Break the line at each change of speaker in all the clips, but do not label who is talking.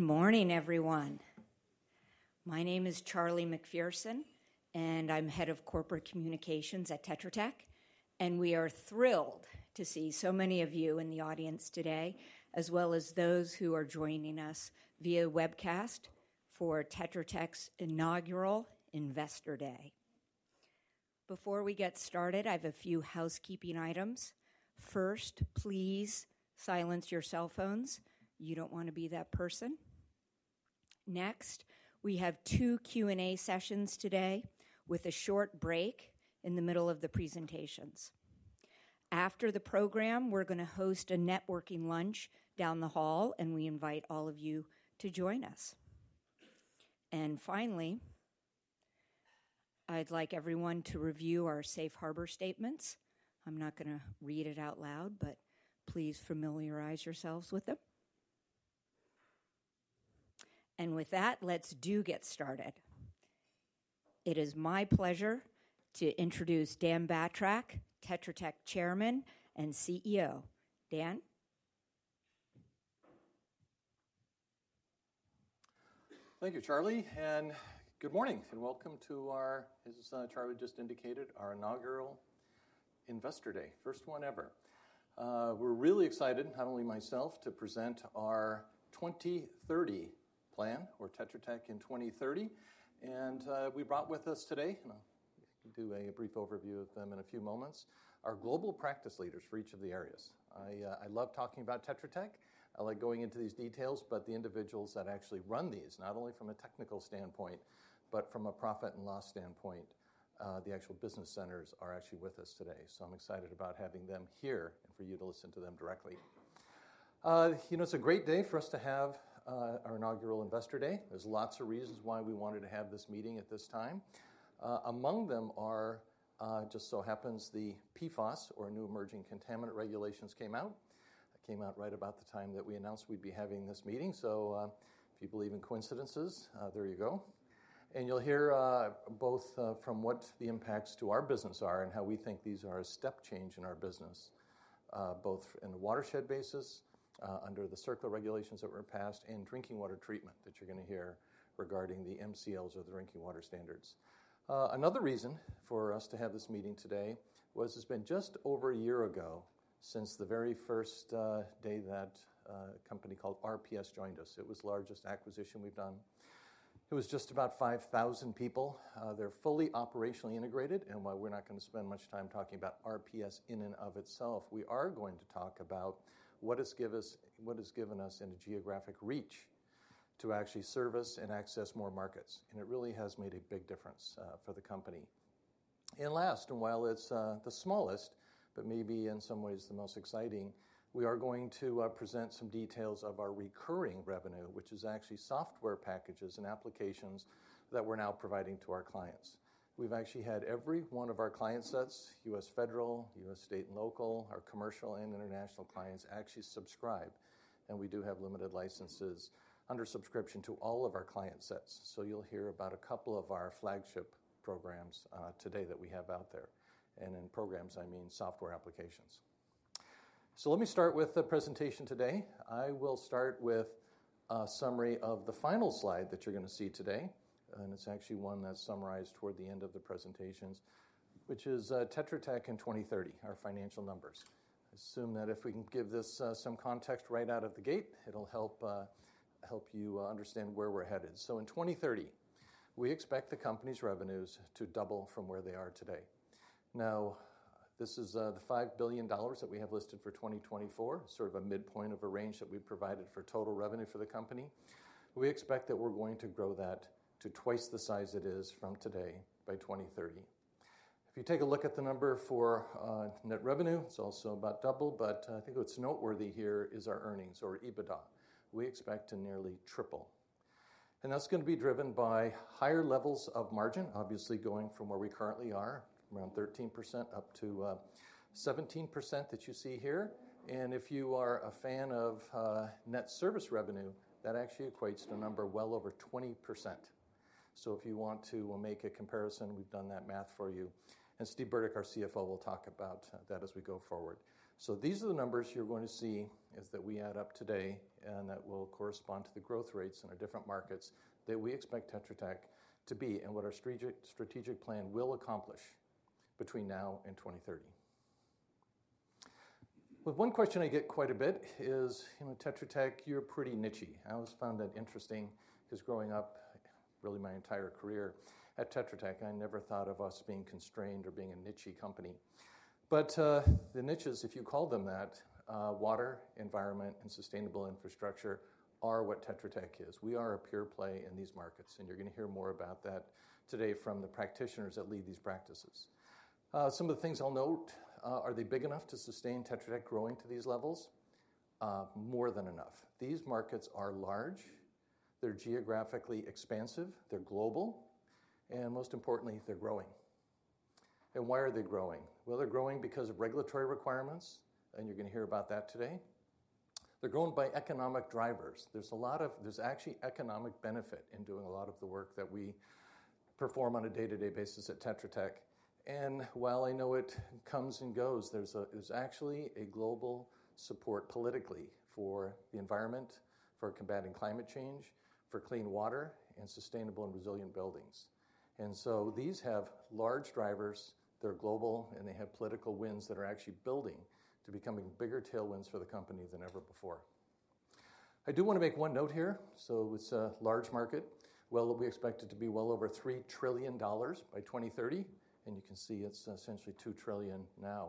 Good morning, everyone. My name is Charlie MacPherson, and I'm head of corporate communications at Tetra Tech, and we are thrilled to see so many of you in the audience today, as well as those who are joining us via webcast for Tetra Tech's inaugural Investor Day. Before we get started, I have a few housekeeping items. First, please silence your cell phones. You don't want to be that person. Next, we have two Q&A sessions today with a short break in the middle of the presentations. After the program, we're going to host a networking lunch down the hall, and we invite all of you to join us. And finally, I'd like everyone to review our Safe Harbor Statements. I'm not going to read it out loud, but please familiarize yourselves with them. And with that, let's do get started. It is my pleasure to introduce Dan Batrack, Tetra Tech Chairman and CEO. Dan?
Thank you, Charlie, and good morning and welcome to our, as Charlie just indicated, our inaugural Investor Day, first one ever. We're really excited, not only myself, to present our 2030 plan, or Tetra Tech in 2030, and we brought with us today, and I can do a brief overview of them in a few moments, our global practice leaders for each of the areas. I love talking about Tetra Tech. I like going into these details, but the individuals that actually run these, not only from a technical standpoint but from a profit and loss standpoint, the actual business centers are actually with us today, s,o I'm excited about having them here and for you to listen to them directly. You know, it's a great day for us to have our inaugural Investor Day. There's lots of reasons why we wanted to have this meeting at this time. Among them are, just so happens, the PFAS, or New Emerging Contaminant Regulations, came out. It came out right about the time that we announced we'd be having this meeting, so, if you believe in coincidences, there you go. You'll hear both from what the impacts to our business are and how we think these are a step change in our business, both in the watershed basis under the CERCLA regulations that were passed and drinking water treatment that you're going to hear regarding the MCLs, or the Drinking Water Standards. Another reason for us to have this meeting today was it's been just over a year ago since the very first day that a company called RPS joined us. It was the largest acquisition we've done. It was just about 5,000 people. They're fully operationally integrated, and while we're not going to spend much time talking about RPS in and of itself, we are going to talk about what it's given us in a geographic reach to actually service and access more markets, and it really has made a big difference for the company. And last, and while it's the smallest but maybe in some ways the most exciting, we are going to present some details of our recurring revenue, which is actually software packages and applications that we're now providing to our clients. We've actually had every one of our client sets (U.S. federal, U.S. state, and local) our commercial and international clients actually subscribe, and we do have limited licenses under subscription to all of our client sets, so you'll hear about a couple of our flagship programs today that we have out there. In programs, I mean software applications. So, let me start with the presentation today. I will start with a summary of the final slide that you're going to see today, and it's actually one that's summarized toward the end of the presentations, which is Tetra Tech in 2030, our financial numbers. I assume that if we can give this some context right out of the gate, it'll help you understand where we're headed. So, in 2030, we expect the company's revenues to double from where they are today. Now, this is the $5 billion that we have listed for 2024, sort of a midpoint of a range that we've provided for total revenue for the company. We expect that we're going to grow that to twice the size it is from today by 2030. If you take a look at the number for net revenue, it's also about double, but I think what's noteworthy here is our earnings, or EBITDA. We expect to nearly triple. That's going to be driven by higher levels of margin, obviously going from where we currently are, around 13%, up to 17% that you see here. If you are a fan of net service revenue, that actually equates to a number well over 20%. If you want to make a comparison, we've done that math for you, and Steve Burdick, our CFO, will talk about that as we go forward. These are the numbers you're going to see as we add up today, and that will correspond to the growth rates in our different markets that we expect Tetra Tech to be and what our strategic plan will accomplish between now and 2030. Well, one question I get quite a bit is, you know, Tetra Tech, you're pretty nichy. I always found that interesting because growing up, really my entire career at Tetra Tech, I never thought of us being constrained or being a niche company. But the niches, if you call them that, water, environment, and sustainable infrastructure, are what Tetra Tech is. We are a pure play in these markets, and you're going to hear more about that today from the practitioners that lead these practices. Some of the things I'll note: are they big enough to sustain Tetra Tech growing to these levels? More than enough. These markets are large. They're geographically expansive. They're global. And most importantly, they're growing. And why are they growing? Well, they're growing because of regulatory requirements, and you're going to hear about that today. They're grown by economic drivers. There's actually economic benefit in doing a lot of the work that we perform on a day-to-day basis at Tetra Tech. And while I know it comes and goes, there's actually a global support politically for the environment, for combating climate change, for clean water and sustainable and resilient buildings. And so, these have large drivers. They're global, and they have political winds that are actually building to becoming bigger tailwinds for the company than ever before. I do want to make one note here. So, it's a large market. Well, we expect it to be well over $3 trillion by 2030, and you can see it's essentially $2 trillion now.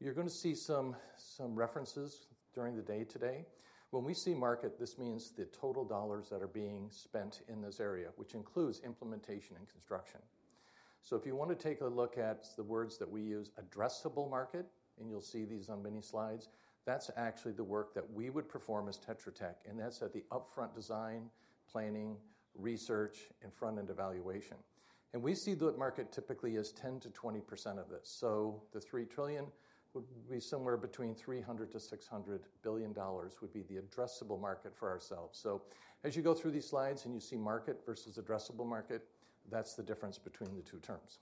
You're going to see some references during the day today. When we say market, this means the total dollars that are being spent in this area, which includes implementation and construction. So, if you want to take a look at the words that we use, addressable market, and you'll see these on many slides, that's actually the work that we would perform as Tetra Tech, and that's at the upfront design, planning, research, and front-end evaluation. And we see that market typically as 10%-20% of this. So, the $3 trillion would be somewhere between $300 billion-$600 billion would be the addressable market for ourselves. So, as you go through these slides and you see market versus addressable market, that's the difference between the two terms.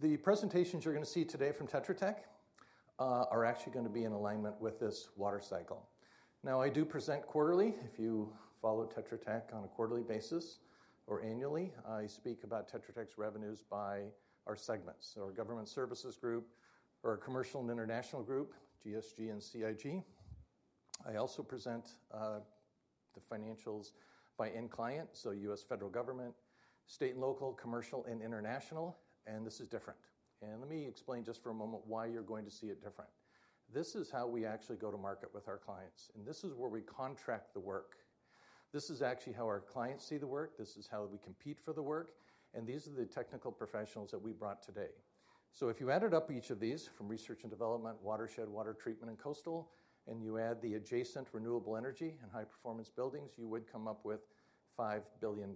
The presentations you're going to see today from Tetra Tech are actually going to be in alignment with this water cycle. Now, I do present quarterly. If you follow Tetra Tech on a quarterly basis or annually, I speak about Tetra Tech's revenues by our segments: our government services group, our commercial and international group, GSG and CIG. I also present the financials by end client, so U.S. federal government, state and local, commercial and international, and this is different. Let me explain just for a moment why you're going to see it different. This is how we actually go to market with our clients, and this is where we contract the work. This is actually how our clients see the work. This is how we compete for the work, and these are the technical professionals that we brought today. So, if you added up each of these, from research and development, watershed, water treatment, and coastal, and you add the adjacent renewable energy and high-performance buildings, you would come up with $5 billion,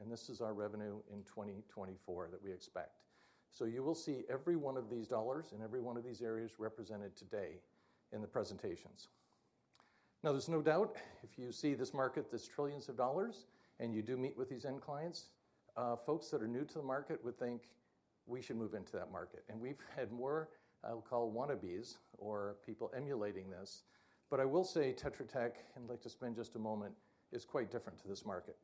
and this is our revenue in 2024 that we expect. So, you will see every one of these dollars in every one of these areas represented today in the presentations. Now, there's no doubt, if you see this market that's trillions of dollars and you do meet with these end clients, folks that are new to the market would think, "We should move into that market." And we've had more, I'll call, wannabes or people emulating this, but I will say Tetra Tech, and I'd like to spend just a moment, is quite different to this market.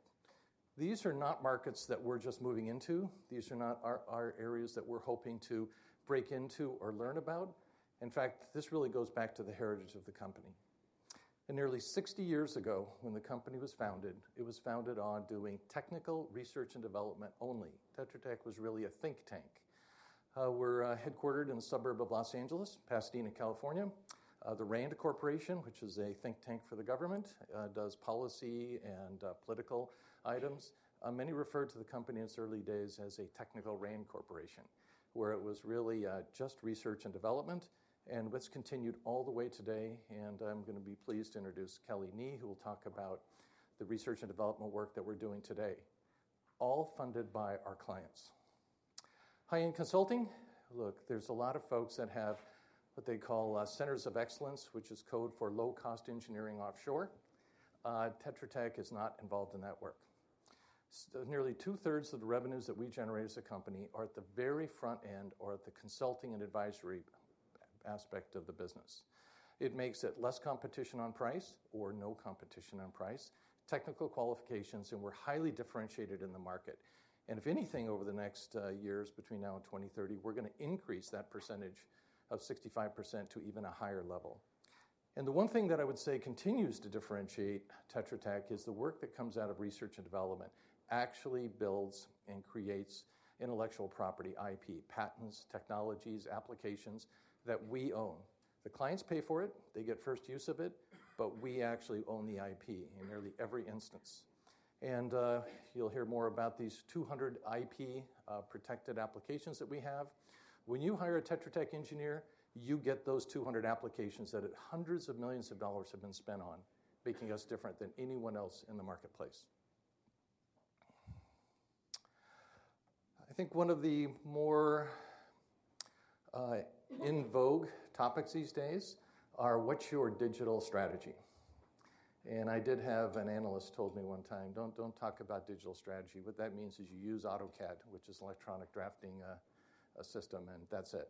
These are not markets that we're just moving into. These are not our areas that we're hoping to break into or learn about. In fact, this really goes back to the heritage of the company. Nearly 60 years ago, when the company was founded, it was founded on doing technical research and development only. Tetra Tech was really a think tank. We're headquartered in the suburb of Los Angeles, Pasadena, California. The RAND Corporation, which is a think tank for the government, does policy and political items. Many refer to the company in its early days as a technical RAND Corporation, where it was really just research and development, and what's continued all the way today, and I'm going to be pleased to introduce Kelly Knee, who will talk about the research and development work that we're doing today, all funded by our clients. High-end consulting? Look, there's a lot of folks that have what they call Centers of Excellence, which is code for low-cost engineering offshore. Tetra Tech is not involved in that work. Nearly two-thirds of the revenues that we generate as a company are at the very front end or at the consulting and advisory aspect of the business. It makes it less competition on price or no competition on price, technical qualifications, and we're highly differentiated in the market. And if anything, over the next years, between now and 2030, we're going to increase that percentage of 65% to even a higher level. And the one thing that I would say continues to differentiate Tetra Tech is the work that comes out of research and development actually builds and creates intellectual property, IP, patents, technologies, applications that we own. The clients pay for it. They get first use of it, but we actually own the IP in nearly every instance. You'll hear more about these 200 IP-protected applications that we have. When you hire a Tetra Tech engineer, you get those 200 applications that $hundreds of millions have been spent on, making us different than anyone else in the marketplace. I think one of the more en vogue topics these days is what's your digital strategy? I did have an analyst told me one time, "Don't talk about digital strategy. What that means is you use AutoCAD, which is electronic drafting a system, and that's it."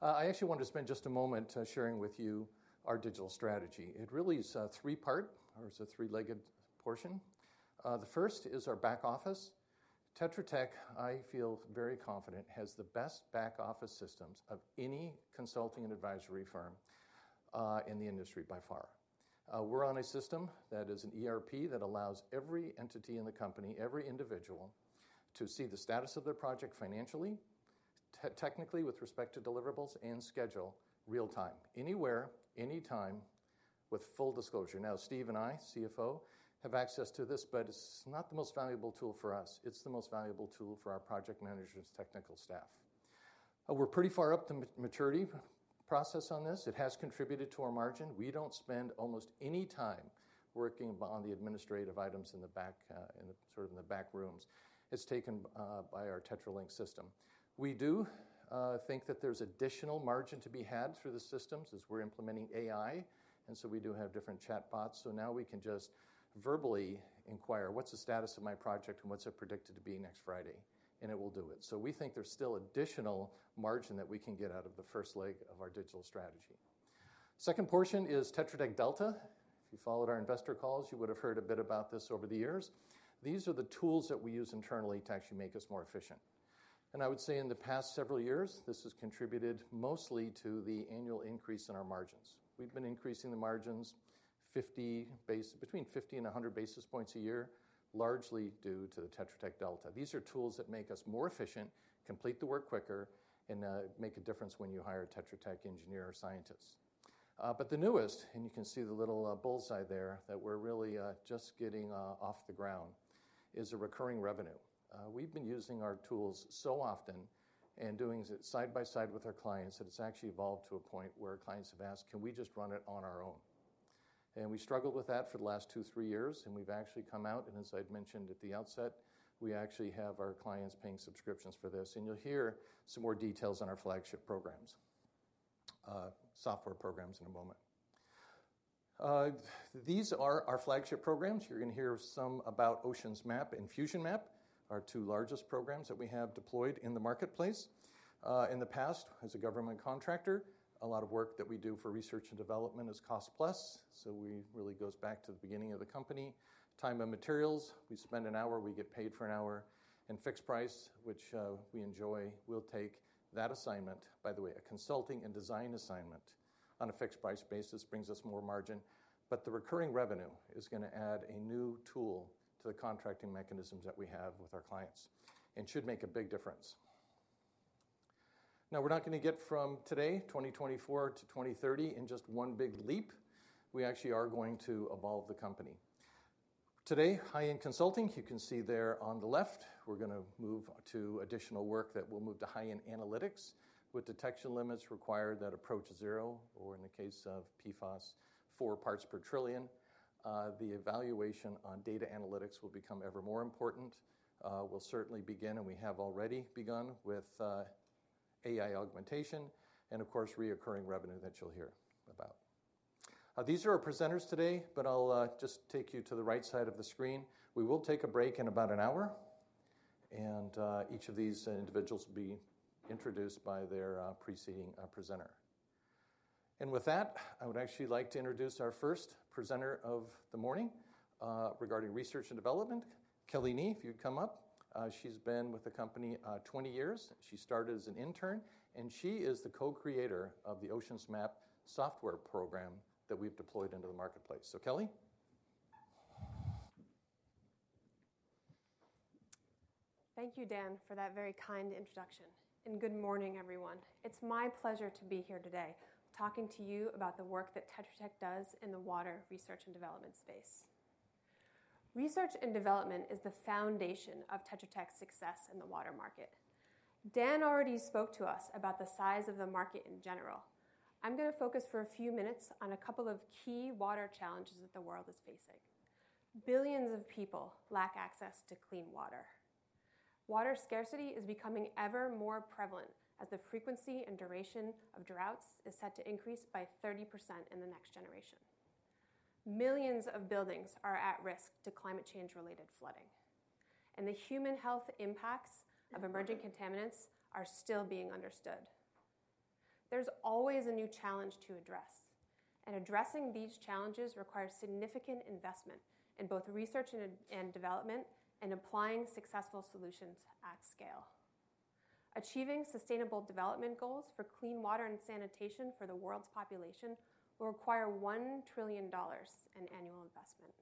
I actually want to spend just a moment sharing with you our digital strategy. It really is three-part, or it's a three-legged portion. The first is our back office. Tetra Tech, I feel very confident, has the best back office systems of any consulting and advisory firm in the industry by far. We're on a system that is an ERP that allows every entity in the company, every individual, to see the status of their project financially, technically with respect to deliverables, and schedule real-time, anywhere, anytime, with full disclosure. Now, Steve and I, CFO, have access to this, but it's not the most valuable tool for us. It's the most valuable tool for our project managers' technical staff. We're pretty far up the maturity process on this. It has contributed to our margin. We don't spend almost any time working on the administrative items in the back, sort of in the back rooms. It's taken by our TetraLinx system. We do think that there's additional margin to be had through the systems as we're implementing AI, and so we do have different chatbots, so now we can just verbally inquire, "What's the status of my project, and what's it predicted to be next Friday?" It will do it. We think there's still additional margin that we can get out of the first leg of our digital strategy. Second portion is Tetra Tech Delta. If you followed our investor calls, you would have heard a bit about this over the years. These are the tools that we use internally to actually make us more efficient. I would say in the past several years, this has contributed mostly to the annual increase in our margins. We've been increasing the margins between 50 and 100 basis points a year, largely due to the Tetra Tech Delta. These are tools that make us more efficient, complete the work quicker, and make a difference when you hire a Tetra Tech engineer or scientist. But the newest, and you can see the little bullseye there that we're really just getting off the ground, is a recurring revenue. We've been using our tools so often and doing it side by side with our clients that it's actually evolved to a point where clients have asked, "Can we just run it on our own?" And we struggled with that for the last two, three years, and we've actually come out, and as I'd mentioned at the outset, we actually have our clients paying subscriptions for this, and you'll hear some more details on our flagship programs, software programs, in a moment. These are our flagship programs. You're going to hear some about OceansMap and FusionMap, our two largest programs that we have deployed in the marketplace. In the past, as a government contractor, a lot of work that we do for research and development is cost-plus, so it really goes back to the beginning of the company. Time of materials, we spend an hour, we get paid for an hour, and fixed price, which we enjoy, we'll take that assignment, by the way, a consulting and design assignment on a fixed price basis brings us more margin, but the recurring revenue is going to add a new tool to the contracting mechanisms that we have with our clients and should make a big difference. Now, we're not going to get from today, 2024, to 2030 in just one big leap. We actually are going to evolve the company. Today, high-end consulting, you can see there on the left, we're going to move to additional work that will move to high-end analytics with detection limits required that approach zero, or in the case of PFAS, 4 parts per trillion. The evaluation on data analytics will become ever more important. We'll certainly begin, and we have already begun, with AI augmentation and, of course, reoccurring revenue that you'll hear about. These are our presenters today, but I'll just take you to the right side of the screen. We will take a break in about an hour, and each of these individuals will be introduced by their preceding presenter. With that, I would actually like to introduce our first presenter of the morning regarding research and development, Kelly Knee, if you'd come up. She's been with the company 20 years. She started as an intern, and she is the co-creator of the OceansMap software program that we've deployed into the marketplace. So, Kelly.
Thank you, Dan, for that very kind introduction, and good morning, everyone. It's my pleasure to be here today talking to you about the work that Tetra Tech does in the water research and development space. Research and development is the foundation of Tetra Tech's success in the water market. Dan already spoke to us about the size of the market in general. I'm going to focus for a few minutes on a couple of key water challenges that the world is facing. Billions of people lack access to clean water. Water scarcity is becoming ever more prevalent as the frequency and duration of droughts is set to increase by 30% in the next generation. Millions of buildings are at risk to climate change-related flooding, and the human health impacts of emerging contaminants are still being understood. There's always a new challenge to address, and addressing these challenges requires significant investment in both research and development and applying successful solutions at scale. Achieving sustainable development goals for clean water and sanitation for the world's population will require $1 trillion in annual investment.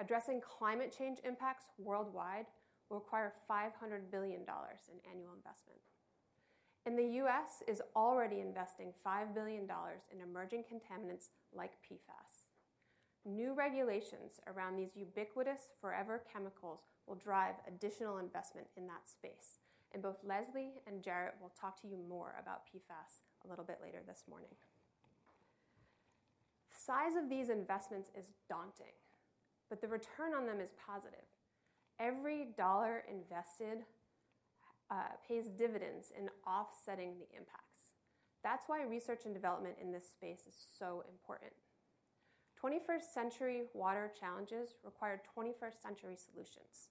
Addressing climate change impacts worldwide will require $500 billion in annual investment. The U.S. is already investing $5 billion in emerging contaminants like PFAS. New regulations around these ubiquitous, forever chemicals will drive additional investment in that space, and both Leslie and Jared will talk to you more about PFAS a little bit later this morning. The size of these investments is daunting, but the return on them is positive. Every dollar invested pays dividends in offsetting the impacts. That's why research and development in this space is so important. 21st-century water challenges require 21st-century solutions.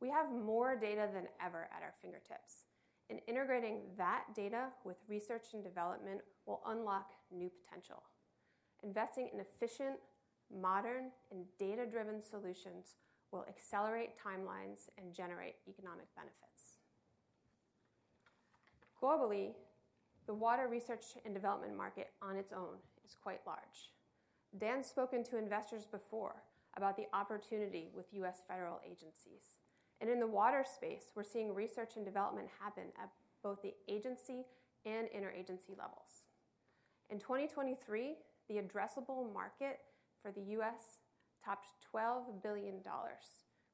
We have more data than ever at our fingertips, and integrating that data with research and development will unlock new potential. Investing in efficient, modern, and data-driven solutions will accelerate timelines and generate economic benefits. Globally, the water research and development market on its own is quite large. Dan's spoken to investors before about the opportunity with U.S. federal agencies, and in the water space, we're seeing research and development happen at both the agency and interagency levels. In 2023, the addressable market for the U.S. topped $12 billion,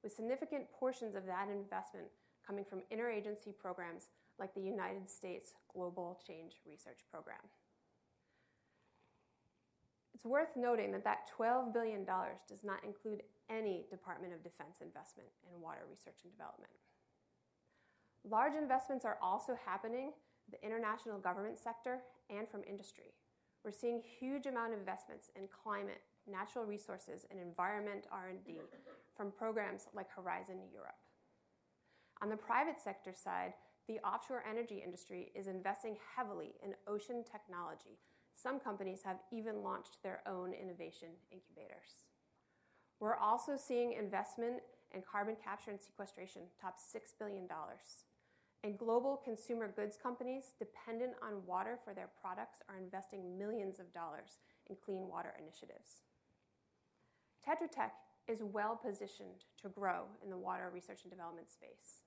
with significant portions of that investment coming from interagency programs like the United States Global Change Research Program. It's worth noting that that $12 billion does not include any Department of Defense investment in water research and development. Large investments are also happening in the international government sector and from industry. We're seeing a huge amount of investments in climate, natural resources, and environmental R&D from programs like Horizon Europe. On the private sector side, the offshore energy industry is investing heavily in ocean technology. Some companies have even launched their own innovation incubators. We're also seeing investment in carbon capture and sequestration, topping $6 billion, and global consumer goods companies dependent on water for their products are investing millions of dollars in clean water initiatives. Tetra Tech is well-positioned to grow in the water research and development space.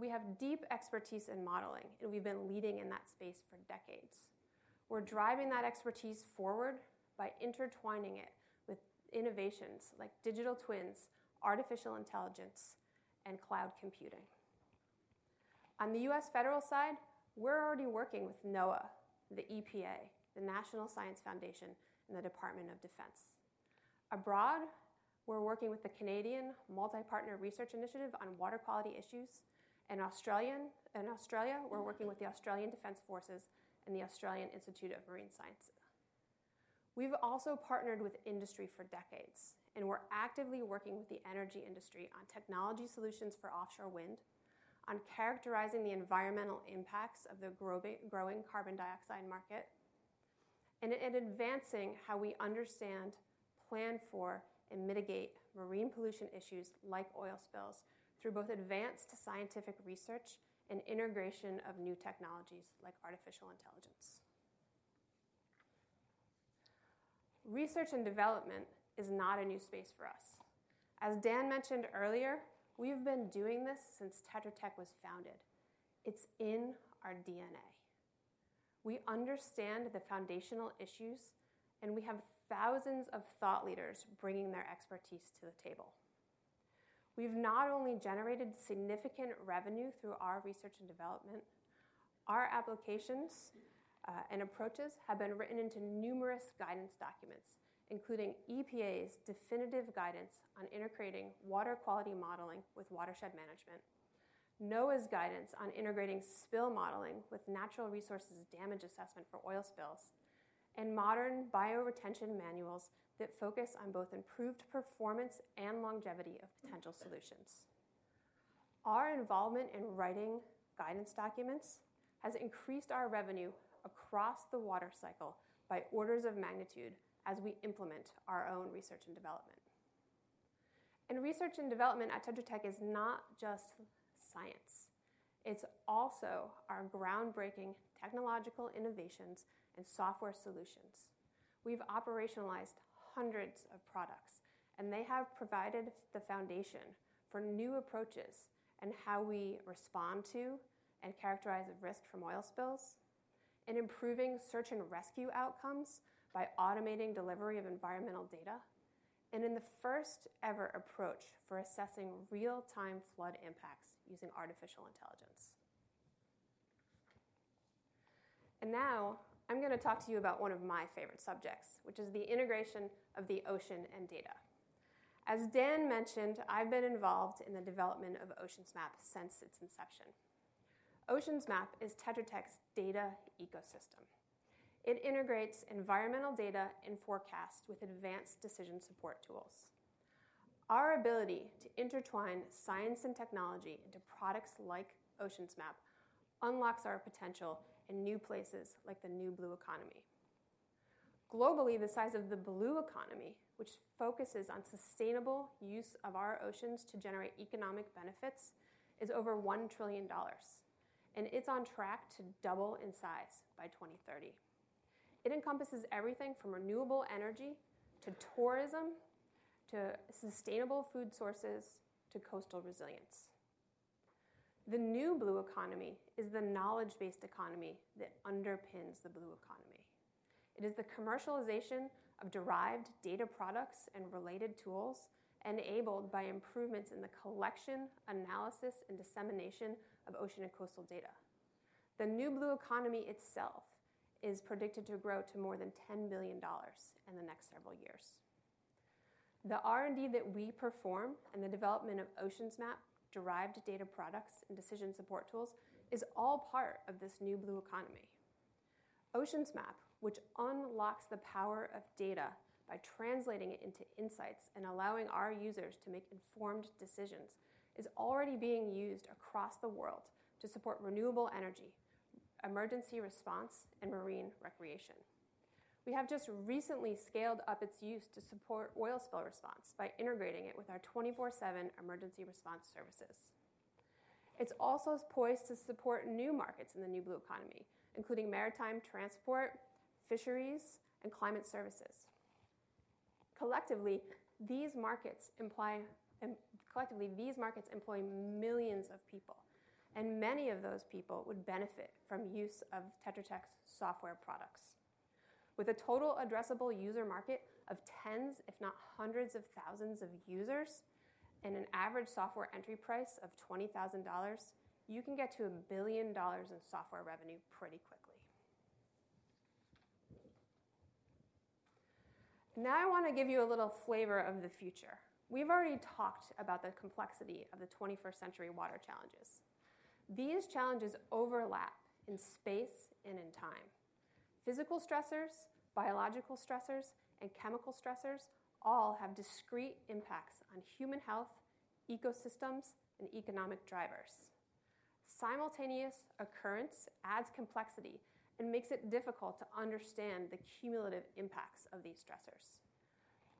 We have deep expertise in modeling, and we've been leading in that space for decades. We're driving that expertise forward by intertwining it with innovations like digital twins, artificial intelligence, and cloud computing. On the U.S. federal side, we're already working with NOAA, the EPA, the National Science Foundation, and the Department of Defense. Abroad, we're working with the Canadian Multi-Partner Research Initiative on water quality issues, and in Australia, we're working with the Australian Defence Force and the Australian Institute of Marine Science. We've also partnered with industry for decades, and we're actively working with the energy industry on technology solutions for offshore wind, on characterizing the environmental impacts of the growing carbon dioxide market, and in advancing how we understand, plan for, and mitigate marine pollution issues like oil spills through both advanced scientific research and integration of new technologies like artificial intelligence. Research and development is not a new space for us. As Dan mentioned earlier, we've been doing this since Tetra Tech was founded. It's in our DNA. We understand the foundational issues, and we have thousands of thought leaders bringing their expertise to the table. We've not only generated significant revenue through our research and development, our applications and approaches have been written into numerous guidance documents, including EPA's definitive guidance on integrating water quality modeling with watershed management, NOAA's guidance on integrating spill modeling with natural resources damage assessment for oil spills, and modern bioretention manuals that focus on both improved performance and longevity of potential solutions. Our involvement in writing guidance documents has increased our revenue across the water cycle by orders of magnitude as we implement our own research and development. And research and development at Tetra Tech is not just science. It's also our groundbreaking technological innovations and software solutions. We've operationalized hundreds of products, and they have provided the foundation for new approaches in how we respond to and characterize a risk from oil spills, in improving search and rescue outcomes by automating delivery of environmental data, and in the first-ever approach for assessing real-time flood impacts using artificial intelligence. Now I'm going to talk to you about one of my favorite subjects, which is the integration of the ocean and data. As Dan mentioned, I've been involved in the development of OceansMap since its inception. OceansMap is Tetra Tech's data ecosystem. It integrates environmental data and forecasts with advanced decision support tools. Our ability to intertwine science and technology into products like OceansMap unlocks our potential in new places like the New Blue Economy. Globally, the size of the Blue Economy, which focuses on sustainable use of our oceans to generate economic benefits, is over $1 trillion, and it's on track to double in size by 2030. It encompasses everything from renewable energy to tourism to sustainable food sources to coastal resilience. The New Blue Economy is the knowledge-based economy that underpins the Blue Economy. It is the commercialization of derived data products and related tools enabled by improvements in the collection, analysis, and dissemination of ocean and coastal data. The New Blue Economy itself is predicted to grow to more than $10 billion in the next several years. The R&D that we perform and the development of OceansMap derived data products and decision support tools is all part of this New Blue Economy. Ocean's Map, which unlocks the power of data by translating it into insights and allowing our users to make informed decisions, is already being used across the world to support renewable energy, emergency response, and marine recreation. We have just recently scaled up its use to support oil spill response by integrating it with our 24/7 emergency response services. It's also poised to support new markets in the New Blue Economy, including maritime transport, fisheries, and climate services. Collectively, these markets employ millions of people, and many of those people would benefit from use of Tetra Tech's software products. With a total addressable user market of tens, if not hundreds of thousands of users, and an average software entry price of $20,000, you can get to $1 billion in software revenue pretty quickly. Now I want to give you a little flavor of the future. We've already talked about the complexity of the 21st-century water challenges. These challenges overlap in space and in time. Physical stressors, biological stressors, and chemical stressors all have discrete impacts on human health, ecosystems, and economic drivers. Simultaneous occurrence adds complexity and makes it difficult to understand the cumulative impacts of these stressors.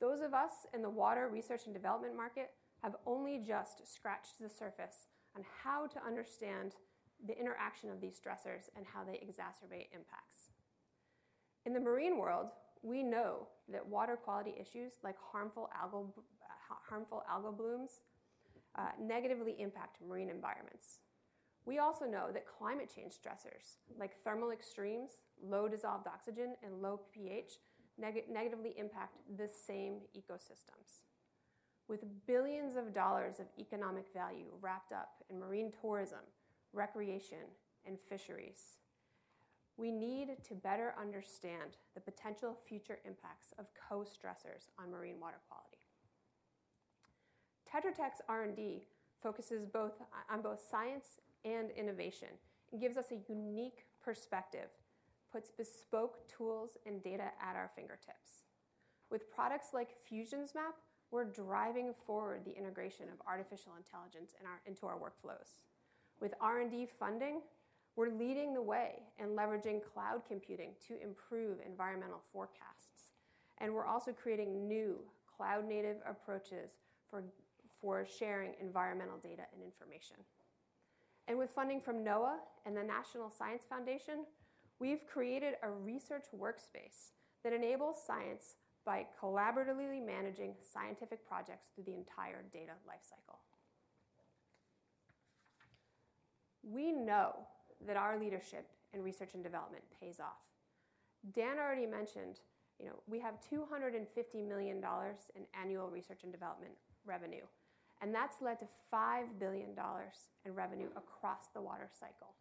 Those of us in the water research and development market have only just scratched the surface on how to understand the interaction of these stressors and how they exacerbate impacts. In the marine world, we know that water quality issues like harmful algal blooms negatively impact marine environments. We also know that climate change stressors like thermal extremes, low dissolved oxygen, and low pH negatively impact the same ecosystems. With $ billions of economic value wrapped up in marine tourism, recreation, and fisheries, we need to better understand the potential future impacts of co-stressors on marine water quality. Tetra Tech's R&D focuses on both science and innovation and gives us a unique perspective, puts bespoke tools and data at our fingertips. With products like FusionMap, we're driving forward the integration of artificial intelligence into our workflows. With R&D funding, we're leading the way in leveraging cloud computing to improve environmental forecasts, and we're also creating new cloud-native approaches for sharing environmental data and information. And with funding from NOAA and the National Science Foundation, we've created a research workspace that enables science by collaboratively managing scientific projects through the entire data lifecycle. We know that our leadership in research and development pays off. Dan already mentioned we have $250 million in annual research and development revenue, and that's led to $5 billion in revenue across the water cycle.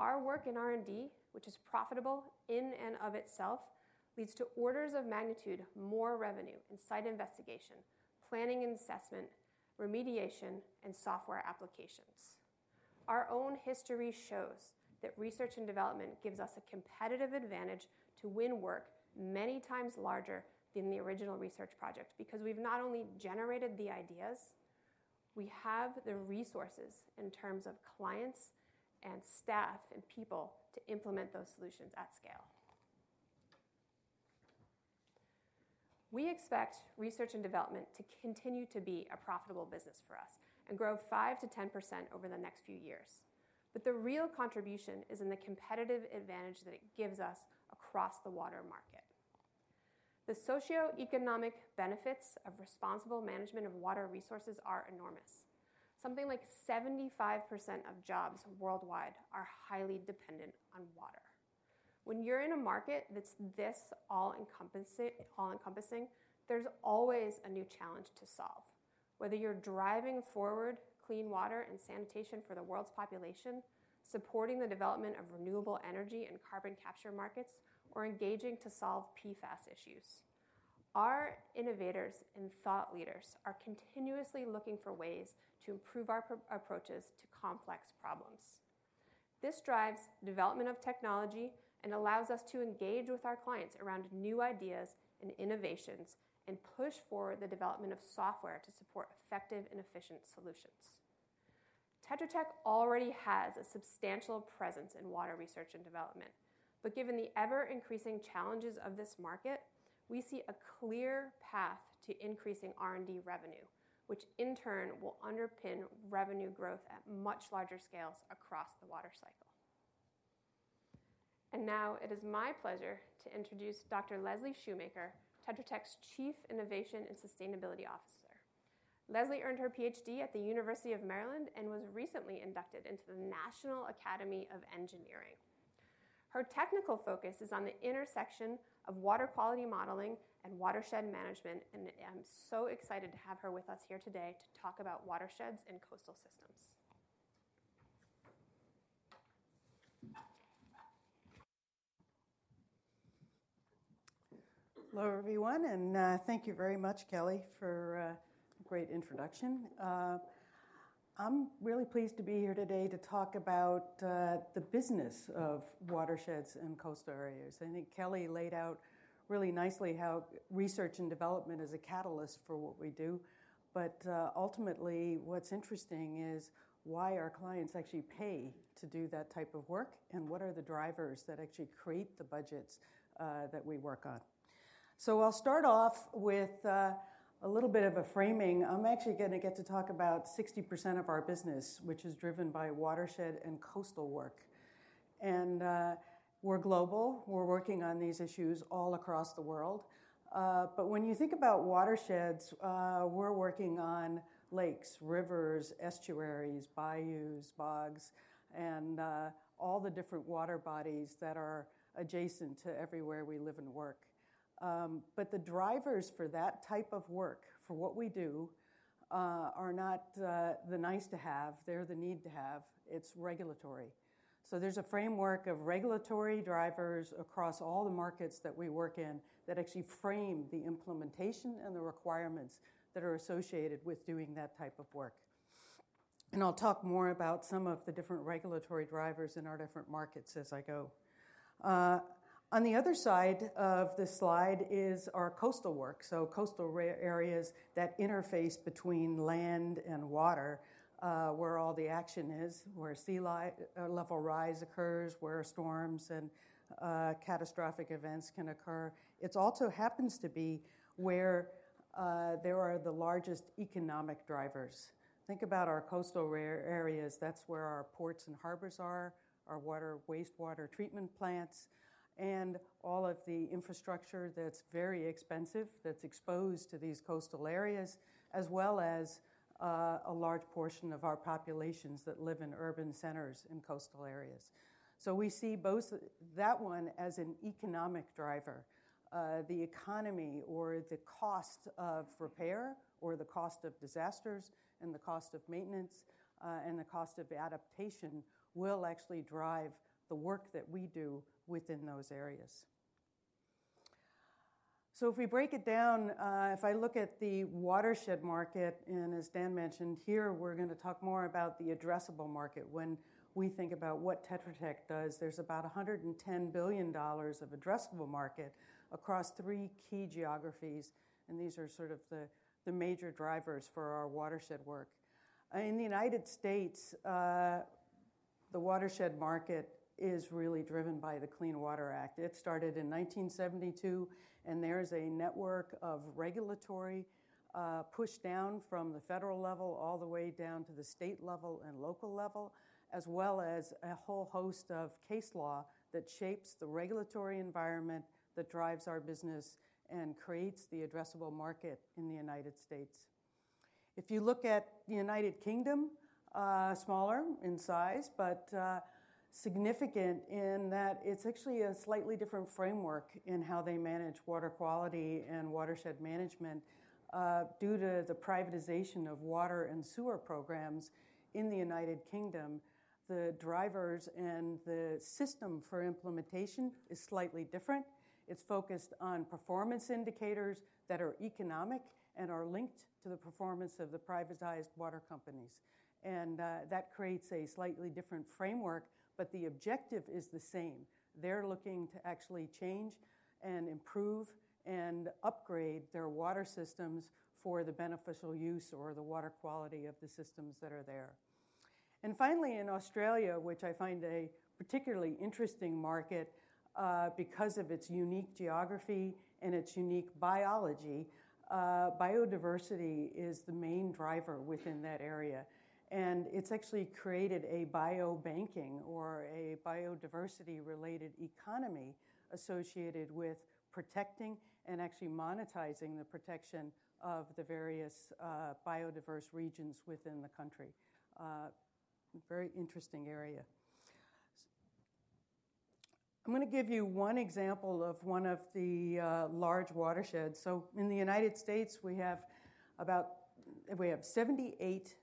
Our work in R&D, which is profitable in and of itself, leads to orders of magnitude more revenue in site investigation, planning and assessment, remediation, and software applications. Our own history shows that research and development gives us a competitive advantage to win work many times larger than the original research project because we've not only generated the ideas, we have the resources in terms of clients and staff and people to implement those solutions at scale. We expect research and development to continue to be a profitable business for us and grow 5%-10% over the next few years, but the real contribution is in the competitive advantage that it gives us across the water market. The socioeconomic benefits of responsible management of water resources are enormous. Something like 75% of jobs worldwide are highly dependent on water. When you're in a market that's this all-encompassing, there's always a new challenge to solve, whether you're driving forward clean water and sanitation for the world's population, supporting the development of renewable energy and carbon capture markets, or engaging to solve PFAS issues. Our innovators and thought leaders are continuously looking for ways to improve our approaches to complex problems. This drives development of technology and allows us to engage with our clients around new ideas and innovations and push forward the development of software to support effective and efficient solutions. Tetra Tech already has a substantial presence in water research and development, but given the ever-increasing challenges of this market, we see a clear path to increasing R&D revenue, which in turn will underpin revenue growth at much larger scales across the water cycle. Now it is my pleasure to introduce Dr. Leslie Shoemaker, Tetra Tech's Chief Innovation and Sustainability Officer. Leslie earned her PhD at the University of Maryland and was recently inducted into the National Academy of Engineering. Her technical focus is on the intersection of water quality modeling and watershed management, and I'm so excited to have her with us here today to talk about watersheds and coastal systems.
Hello everyone, and thank you very much, Kelly, for a great introduction. I'm really pleased to be here today to talk about the business of watersheds and coastal areas. I think Kelly laid out really nicely how research and development is a catalyst for what we do, but ultimately what's interesting is why our clients actually pay to do that type of work, and what are the drivers that actually create the budgets that we work on. So, I'll start off with a little bit of a framing. I'm actually going to get to talk about 60% of our business, which is driven by watershed and coastal work. And we're global. We're working on these issues all across the world. But when you think about watersheds, we're working on lakes, rivers, estuaries, bayous, bogs, and all the different water bodies that are adjacent to everywhere we live and work. But the drivers for that type of work, for what we do, are not the nice-to-have. They're the need-to-have. It's regulatory. So, there's a framework of regulatory drivers across all the markets that we work in that actually frame the implementation and the requirements that are associated with doing that type of work. And I'll talk more about some of the different regulatory drivers in our different markets as I go. On the other side of this slide is our coastal work, so, coastal areas that interface between land and water, where all the action is, where sea level rise occurs, where storms and catastrophic events can occur. It also happens to be where there are the largest economic drivers. Think about our coastal areas. That's where our ports and harbors are, our wastewater treatment plants, and all of the infrastructure that's very expensive that's exposed to these coastal areas, as well as a large portion of our populations that live in urban centers in coastal areas. So we see both that one as an economic driver. The economy, or the cost of repair, or the cost of disasters, and the cost of maintenance, and the cost of adaptation will actually drive the work that we do within those areas. So if we break it down, if I look at the watershed market, and as Dan mentioned, here we're going to talk more about the addressable market. When we think about what Tetra Tech does, there's about $110 billion of addressable market across three key geographies, and these are sort of the major drivers for our watershed work. In the United States, the watershed market is really driven by the Clean Water Act. It started in 1972, and there is a network of regulatory push down from the federal level all the way down to the state level and local level, as well as a whole host of case law that shapes the regulatory environment that drives our business and creates the addressable market in the United States. If you look at the United Kingdom, smaller in size but significant in that it's actually a slightly different framework in how they manage water quality and watershed management due to the privatization of water and sewer programs in the United Kingdom, the drivers and the system for implementation is slightly different. It's focused on performance indicators that are economic and are linked to the performance of the privatized water companies. That creates a slightly different framework, but the objective is the same. They're looking to actually change and improve and upgrade their water systems for the beneficial use or the water quality of the systems that are there. Finally, in Australia, which I find a particularly interesting market because of its unique geography and its unique biology, biodiversity is the main driver within that area. And it's actually created a biobanking or a biodiversity-related economy associated with protecting and actually monetizing the protection of the various biodiverse regions within the country. Very interesting area. I'm going to give you one example of one of the large watersheds. In the United States, we have about 78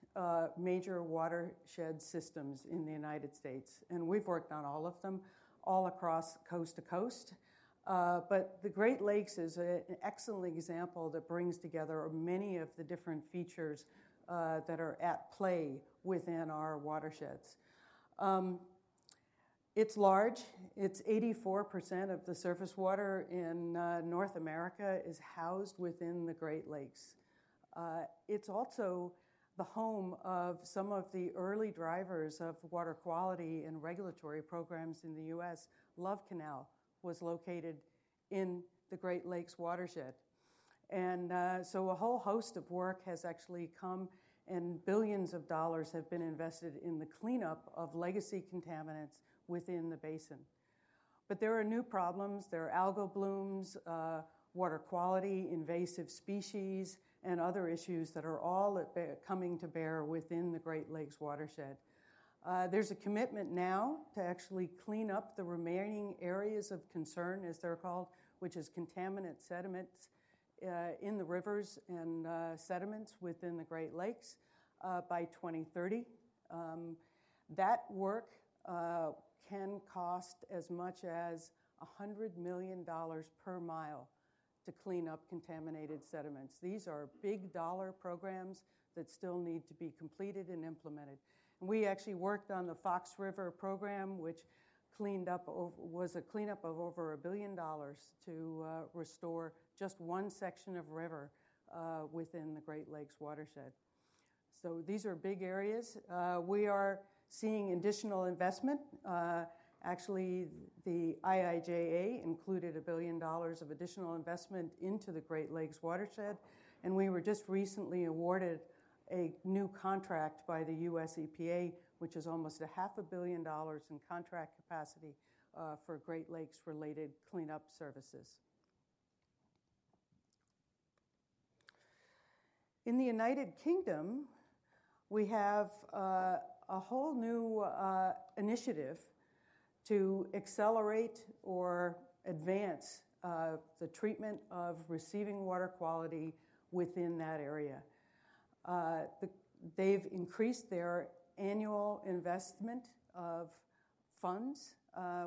major watershed systems in the United States, and we've worked on all of them all across coast to coast. But the Great Lakes is an excellent example that brings together many of the different features that are at play within our watersheds. It's large. It's 84% of the surface water in North America is housed within the Great Lakes. It's also the home of some of the early drivers of water quality and regulatory programs in the U.S. Love Canal was located in the Great Lakes watershed. And so, a whole host of work has actually come, and $ billions have been invested in the cleanup of legacy contaminants within the basin. But there are new problems. There are algal blooms, water quality, invasive species, and other issues that are all coming to bear within the Great Lakes watershed. There's a commitment now to actually clean up the remaining areas of concern, as they're called, which is contaminant sediments in the rivers and sediments within the Great Lakes by 2030. That work can cost as much as $100 million per mile to clean up contaminated sediments. These are big dollar programs that still need to be completed and implemented. And we actually worked on the Fox River program, which was a cleanup of over $1 billion to restore just one section of river within the Great Lakes watershed. So, these are big areas. We are seeing additional investment. Actually, the IIJA included $1 billion of additional investment into the Great Lakes watershed, and we were just recently awarded a new contract by the U.S. EPA, which is almost $500 million in contract capacity for Great Lakes-related cleanup services. In the United Kingdom, we have a whole new initiative to accelerate or advance the treatment of receiving water quality within that area. They've increased their annual investment of funds.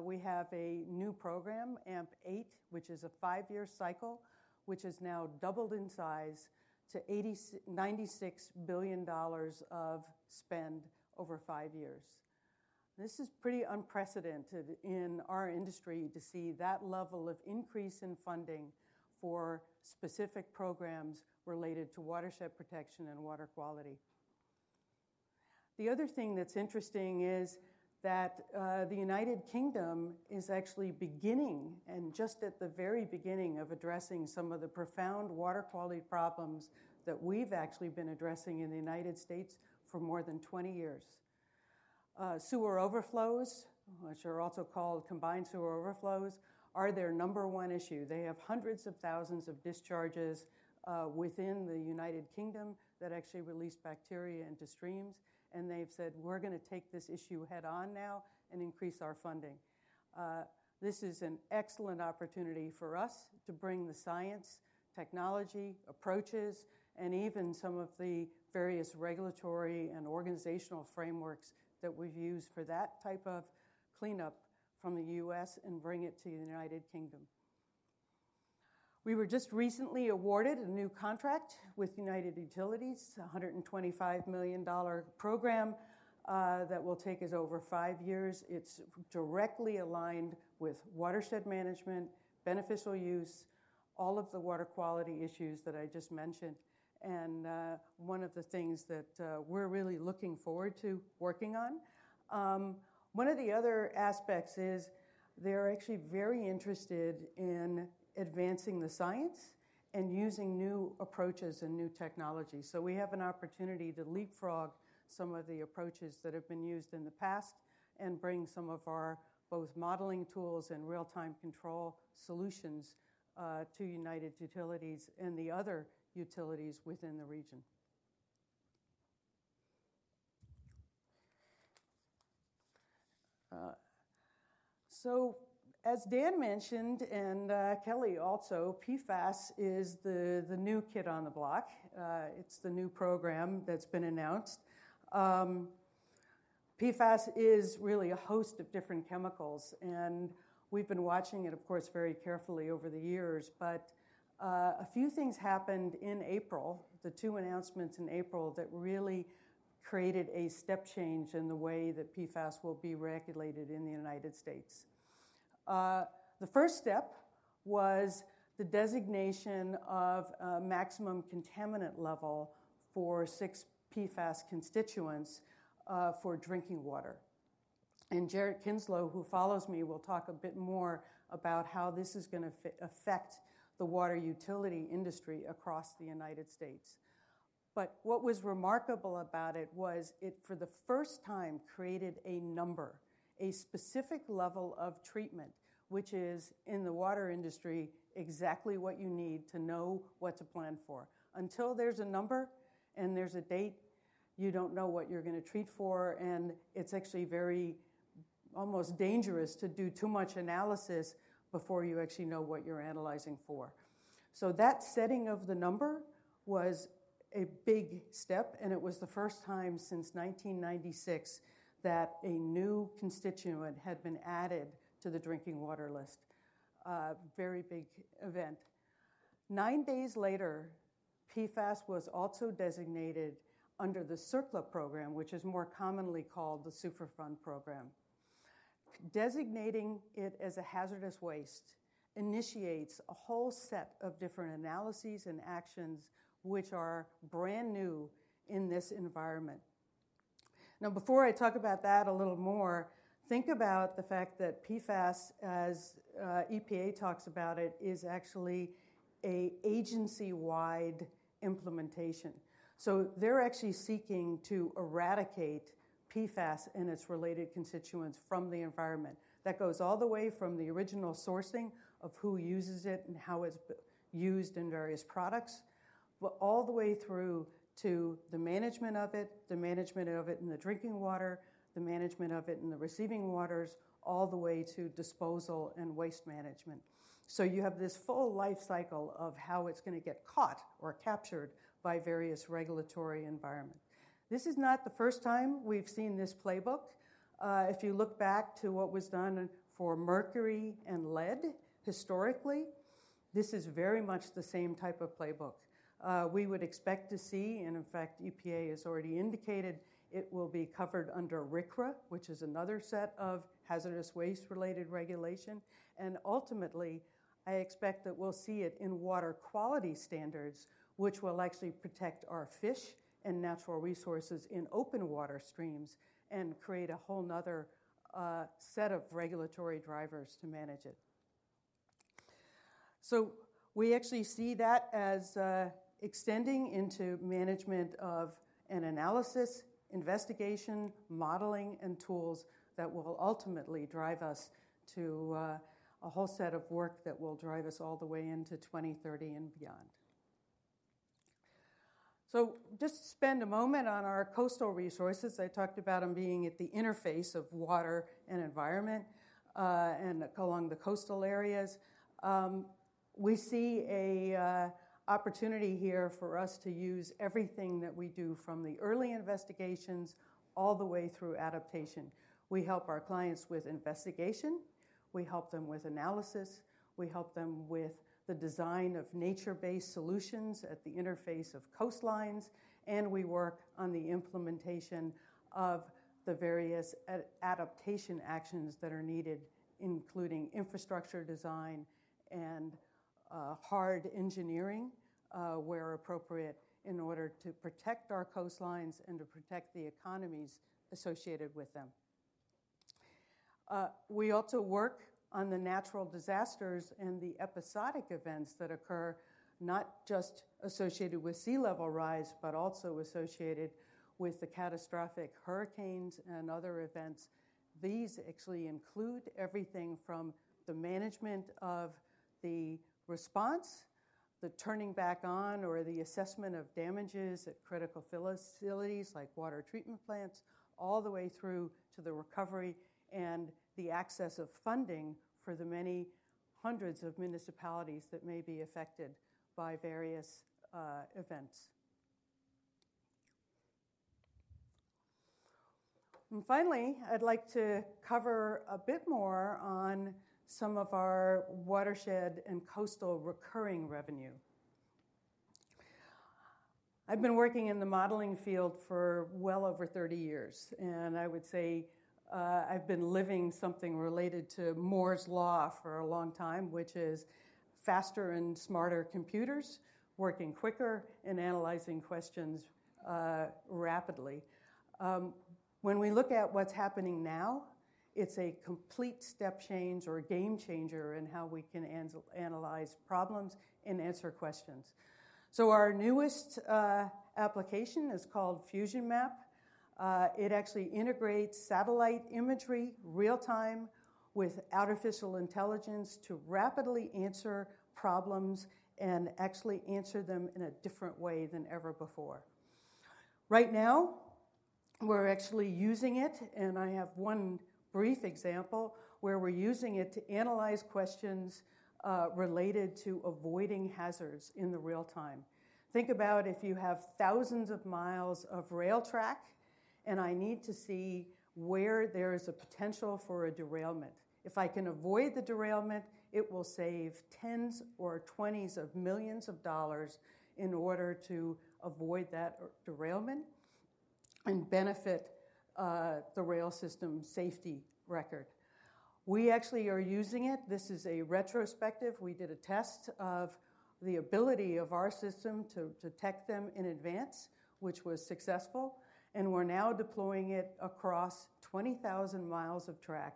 We have a new program, AMP 8, which is a five-year cycle, which has now doubled in size to $96 billion of spend over five years. This is pretty unprecedented in our industry to see that level of increase in funding for specific programs related to watershed protection and water quality. The other thing that's interesting is that the United Kingdom is actually beginning, and just at the very beginning, of addressing some of the profound water quality problems that we've actually been addressing in the United States for more than 20 years. Sewer overflows, which are also called combined sewer overflows, are their number one issue. They have hundreds of thousands of discharges within the United Kingdom that actually release bacteria into streams, and they've said, "We're going to take this issue head-on now and increase our funding." This is an excellent opportunity for us to bring the science, technology, approaches, and even some of the various regulatory and organizational frameworks that we've used for that type of cleanup from the U.S. and bring it to the United Kingdom. We were just recently awarded a new contract with United Utilities, a $125 million program that will take us over five years. It's directly aligned with watershed management, beneficial use, all of the water quality issues that I just mentioned, and one of the things that we're really looking forward to working on. One of the other aspects is they're actually very interested in advancing the science and using new approaches and new technology. So, we have an opportunity to leapfrog some of the approaches that have been used in the past and bring some of our both modeling tools and real-time control solutions to United Utilities and the other utilities within the region. So, as Dan mentioned, and Kelly also, PFAS is the new kid on the block. It's the new program that's been announced. PFAS is really a host of different chemicals, and we've been watching it, of course, very carefully over the years, but a few things happened in April, the two announcements in April that really created a step change in the way that PFAS will be regulated in the United States. The first step was the designation of a Maximum Contaminant Level for six PFAS constituents for drinking water. Jared Kinsella, who follows me, will talk a bit more about how this is going to affect the water utility industry across the United States. But what was remarkable about it was it, for the first time, created a number, a specific level of treatment, which is, in the water industry, exactly what you need to know what to plan for. Until there's a number and there's a date, you don't know what you're going to treat for, and it's actually very almost dangerous to do too much analysis before you actually know what you're analyzing for. So, that setting of the number was a big step, and it was the first time since 1996 that a new constituent had been added to the drinking water list. Very big event. 9 days later, PFAS was also designated under the CERCLA program, which is more commonly called the Superfund program. Designating it as a hazardous waste initiates a whole set of different analyses and actions which are brand new in this environment. Now, before I talk about that a little more, think about the fact that PFAS, as EPA talks about it, is actually an agency-wide implementation. So, they're actually seeking to eradicate PFAS and its related constituents from the environment. That goes all the way from the original sourcing of who uses it and how it's used in various products, all the way through to the management of it, the management of it in the drinking water, the management of it in the receiving waters, all the way to disposal and waste management. So, you have this full life cycle of how it's going to get caught or captured by various regulatory environments. This is not the first time we've seen this playbook. If you look back to what was done for mercury and lead, historically, this is very much the same type of playbook. We would expect to see, and in fact, EPA has already indicated it will be covered under RCRA, which is another set of hazardous waste-related regulations. Ultimately, I expect that we'll see it in water quality standards, which will actually protect our fish and natural resources in open water streams and create a whole other set of regulatory drivers to manage it. So we actually see that as extending into management and analysis, investigation, modeling, and tools that will ultimately drive us to a whole set of work that will drive us all the way into 2030 and beyond. So just spend a moment on our coastal resources. I talked about them being at the interface of water and environment and along the coastal areas. We see an opportunity here for us to use everything that we do from the early investigations all the way through adaptation. We help our clients with investigation. We help them with analysis. We help them with the design of nature-based solutions at the interface of coastlines, and we work on the implementation of the various adaptation actions that are needed, including infrastructure design and hard engineering where appropriate in order to protect our coastlines and to protect the economies associated with them. We also work on the natural disasters and the episodic events that occur, not just associated with sea level rise but also associated with the catastrophic hurricanes and other events. These actually include everything from the management of the response, the turning back on or the assessment of damages at critical facilities like water treatment plants, all the way through to the recovery and the access of funding for the many hundreds of municipalities that may be affected by various events. And finally, I'd like to cover a bit more on some of our watershed and coastal recurring revenue. I've been working in the modeling field for well over 30 years, and I would say I've been living something related to Moore's Law for a long time, which is faster and smarter computers working quicker and analyzing questions rapidly. When we look at what's happening now, it's a complete step change or game changer in how we can analyze problems and answer questions. So, our newest application is called FusionMap. It actually integrates satellite imagery real-time with artificial intelligence to rapidly answer problems and actually answer them in a different way than ever before. Right now, we're actually using it, and I have one brief example where we're using it to analyze questions related to avoiding hazards in the real time. Think about if you have thousands of miles of rail track, and I need to see where there is a potential for a derailment. If I can avoid the derailment, it will save $10-$20 million in order to avoid that derailment and benefit the rail system safety record. We actually are using it. This is a retrospective. We did a test of the ability of our system to detect them in advance, which was successful, and we're now deploying it across 20,000 miles of track,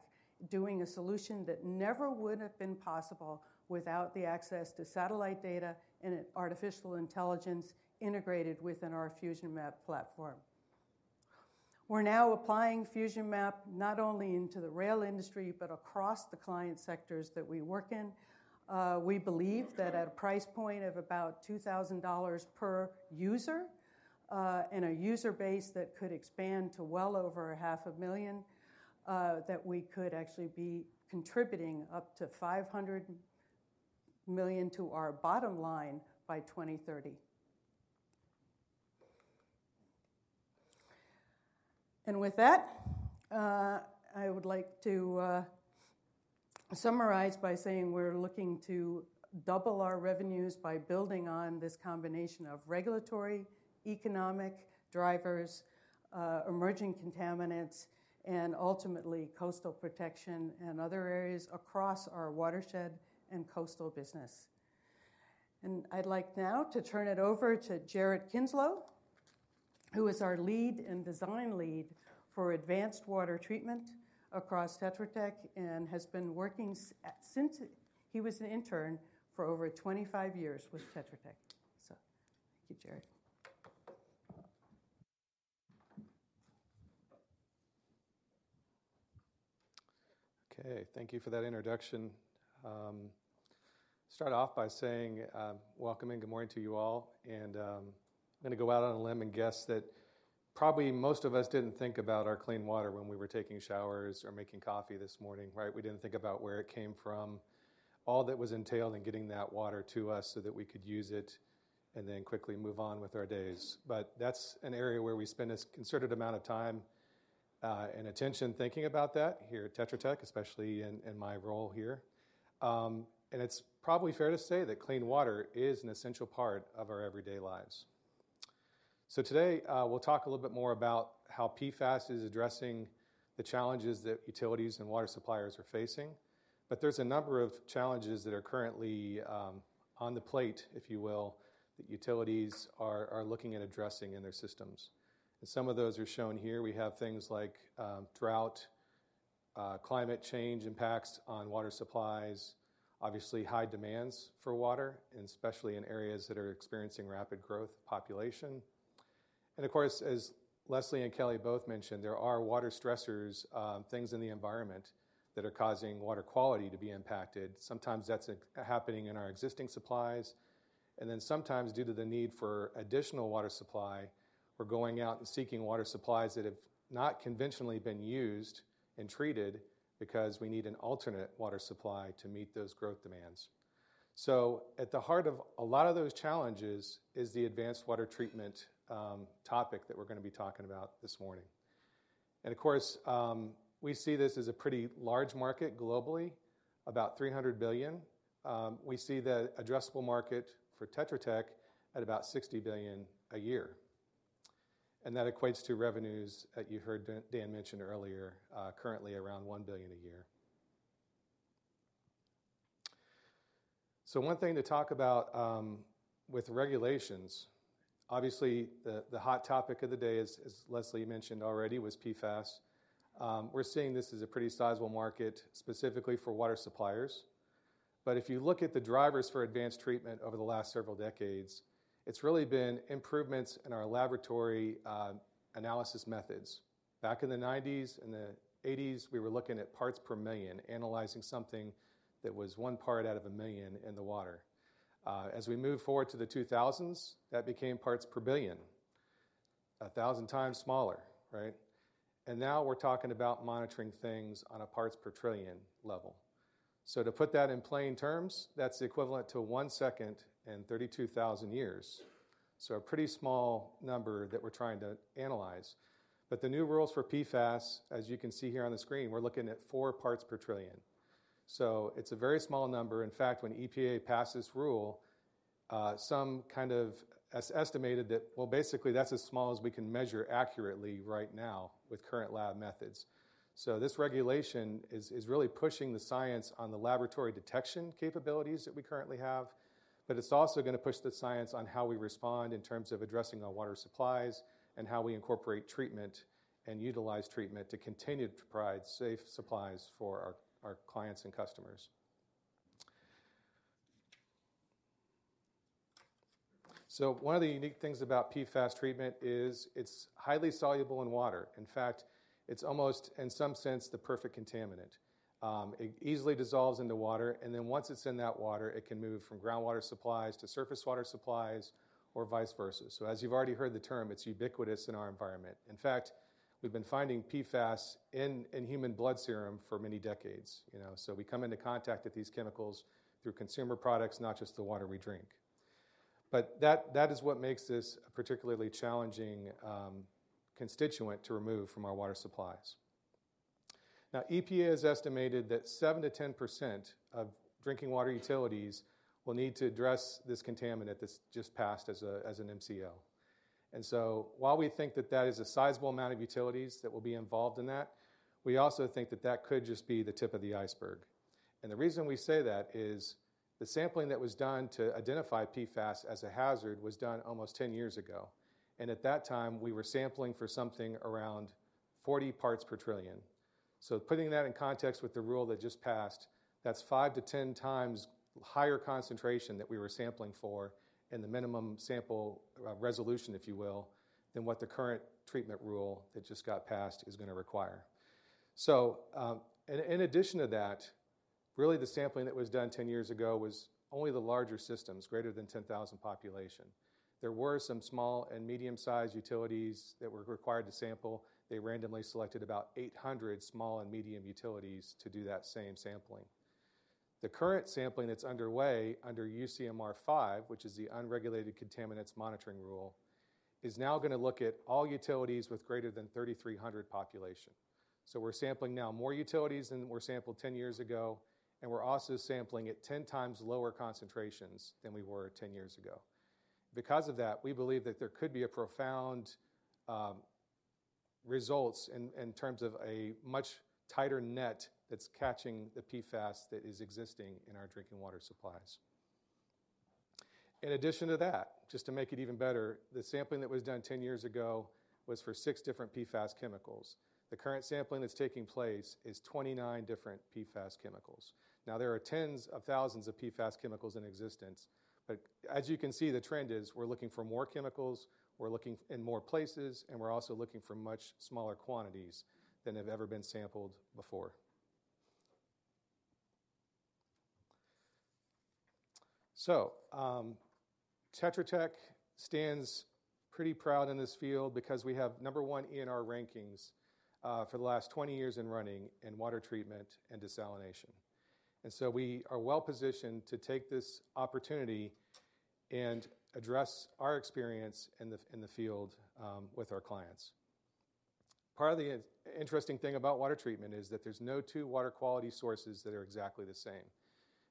doing a solution that never would have been possible without the access to satellite data and artificial intelligence integrated within our FusionMap platform. We're now applying FusionMap not only into the rail industry but across the client sectors that we work in. We believe that at a price point of about $2,000 per user and a user base that could expand to well over 500,000, that we could actually be contributing up to $500 million to our bottom line by 2030. With that, I would like to summarize by saying we're looking to double our revenues by building on this combination of regulatory, economic drivers, emerging contaminants, and ultimately coastal protection and other areas across our watershed and coastal business. I'd like now to turn it over to Jared Kinslow, who is our lead and design lead for advanced water treatment across Tetra Tech and has been working since he was an intern for over 25 years with Tetra Tech. Thank you, Jared.
Okay. Thank you for that introduction. Start off by saying welcome and good morning to you all, and I'm going to go out on a limb and guess that probably most of us didn't think about our clean water when we were taking showers or making coffee this morning, right? We didn't think about where it came from, all that was entailed in getting that water to us so that we could use it and then quickly move on with our days. But that's an area where we spend a concerted amount of time and attention thinking about that here at Tetra Tech, especially in my role here. And it's probably fair to say that clean water is an essential part of our everyday lives. So today, we'll talk a little bit more about how PFAS is addressing the challenges that utilities and water suppliers are facing. But there's a number of challenges that are currently on the plate, if you will, that utilities are looking at addressing in their systems. And some of those are shown here. We have things like drought, climate change impacts on water supplies, obviously high demands for water, especially in areas that are experiencing rapid growth population. And of course, as Leslie and Kelly both mentioned, there are water stressors, things in the environment that are causing water quality to be impacted. Sometimes that's happening in our existing supplies. And then sometimes, due to the need for additional water supply, we're going out and seeking water supplies that have not conventionally been used and treated because we need an alternate water supply to meet those growth demands. So, at the heart of a lot of those challenges is the advanced water treatment topic that we're going to be talking about this morning. And of course, we see this as a pretty large market globally, about $300 billion. We see the addressable market for Tetra Tech at about $60 billion a year. That equates to revenues that you heard Dan mention earlier, currently around $1 billion a year. One thing to talk about with regulations, obviously the hot topic of the day, as Leslie mentioned already, was PFAS. We're seeing this as a pretty sizable market specifically for water suppliers. If you look at the drivers for advanced treatment over the last several decades, it's really been improvements in our laboratory analysis methods. Back in the 1990s and the 1980s, we were looking at parts per million, analyzing something that was one part out of a million in the water. As we move forward to the 2000s, that became parts per billion, 1,000 times smaller, right? Now we're talking about monitoring things on a parts per trillion level. To put that in plain terms, that's the equivalent to one second in 32,000 years. A pretty small number that we're trying to analyze. But the new rules for PFAS, as you can see here on the screen, we're looking at 4 parts per trillion. It's a very small number. In fact, when EPA passed this rule, some kind of estimated that, well, basically, that's as small as we can measure accurately right now with current lab methods. This regulation is really pushing the science on the laboratory detection capabilities that we currently have. But it's also going to push the science on how we respond in terms of addressing our water supplies and how we incorporate treatment and utilize treatment to continue to provide safe supplies for our clients and customers. One of the unique things about PFAS treatment is it's highly soluble in water. In fact, it's almost, in some sense, the perfect contaminant. It easily dissolves into water, and then once it's in that water, it can move from groundwater supplies to surface water supplies or vice versa. So, as you've already heard the term, it's ubiquitous in our environment. In fact, we've been finding PFAS in human blood serum for many decades. So, we come into contact with these chemicals through consumer products, not just the water we drink. But that is what makes this a particularly challenging constituent to remove from our water supplies. Now, EPA has estimated that 7%-10% of drinking water utilities will need to address this contaminant that's just passed as an MCL. And so, while we think that that is a sizable amount of utilities that will be involved in that, we also think that that could just be the tip of the iceberg. The reason we say that is the sampling that was done to identify PFAS as a hazard was done almost 10 years ago. At that time, we were sampling for something around 40 parts per trillion. Putting that in context with the rule that just passed, that's 5-10 times higher concentration that we were sampling for in the minimum sample resolution, if you will, than what the current treatment rule that just got passed is going to require. In addition to that, really, the sampling that was done 10 years ago was only the larger systems, greater than 10,000 population. There were some small and medium-sized utilities that were required to sample. They randomly selected about 800 small and medium utilities to do that same sampling. The current sampling that's underway under UCMR 5, which is the Unregulated Contaminant Monitoring Rule, is now going to look at all utilities with greater than 3,300 population. So we're sampling now more utilities than we sampled 10 years ago, and we're also sampling at 10 times lower concentrations than we were 10 years ago. Because of that, we believe that there could be profound results in terms of a much tighter net that's catching the PFAS that is existing in our drinking water supplies. In addition to that, just to make it even better, the sampling that was done 10 years ago was for 6 different PFAS chemicals. The current sampling that's taking place is 29 different PFAS chemicals. Now, there are tens of thousands of PFAS chemicals in existence. But as you can see, the trend is we're looking for more chemicals. We're looking in more places, and we're also looking for much smaller quantities than have ever been sampled before. So Tetra Tech stands pretty proud in this field because we have, number one, in our rankings for the last 20 years in running in water treatment and desalination. So we are well positioned to take this opportunity and address our experience in the field with our clients. Part of the interesting thing about water treatment is that there's no two water quality sources that are exactly the same.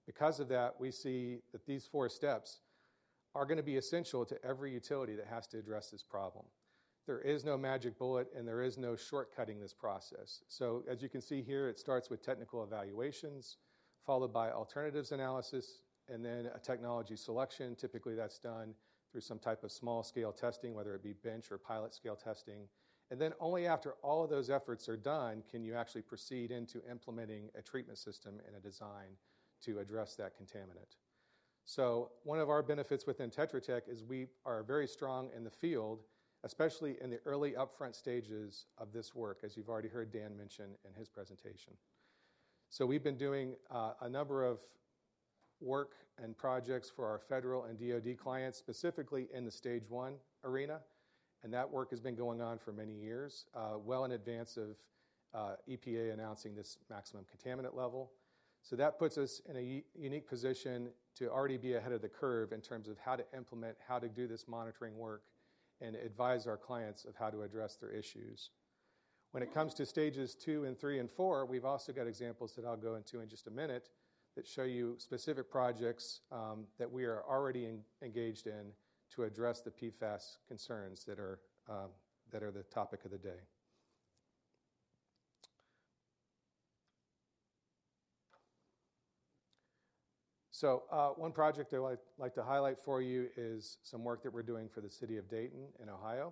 Because of that, we see that these four steps are going to be essential to every utility that has to address this problem. There is no magic bullet, and there is no shortcutting this process. So as you can see here, it starts with technical evaluations followed by alternatives analysis and then a technology selection. Typically, that's done through some type of small-scale testing, whether it be bench or pilot-scale testing. And then only after all of those efforts are done can you actually proceed into implementing a treatment system and a design to address that contaminant. So, one of our benefits within Tetra Tech is we are very strong in the field, especially in the early upfront stages of this work, as you've already heard Dan mention in his presentation. So, we've been doing a number of work and projects for our federal and DoD clients, specifically in the stage one arena. And that work has been going on for many years, well in advance of EPA announcing this Maximum Contaminant Level. So that puts us in a unique position to already be ahead of the curve in terms of how to implement, how to do this monitoring work, and advise our clients of how to address their issues. When it comes to stages 2 and 3 and 4, we've also got examples that I'll go into in just a minute that show you specific projects that we are already engaged in to address the PFAS concerns that are the topic of the day. So, one project I'd like to highlight for you is some work that we're doing for the city of Dayton, Ohio.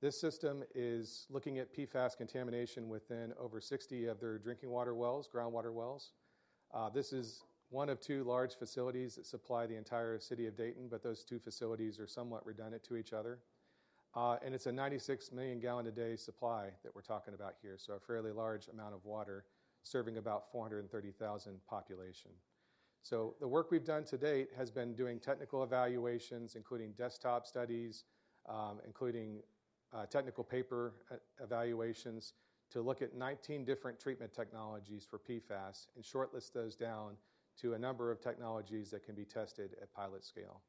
This system is looking at PFAS contamination within over 60 of their drinking water wells, groundwater wells. This is one of 2 large facilities that supply the entire city of Dayton, but those 2 facilities are somewhat redundant to each other. It's a 96 million-gallon-a-day supply that we're talking about here, so a fairly large amount of water serving about 430,000 population. The work we've done to date has been doing technical evaluations, including desktop studies, including technical paper evaluations to look at 19 different treatment technologies for PFAS and shortlist those down to a number of technologies that can be tested at pilot scale.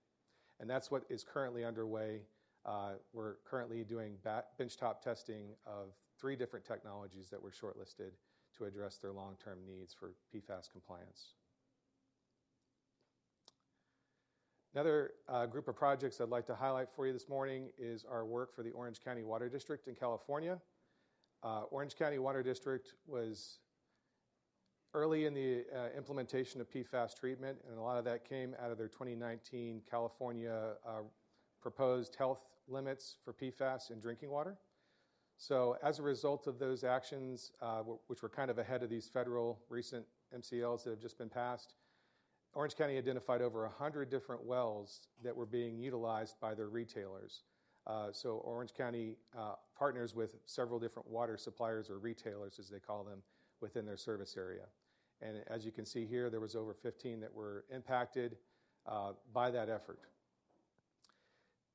That's what is currently underway. We're currently doing benchtop testing of three different technologies that were shortlisted to address their long-term needs for PFAS compliance. Another group of projects I'd like to highlight for you this morning is our work for the Orange County Water District in California. Orange County Water District was early in the implementation of PFAS treatment, and a lot of that came out of their 2019 California proposed health limits for PFAS in drinking water. As a result of those actions, which were kind of ahead of these federal recent MCLs that have just been passed, Orange County identified over 100 different wells that were being utilized by their retailers. Orange County partners with several different water suppliers or retailers, as they call them, within their service area. As you can see here, there was over 15 that were impacted by that effort.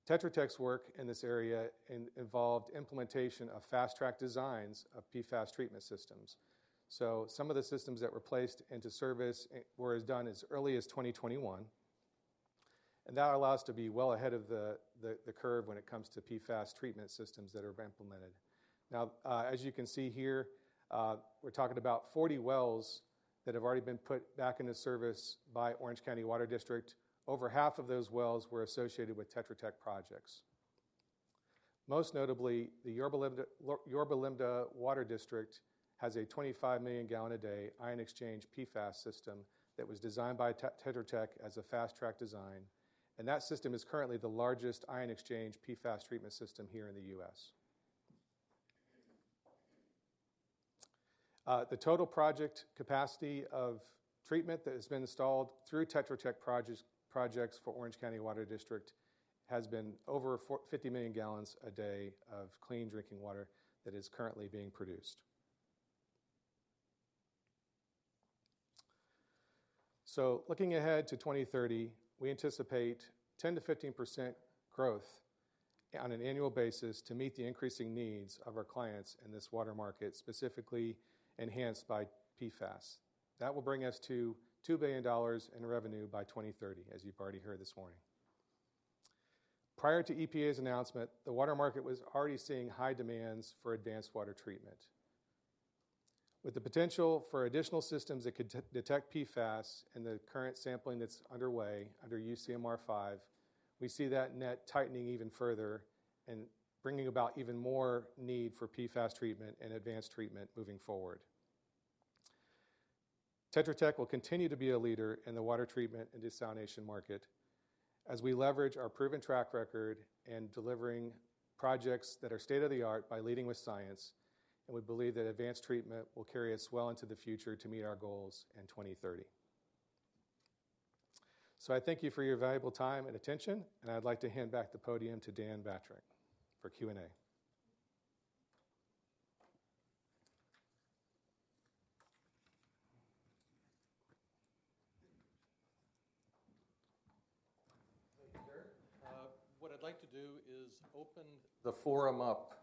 Tetra Tech's work in this area involved implementation of fast-track designs of PFAS treatment systems. Some of the systems that were placed into service were done as early as 2021. That allows us to be well ahead of the curve when it comes to PFAS treatment systems that are implemented. Now, as you can see here, we're talking about 40 wells that have already been put back into service by Orange County Water District. Over half of those wells were associated with Tetra Tech projects. Most notably, the Yorba Linda Water District has a 25 million gallon a day ion exchange PFAS system that was designed by Tetra Tech as a fast-track design. And that system is currently the largest ion exchange PFAS treatment system here in the U.S. The total project capacity of treatment that has been installed through Tetra Tech projects for Orange County Water District has been over 50 million gallons a day of clean drinking water that is currently being produced. So looking ahead to 2030, we anticipate 10%-15% growth on an annual basis to meet the increasing needs of our clients in this water market, specifically enhanced by PFAS. That will bring us to $2 billion in revenue by 2030, as you've already heard this morning. Prior to EPA's announcement, the water market was already seeing high demands for advanced water treatment. With the potential for additional systems that could detect PFAS and the current sampling that's underway under UCMR 5, we see that net tightening even further and bringing about even more need for PFAS treatment and advanced treatment moving forward. Tetra Tech will continue to be a leader in the water treatment and desalination market as we leverage our proven track record in delivering projects that are state of the art by Leading With Science. And we believe that advanced treatment will carry us well into the future to meet our goals in 2030. So, I thank you for your valuable time and attention. And I'd like to hand back the podium to Dan Batrack for Q&A. Thank you, sir. What I'd like to do is open the forum up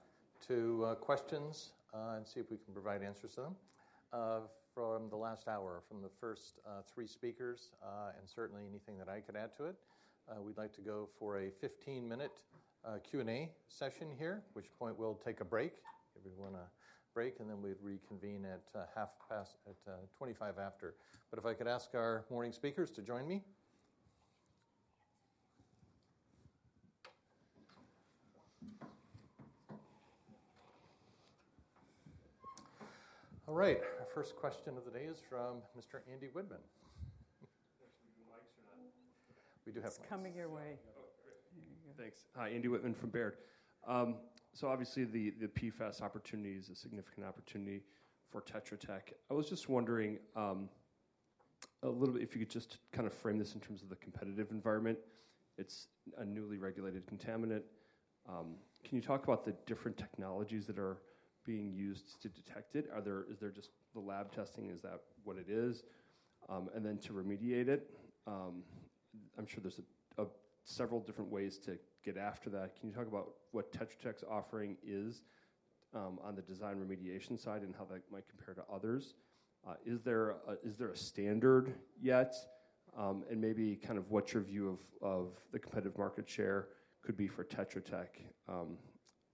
to questions and see if we can provide answers to them from the last hour, from the first three speakers, and certainly anything that I could add to it. We'd like to go for a 15-minute Q&A session here, at which point we'll take a break, everyone a break, and then we'd reconvene at 25 after. But if I could ask our morning speakers to join me. All right. Our first question of the day is from Mr. Andy Whitman. Thanks. We do mics. We're not. We do have mics.
It's coming your way. There you go.
Thanks. Andy Whitman from Baird. So obviously, the PFAS opportunity is a significant opportunity for Tetra Tech. I was just wondering a little bit if you could just kind of frame this in terms of the competitive environment. It's a newly regulated contaminant. Can you talk about the different technologies that are being used to detect it? Is there just the lab testing? Is that what it is? And then to remediate it, I'm sure there's several different ways to get after that. Can you talk about what Tetra Tech's offering is on the design remediation side and how that might compare to others? Is there a standard yet? And maybe kind of what your view of the competitive market share could be for Tetra Tech,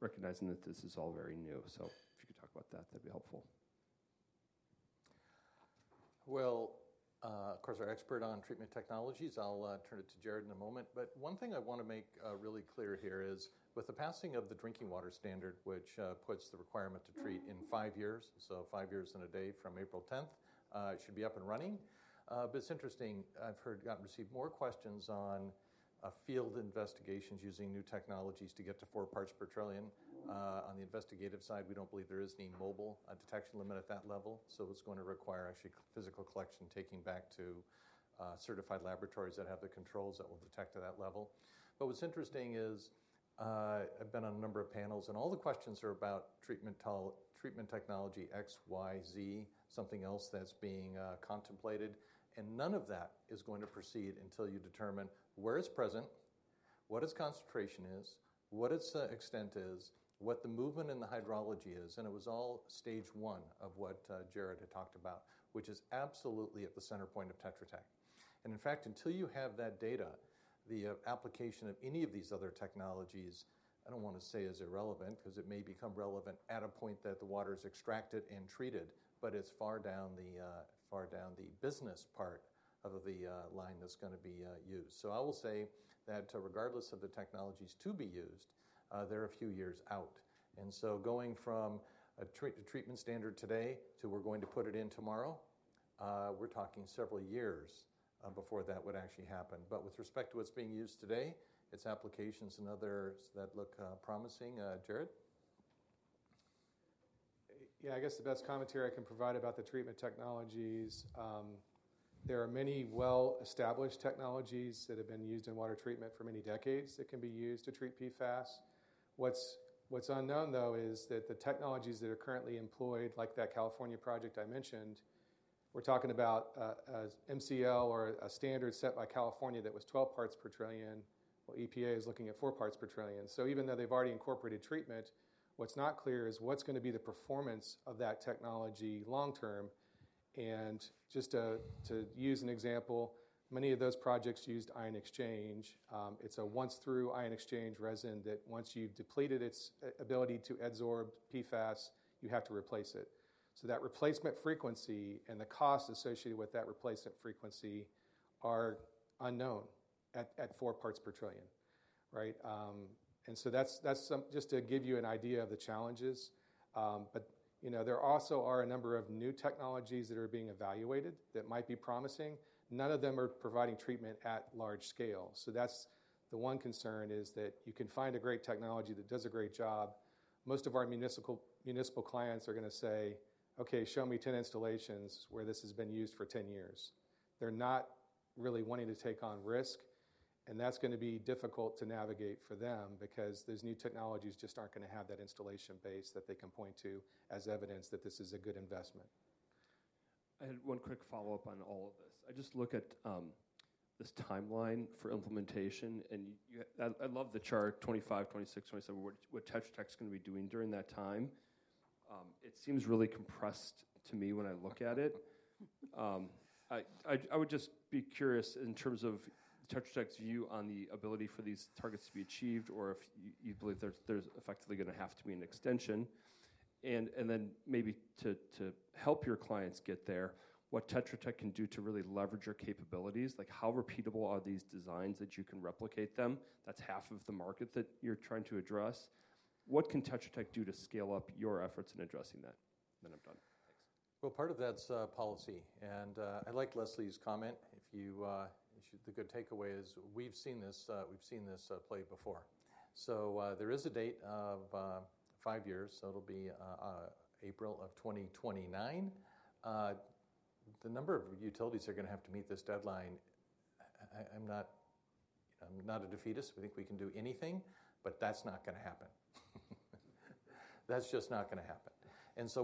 recognizing that this is all very new. So if you could talk about that, that'd be helpful.
Well, of course, our expert on treatment technologies, I'll turn it to Jared in a moment. But one thing I want to make really clear here is with the passing of the drinking water standard, which puts the requirement to treat in five years, so five years and a day from April 10th, it should be up and running. But it's interesting. I've received more questions on field investigations using new technologies to get to 4 parts per trillion. On the investigative side, we don't believe there is any mobile detection limit at that level. So, it's going to require actually physical collection, taking back to certified laboratories that have the controls that will detect at that level. But what's interesting is I've been on a number of panels, and all the questions are about treatment technology X, Y, Z, something else that's being contemplated. None of that is going to proceed until you determine where it's present, what its concentration is, what its extent is, what the movement in the hydrology is. It was all stage one of what Jared had talked about, which is absolutely at the center point of Tetra Tech. In fact, until you have that data, the application of any of these other technologies, I don't want to say is irrelevant because it may become relevant at a point that the water is extracted and treated, but it's far down the business part of the line that's going to be used. So, I will say that regardless of the technologies to be used, they're a few years out. So going from a treatment standard today to we're going to put it in tomorrow, we're talking several years before that would actually happen. With respect to what's being used today, its applications and others that look promising, Jared?
Yeah, I guess the best commentary I can provide about the treatment technologies, there are many well-established technologies that have been used in water treatment for many decades that can be used to treat PFAS. What's unknown, though, is that the technologies that are currently employed, like that California project I mentioned, we're talking about an MCL or a standard set by California that was 12 parts per trillion. Well, EPA is looking at 4 parts per trillion. So even though they've already incorporated treatment, what's not clear is what's going to be the performance of that technology long term. And just to use an example, many of those projects used ion exchange. It's a once-through ion exchange resin that once you've depleted its ability to adsorb PFAS, you have to replace it. So that replacement frequency and the cost associated with that replacement frequency are unknown at 4 parts per trillion, right? And so that's just to give you an idea of the challenges. But there also are a number of new technologies that are being evaluated that might be promising. None of them are providing treatment at large scale. So, the one concern is that you can find a great technology that does a great job. Most of our municipal clients are going to say, "Okay, show me 10 installations where this has been used for 10 years." They're not really wanting to take on risk. And that's going to be difficult to navigate for them because those new technologies just aren't going to have that installation base that they can point to as evidence that this is a good investment.
I had one quick follow-up on all of this. I just look at this timeline for implementation, and I love the chart, 2025, 2026, 2027, what Tetra Tech is going to be doing during that time. It seems really compressed to me when I look at it. I would just be curious in terms of Tetra Tech's view on the ability for these targets to be achieved or if you believe there's effectively going to have to be an extension. And then maybe to help your clients get there, what Tetra Tech can do to really leverage your capabilities, like how repeatable are these designs that you can replicate them? That's half of the market that you're trying to address. What can Tetra Tech do to scale up your efforts in addressing that? Then I'm done. Thanks.
Well, part of that's policy. I like Leslie's comment. The good takeaway is we've seen this played before. There is a date of five years. It'll be April of 2029. The number of utilities that are going to have to meet this deadline, I'm not a defeatist. We think we can do anything, but that's not going to happen. That's just not going to happen.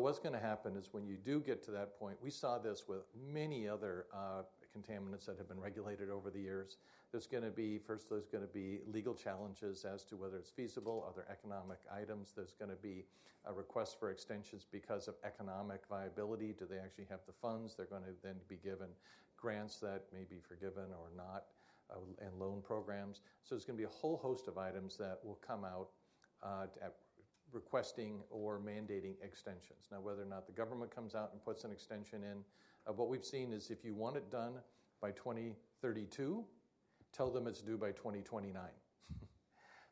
What's going to happen is when you do get to that point, we saw this with many other contaminants that have been regulated over the years. First, there's going to be legal challenges as to whether it's feasible, other economic items. There's going to be a request for extensions because of economic viability. Do they actually have the funds? They're going to then be given grants that may be forgiven or not and loan programs. So, there's going to be a whole host of items that will come out requesting or mandating extensions. Now, whether or not the government comes out and puts an extension in, what we've seen is if you want it done by 2032, tell them it's due by 2029.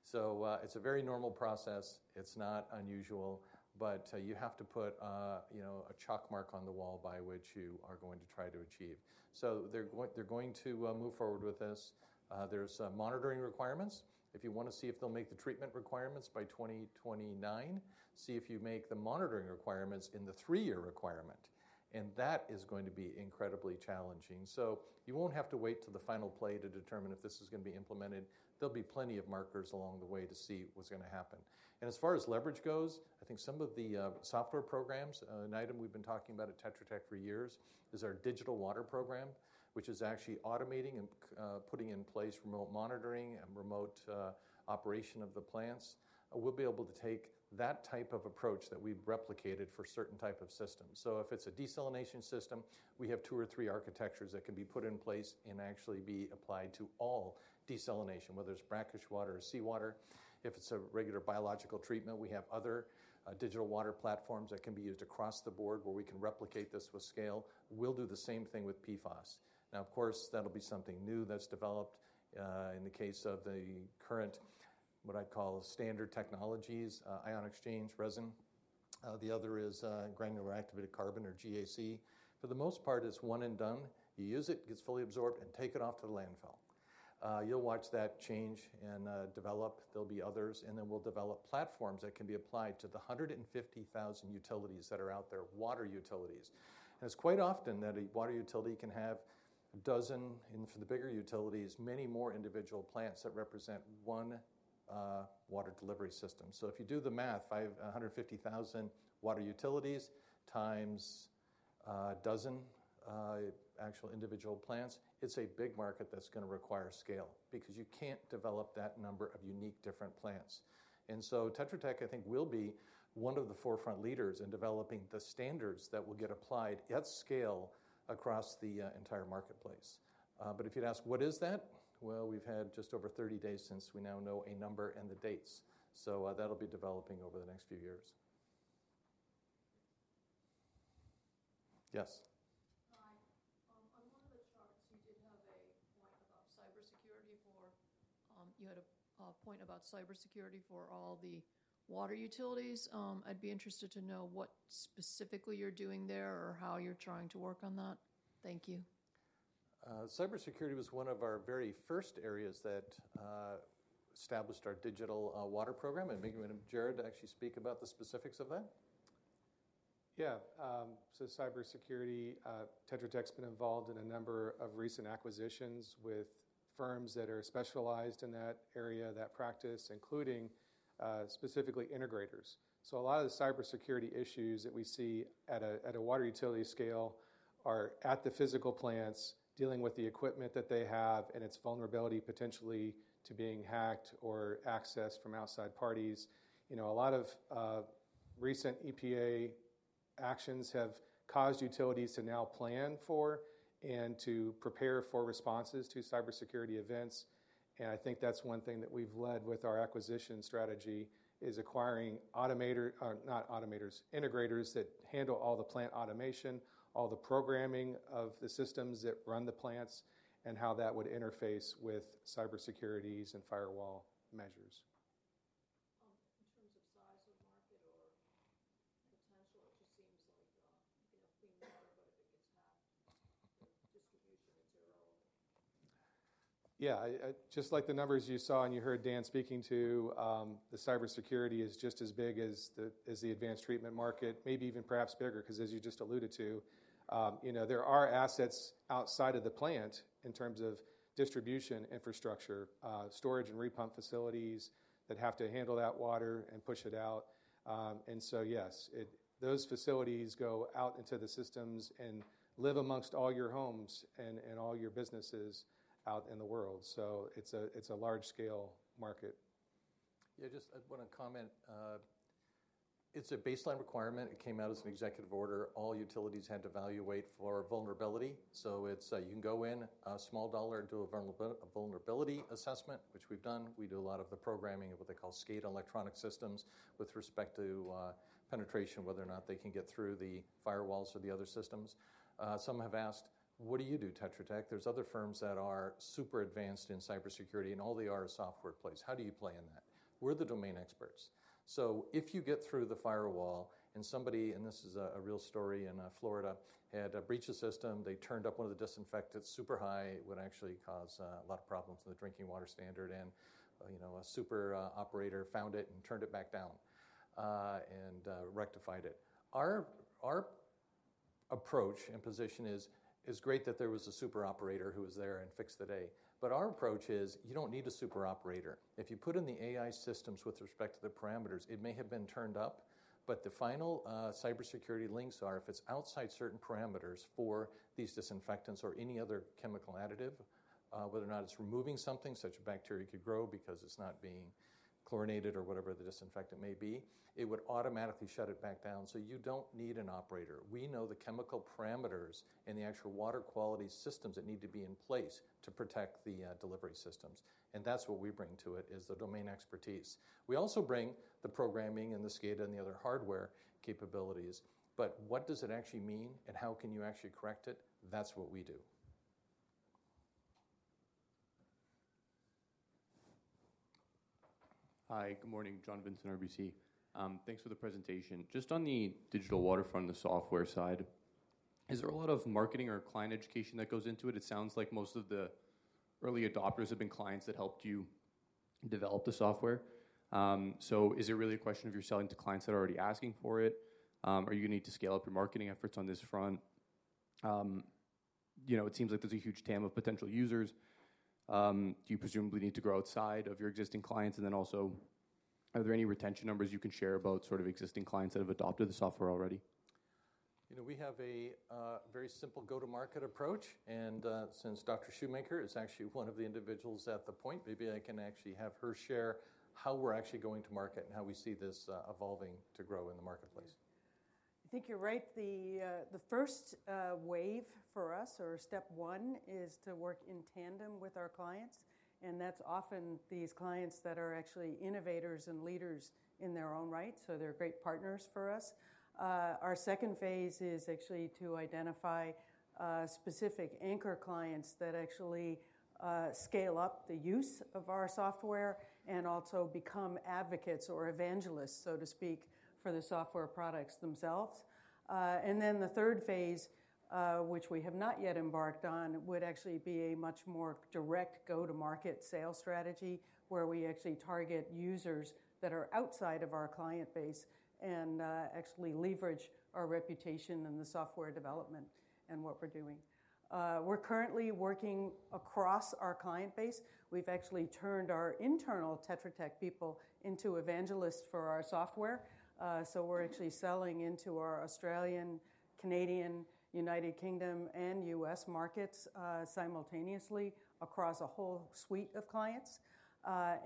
So, it's a very normal process. It's not unusual. But you have to put a chalkmark on the wall by which you are going to try to achieve. So, they're going to move forward with this. There's monitoring requirements. If you want to see if they'll make the treatment requirements by 2029, see if you make the monitoring requirements in the 3-year requirement. And that is going to be incredibly challenging. So, you won't have to wait till the final play to determine if this is going to be implemented. There'll be plenty of markers along the way to see what's going to happen. And as far as leverage goes, I think some of the software programs, an item we've been talking about at Tetra Tech for years is our digital water program, which is actually automating and putting in place remote monitoring and remote operation of the plants. We'll be able to take that type of approach that we've replicated for certain types of systems. So, if it's a desalination system, we have two or three architectures that can be put in place and actually be applied to all desalination, whether it's brackish water or seawater. If it's a regular biological treatment, we have other digital water platforms that can be used across the board where we can replicate this with scale. We'll do the same thing with PFAS. Now, of course, that'll be something new that's developed in the case of the current, what I'd call, standard technologies, ion exchange resin. The other is granular activated carbon or GAC. For the most part, it's one and done. You use it, it gets fully absorbed and take it off to the landfill. You'll watch that change and develop. There'll be others. And then we'll develop platforms that can be applied to the 150,000 utilities that are out there, water utilities. And it's quite often that a water utility can have a dozen, and for the bigger utilities, many more individual plants that represent one water delivery system. So, if you do the math, 150,000 water utilities times a dozen actual individual plants, it's a big market that's going to require scale because you can't develop that number of unique different plants. Tetra Tech, I think, will be one of the forefront leaders in developing the standards that will get applied at scale across the entire marketplace. If you'd ask what is that, well, we've had just over 30 days since we now know a number and the dates. That'll be developing over the next few years. Yes.
Hi. On one of the charts, you did have a point about cybersecurity for all the water utilities. I'd be interested to know what specifically you're doing there or how you're trying to work on that. Thank you.
Cybersecurity was one of our very first areas that established our digital water program. Maybe we can have Jared actually speak about the specifics of that.
Yeah. So, cybersecurity, Tetra Tech's been involved in a number of recent acquisitions with firms that are specialized in that area, that practice, including specifically integrators. So, a lot of the cybersecurity issues that we see at a water utility scale are at the physical plants, dealing with the equipment that they have and its vulnerability potentially to being hacked or accessed from outside parties. A lot of recent EPA actions have caused utilities to now plan for and to prepare for responses to cybersecurity events. And I think that's one thing that we've led with our acquisition strategy is acquiring automators, not automators, integrators that handle all the plant automation, all the programming of the systems that run the plants, and how that would interface with cybersecurity and firewall measures.
In terms of size or market or potential, it just seems like you can have clean water, but if it gets hacked, the distribution is irrelevant.
Yeah. Just like the numbers you saw and you heard Dan speaking to, the cybersecurity is just as big as the advanced treatment market, maybe even perhaps bigger because, as you just alluded to, there are assets outside of the plant in terms of distribution infrastructure, storage and repump facilities that have to handle that water and push it out. So yes, those facilities go out into the systems and live amongst all your homes and all your businesses out in the world. So, it's a large-scale market.
Yeah, just I want to comment. It's a baseline requirement. It came out as an executive order. All utilities had to evaluate for vulnerability. So you can go in, a small dollar, and do a vulnerability assessment, which we've done. We do a lot of the programming of what they call SCADA electronic systems with respect to penetration, whether or not they can get through the firewalls or the other systems. Some have asked, "What do you do, Tetra Tech? There's other firms that are super advanced in cybersecurity, and all they are is software plays. How do you play in that? We're the domain experts." So, if you get through the firewall and somebody, and this is a real story in Florida, had breached a system, they turned up one of the disinfectants super high, it would actually cause a lot of problems in the drinking water standard, and a super operator found it and turned it back down and rectified it. Our approach and position is great that there was a super operator who was there and fixed it. But our approach is you don't need a super operator. If you put in the AI systems with respect to the parameters, it may have been turned up, but the final cybersecurity links are if it's outside certain parameters for these disinfectants or any other chemical additive, whether or not it's removing something such a bacteria could grow because it's not being chlorinated or whatever the disinfectant may be, it would automatically shut it back down. So you don't need an operator. We know the chemical parameters and the actual water quality systems that need to be in place to protect the delivery systems. And that's what we bring to it is the domain expertise. We also bring the programming and the SCADA and the other hardware capabilities. But what does it actually mean, and how can you actually correct it? That's what we do.
Hi. Good morning. John Vinson, RBC. Thanks for the presentation. Just on the digital water front, the software side, is there a lot of marketing or client education that goes into it? It sounds like most of the early adopters have been clients that helped you develop the software. Is it really a question of you're selling to clients that are already asking for it? Are you going to need to scale up your marketing efforts on this front? It seems like there's a huge TAM of potential users. Do you presumably need to grow outside of your existing clients? And then also, are there any retention numbers you can share about sort of existing clients that have adopted the software already?
We have a very simple go-to-market approach. Since Dr. Shoemaker is actually one of the individuals at the point, maybe I can actually have her share how we're actually going to market and how we see this evolving to grow in the marketplace.
I think you're right. The first wave for us, or step one, is to work in tandem with our clients. That's often these clients that are actually innovators and leaders in their own right. So, they're great partners for us. Our second phase is actually to identify specific anchor clients that actually scale up the use of our software and also become advocates or evangelists, so to speak, for the software products themselves. Then the third phase, which we have not yet embarked on, would actually be a much more direct go-to-market sales strategy where we actually target users that are outside of our client base and actually leverage our reputation and the software development and what we're doing. We're currently working across our client base. We've actually turned our internal Tetra Tech people into evangelists for our software. So we're actually selling into our Australian, Canadian, United Kingdom, and U.S. markets simultaneously across a whole suite of clients.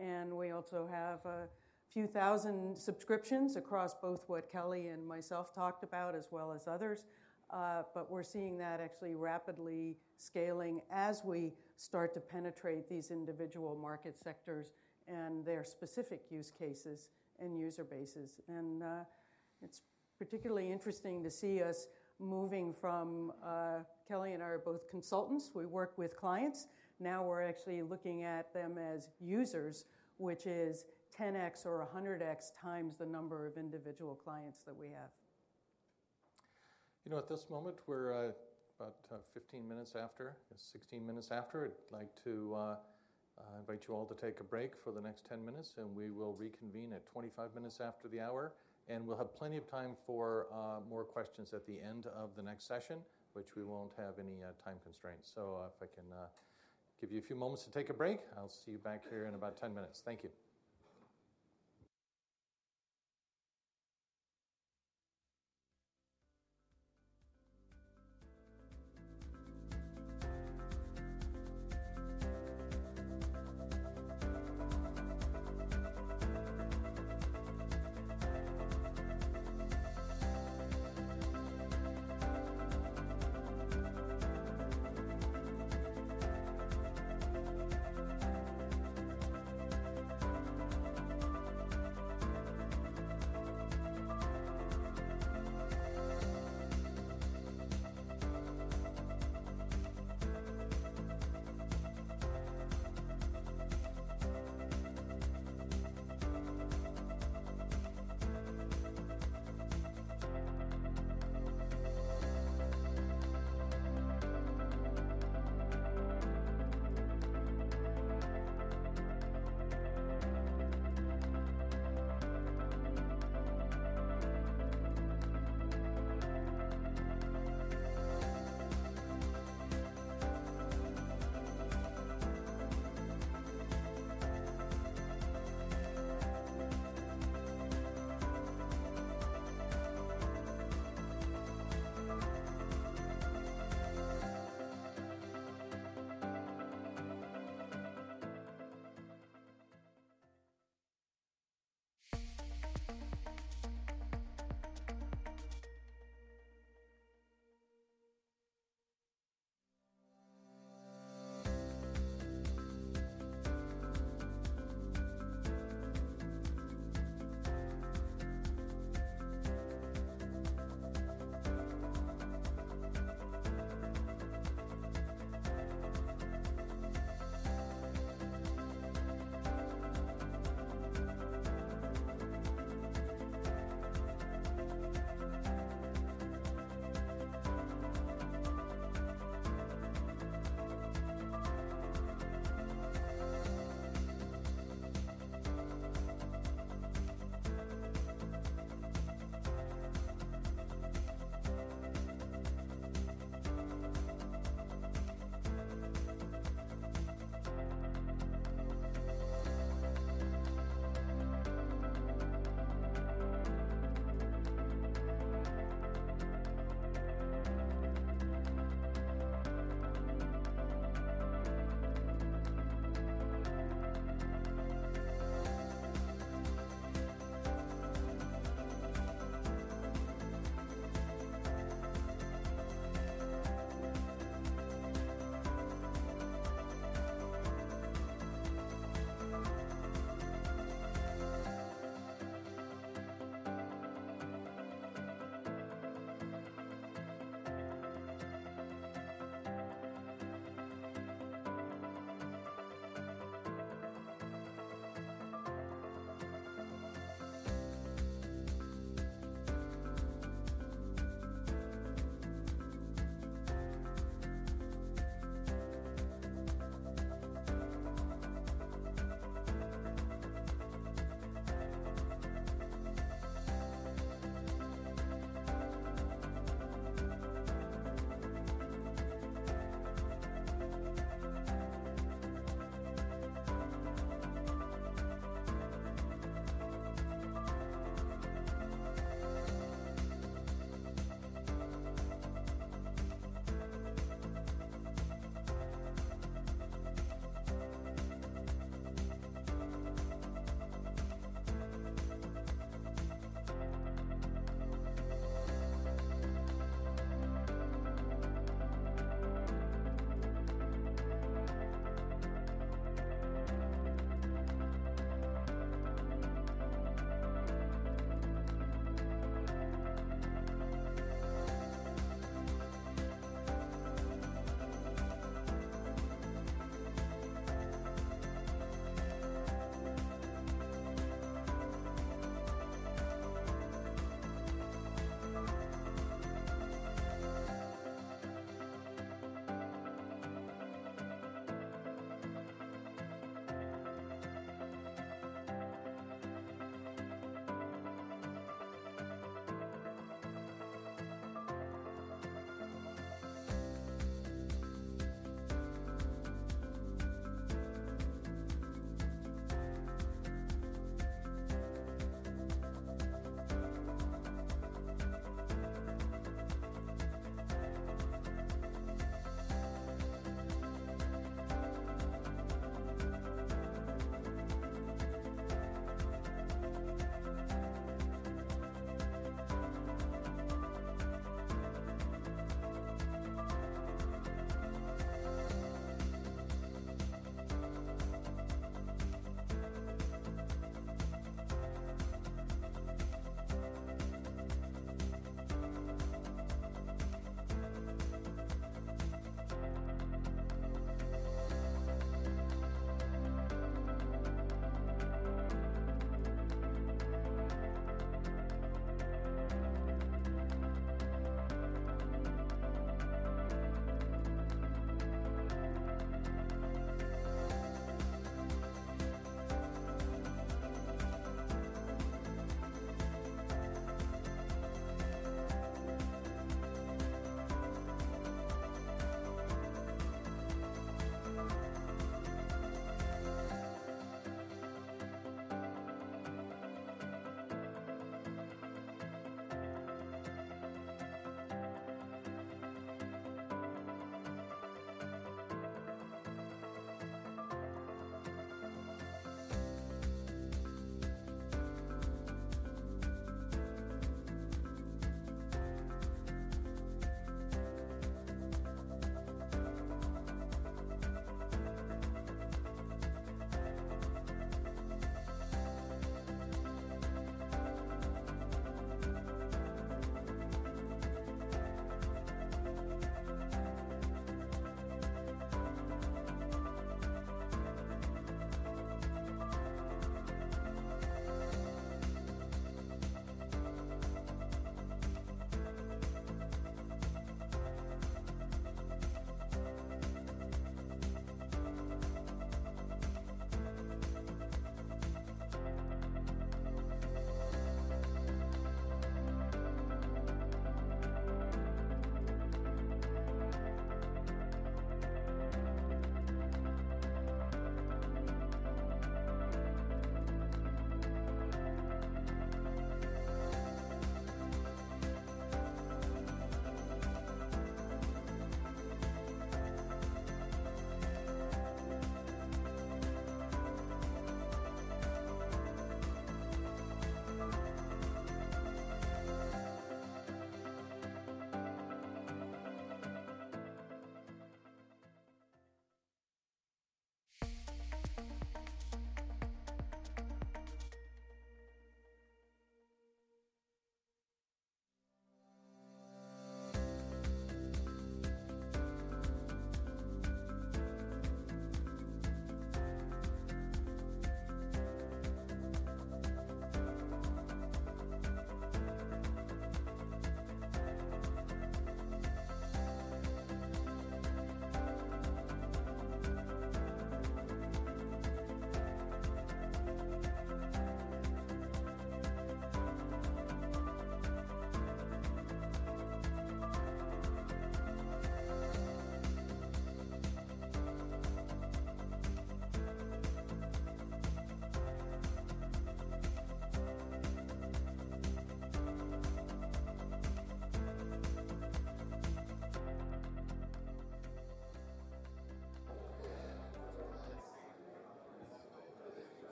And we also have a few thousand subscriptions across both what Kelly and myself talked about as well as others. But we're seeing that actually rapidly scaling as we start to penetrate these individual market sectors and their specific use cases and user bases. And it's particularly interesting to see us moving from Kelly and I are both consultants. We work with clients. Now we're actually looking at them as users, which is 10x or 100x times the number of individual clients that we have.
At this moment, we're about 15 minutes after, 16 minutes after. I'd like to invite you all to take a break for the next 10 minutes. We will reconvene at 25 minutes after the hour. We'll have plenty of time for more questions at the end of the next session, which we won't have any time constraints. If I can give you a few moments to take a break, I'll see you back here in about 10 minutes. Thank you.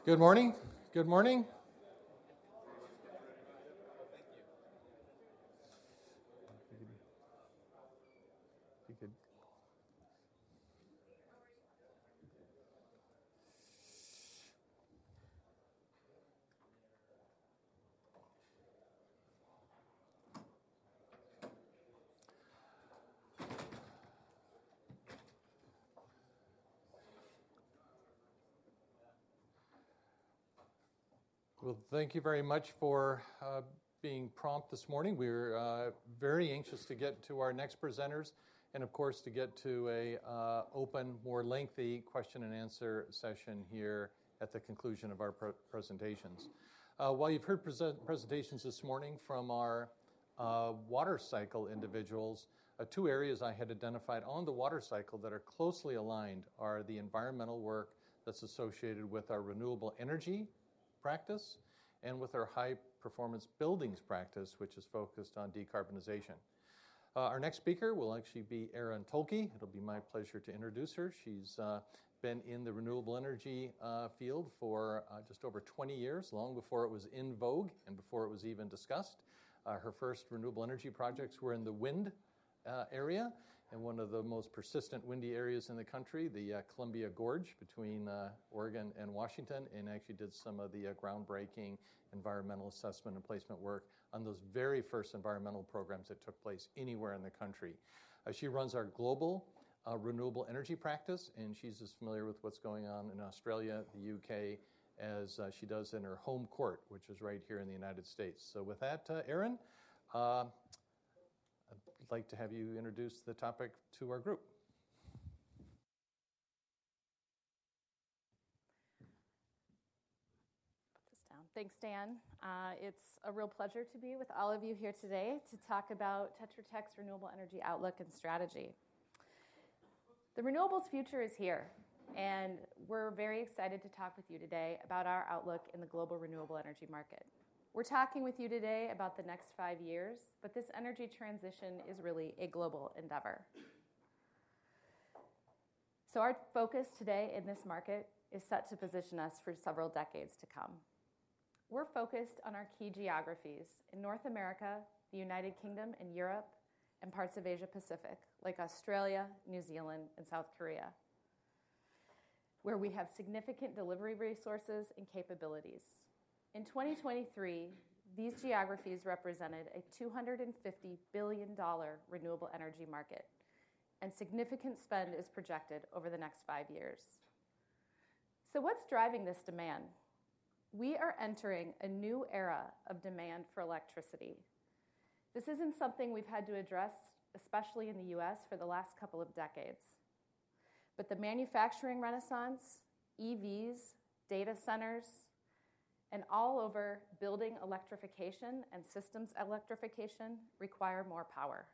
Good morning. Good morning.
Thank you.
If you could.
How are you?
Well, thank you very much for being prompt this morning. We're very anxious to get to our next presenters and, of course, to get to an open, more lengthy question-and-answer session here at the conclusion of our presentations. While you've heard presentations this morning from our water cycle individuals, two areas I had identified on the water cycle that are closely aligned are the environmental work that's associated with our renewable energy practice and with our high-performance buildings practice, which is focused on decarbonization. Our next speaker will actually be Erin Toike. It'll be my pleasure to introduce her. She's been in the renewable energy field for just over 20 years, long before it was in vogue and before it was even discussed. Her first renewable energy projects were in the wind area and one of the most persistent windy areas in the country, the Columbia Gorge between Oregon and Washington, and actually did some of the groundbreaking environmental assessment and placement work on those very first environmental programs that took place anywhere in the country. She runs our global renewable energy practice. She's as familiar with what's going on in Australia, the U.K., as she does in her home court, which is right here in the United States. With that, Erin, I'd like to have you introduce the topic to our group.
Put this down. Thanks, Dan. It's a real pleasure to be with all of you here today to talk about Tetra Tech's renewable energy outlook and strategy. The renewables' future is here. We're very excited to talk with you today about our outlook in the global renewable energy market. We're talking with you today about the next five years. This energy transition is really a global endeavor. Our focus today in this market is set to position us for several decades to come. We're focused on our key geographies in North America, the United Kingdom, and Europe, and parts of Asia-Pacific like Australia, New Zealand, and South Korea, where we have significant delivery resources and capabilities. In 2023, these geographies represented a $250 billion renewable energy market. Significant spend is projected over the next five years. What's driving this demand? We are entering a new era of demand for electricity. This isn't something we've had to address, especially in the U.S., for the last couple of decades. But the manufacturing renaissance, EVs, data centers, and all-over building electrification and systems electrification require more power.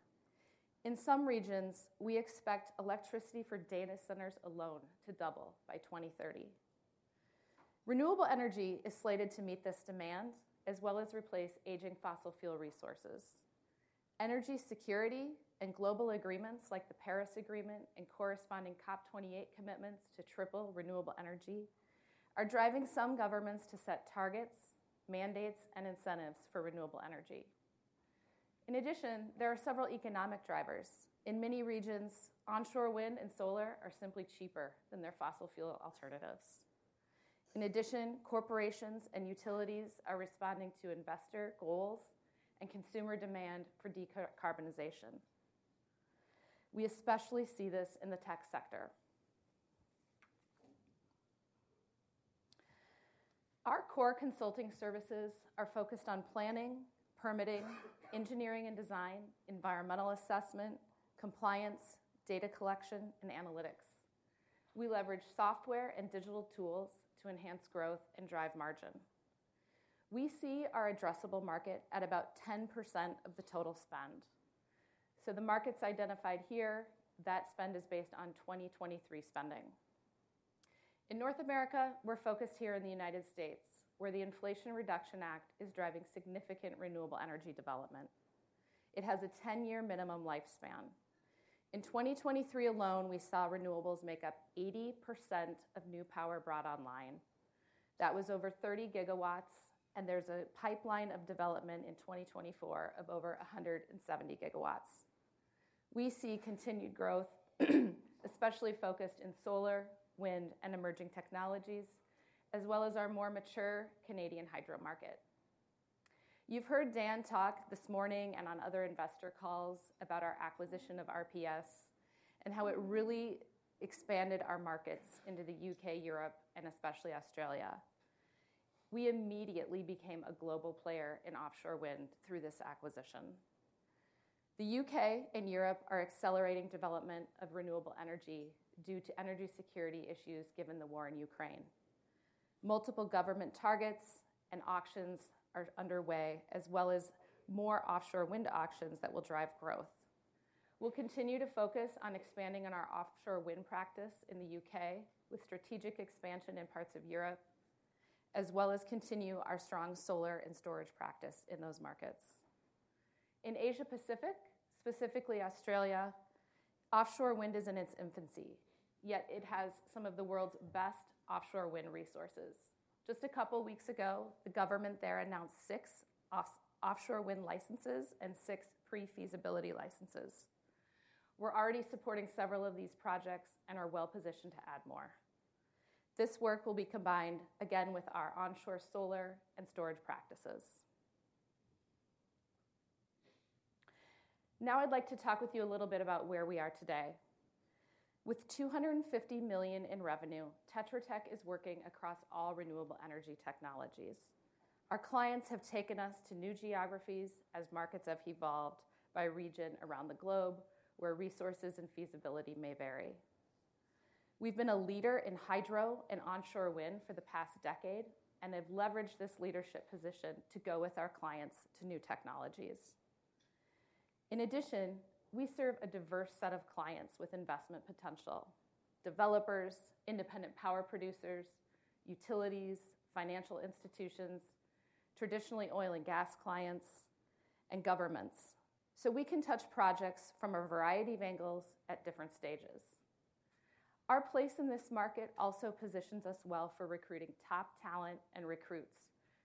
In some regions, we expect electricity for data centers alone to double by 2030. Renewable energy is slated to meet this demand as well as replace aging fossil fuel resources. Energy security and global agreements like the Paris Agreement and corresponding COP28 commitments to triple renewable energy are driving some governments to set targets, mandates, and incentives for renewable energy. In addition, there are several economic drivers. In many regions, onshore wind and solar are simply cheaper than their fossil fuel alternatives. In addition, corporations and utilities are responding to investor goals and consumer demand for decarbonization. We especially see this in the tech sector. Our core consulting services are focused on planning, permitting, engineering and design, environmental assessment, compliance, data collection, and analytics. We leverage software and digital tools to enhance growth and drive margin. We see our addressable market at about 10% of the total spend. The markets identified here, that spend is based on 2023 spending. In North America, we're focused here in the United States, where the Inflation Reduction Act is driving significant renewable energy development. It has a 10-year minimum lifespan. In 2023 alone, we saw renewables make up 80% of new power brought online. That was over 30 GW. There's a pipeline of development in 2024 of over 170 GW. We see continued growth, especially focused in solar, wind, and emerging technologies, as well as our more mature Canadian hydro market. You've heard Dan talk this morning and on other investor calls about our acquisition of RPS and how it really expanded our markets into the U.K., Europe, and especially Australia. We immediately became a global player in offshore wind through this acquisition. The U.K. and Europe are accelerating development of renewable energy due to energy security issues given the war in Ukraine. Multiple government targets and auctions are underway, as well as more offshore wind auctions that will drive growth. We'll continue to focus on expanding on our offshore wind practice in the U.K. with strategic expansion in parts of Europe, as well as continue our strong solar and storage practice in those markets. In Asia-Pacific, specifically Australia, offshore wind is in its infancy. Yet it has some of the world's best offshore wind resources. Just a couple of weeks ago, the government there announced six offshore wind licenses and six pre-feasibility licenses. We're already supporting several of these projects and are well positioned to add more. This work will be combined, again, with our onshore solar and storage practices. Now I'd like to talk with you a little bit about where we are today. With $250 million in revenue, Tetra Tech is working across all renewable energy technologies. Our clients have taken us to new geographies as markets have evolved by region around the globe, where resources and feasibility may vary. We've been a leader in hydro and onshore wind for the past decade. And I've leveraged this leadership position to go with our clients to new technologies. In addition, we serve a diverse set of clients with investment potential: developers, independent power producers, utilities, financial institutions, traditionally oil and gas clients, and governments. So, we can touch projects from a variety of angles at different stages. Our place in this market also positions us well for recruiting top talent and recruits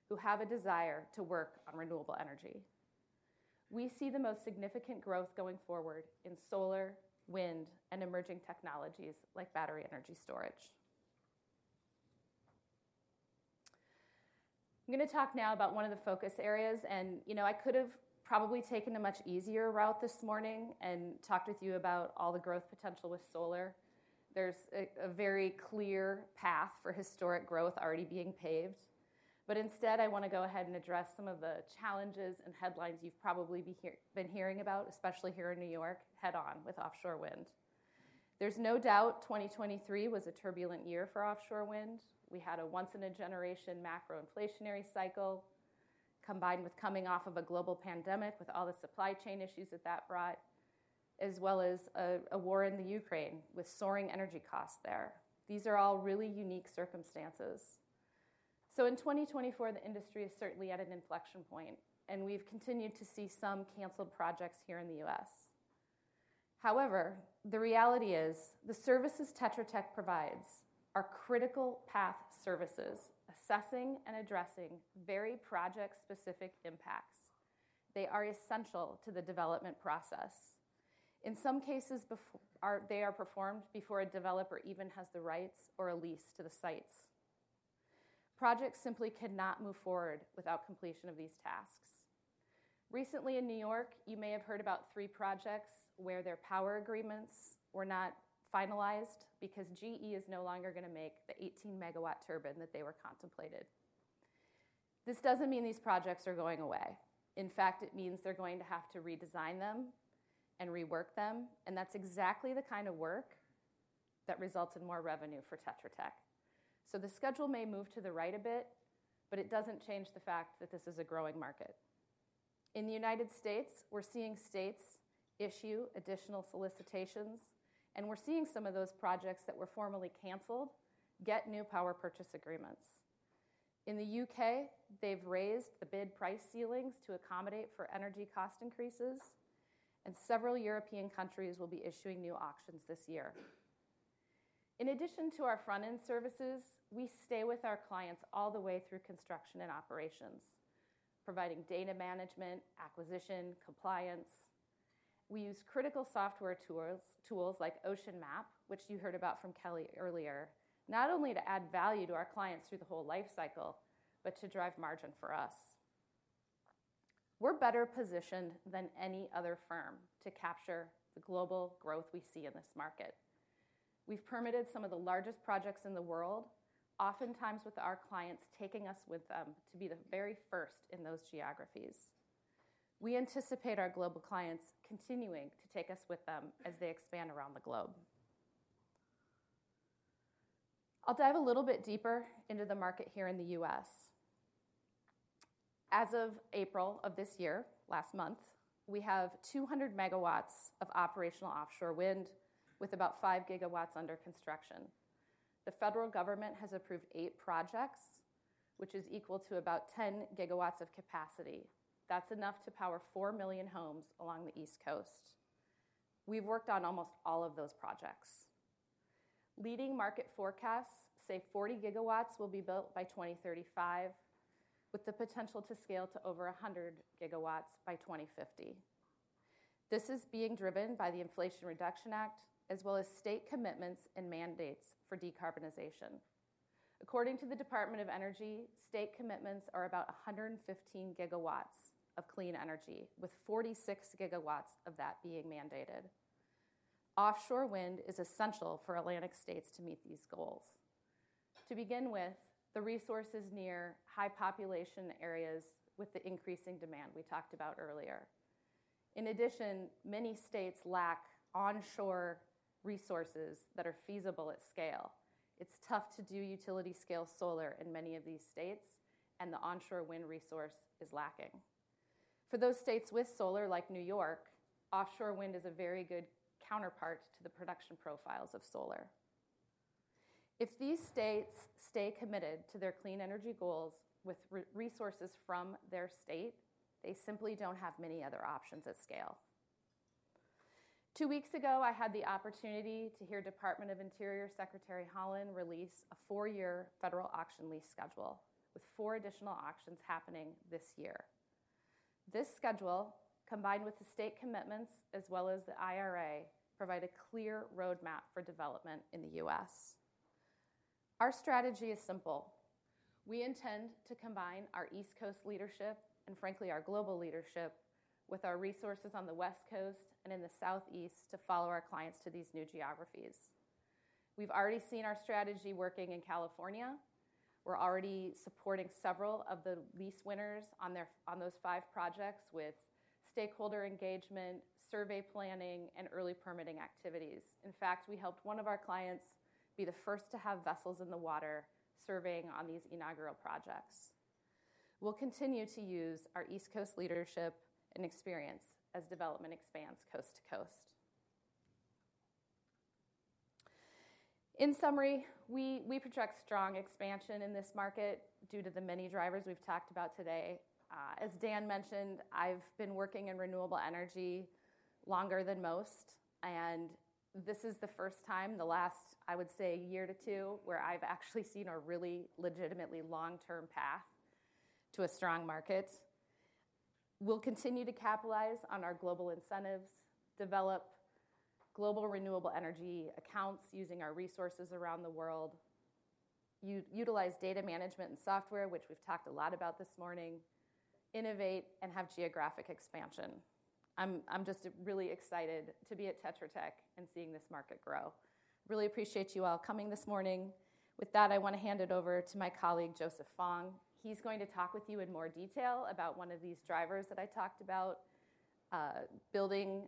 who have a desire to work on renewable energy. We see the most significant growth going forward in solar, wind, and emerging technologies like battery energy storage. I'm going to talk now about one of the focus areas. I could have probably taken a much easier route this morning and talked with you about all the growth potential with solar. There's a very clear path for historic growth already being paved. But instead, I want to go ahead and address some of the challenges and headlines you've probably been hearing about, especially here in New York, head-on with offshore wind. There's no doubt 2023 was a turbulent year for offshore wind. We had a once-in-a-generation macroinflationary cycle combined with coming off of a global pandemic with all the supply chain issues that that brought, as well as a war in the Ukraine with soaring energy costs there. These are all really unique circumstances. So, in 2024, the industry is certainly at an inflection point. We've continued to see some canceled projects here in the U.S. However, the reality is the services Tetra Tech provides are critical path services assessing and addressing very project-specific impacts. They are essential to the development process. In some cases, they are performed before a developer even has the rights or a lease to the sites. Projects simply cannot move forward without completion of these tasks. Recently in New York, you may have heard about three projects where their power agreements were not finalized because GE is no longer going to make the 18-megawatt turbine that they were contemplating. This doesn't mean these projects are going away. In fact, it means they're going to have to redesign them and rework them. That's exactly the kind of work that results in more revenue for Tetra Tech. The schedule may move to the right a bit. It doesn't change the fact that this is a growing market. In the United States, we're seeing states issue additional solicitations. We're seeing some of those projects that were formally canceled get new power purchase agreements. In the U.K., they've raised the bid price ceilings to accommodate for energy cost increases. Several European countries will be issuing new auctions this year. In addition to our front-end services, we stay with our clients all the way through construction and operations, providing data management, acquisition, compliance. We use critical software tools like OceansMap, which you heard about from Kelly earlier, not only to add value to our clients through the whole lifecycle, but to drive margin for us. We're better positioned than any other firm to capture the global growth we see in this market. We've permitted some of the largest projects in the world, oftentimes with our clients taking us with them to be the very first in those geographies. We anticipate our global clients continuing to take us with them as they expand around the globe. I'll dive a little bit deeper into the market here in the U.S. As of April of this year, last month, we have 200 megawatts of operational offshore wind with about 5 gigawatts under construction. The federal government has approved eight projects, which is equal to about 10 gigawatts of capacity. That's enough to power four million homes along the East Coast. We've worked on almost all of those projects. Leading market forecasts say 40 gigawatts will be built by 2035, with the potential to scale to over 100 gigawatts by 2050. This is being driven by the Inflation Reduction Act, as well as state commitments and mandates for decarbonization. According to the Department of Energy, state commitments are about 115 gigawatts of clean energy, with 46 gigawatts of that being mandated. Offshore wind is essential for Atlantic states to meet these goals. To begin with, the resources near high-population areas with the increasing demand we talked about earlier. In addition, many states lack onshore resources that are feasible at scale. It's tough to do utility-scale solar in many of these states. The onshore wind resource is lacking. For those states with solar, like New York, offshore wind is a very good counterpart to the production profiles of solar. If these states stay committed to their clean energy goals with resources from their state, they simply don't have many other options at scale. Two weeks ago, I had the opportunity to hear Department of the Interior Secretary Haaland release a four-year federal auction lease schedule, with four additional auctions happening this year. This schedule, combined with the state commitments as well as the IRA, provide a clear roadmap for development in the U.S. Our strategy is simple. We intend to combine our East Coast leadership and, frankly, our global leadership with our resources on the West Coast and in the Southeast to follow our clients to these new geographies. We've already seen our strategy working in California. We're already supporting several of the lease winners on those 5 projects with stakeholder engagement, survey planning, and early permitting activities. In fact, we helped one of our clients be the first to have vessels in the water surveying on these inaugural projects. We'll continue to use our East Coast leadership and experience as development expands coast to coast. In summary, we project strong expansion in this market due to the many drivers we've talked about today. As Dan mentioned, I've been working in renewable energy longer than most. And this is the first time, the last, I would say, year to 2 where I've actually seen a really legitimately long-term path to a strong market. We'll continue to capitalize on our global incentives, develop global renewable energy accounts using our resources around the world, utilize data management and software, which we've talked a lot about this morning, innovate, and have geographic expansion. I'm just really excited to be at Tetra Tech and seeing this market grow. Really appreciate you all coming this morning. With that, I want to hand it over to my colleague Joseph Fong. He's going to talk with you in more detail about one of these drivers that I talked about, building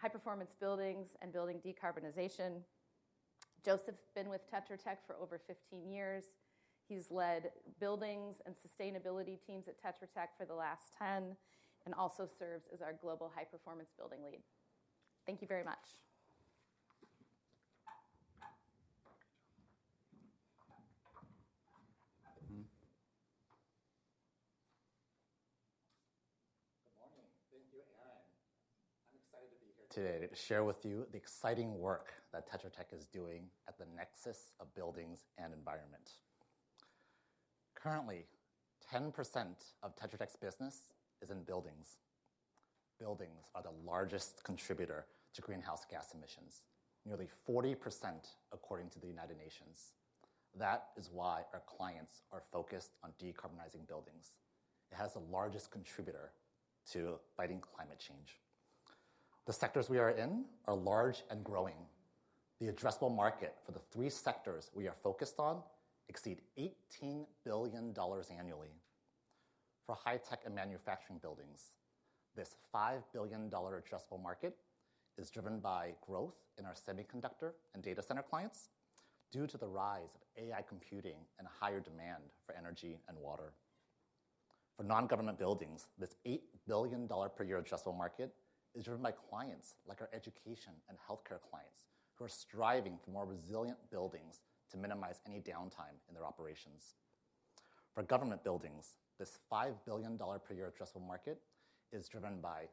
high-performance buildings and building decarbonization. Joseph's been with Tetra Tech for over 15 years. He's led buildings and sustainability teams at Tetra Tech for the last 10 and also serves as our global high-performance building lead. Thank you very much.
Good morning. Thank you, Erin. I'm excited to be here today to share with you the exciting work that Tetra Tech is doing at the nexus of buildings and environment. Currently, 10% of Tetra Tech's business is in buildings. Buildings are the largest contributor to greenhouse gas emissions, nearly 40% according to the United Nations. That is why our clients are focused on decarbonizing buildings. It has the largest contributor to fighting climate change. The sectors we are in are large and growing. The addressable market for the three sectors we are focused on exceeds $18 billion annually. For high-tech and manufacturing buildings, this $5 billion addressable market is driven by growth in our semiconductor and data center clients due to the rise of AI computing and higher demand for energy and water. For non-government buildings, this $8 billion per year addressable market is driven by clients like our education and healthcare clients who are striving for more resilient buildings to minimize any downtime in their operations. For government buildings, this $5 billion per year addressable market is driven by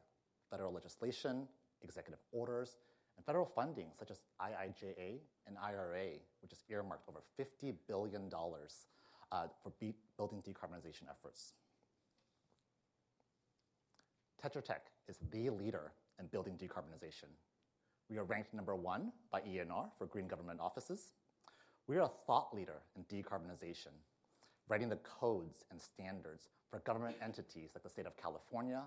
federal legislation, executive orders, and federal funding such as IIJA and IRA, which has earmarked over $50 billion for building decarbonization efforts. Tetra Tech is the leader in building decarbonization. We are ranked number 1 by ENR for green government offices. We are a thought leader in decarbonization, writing the codes and standards for government entities like the state of California,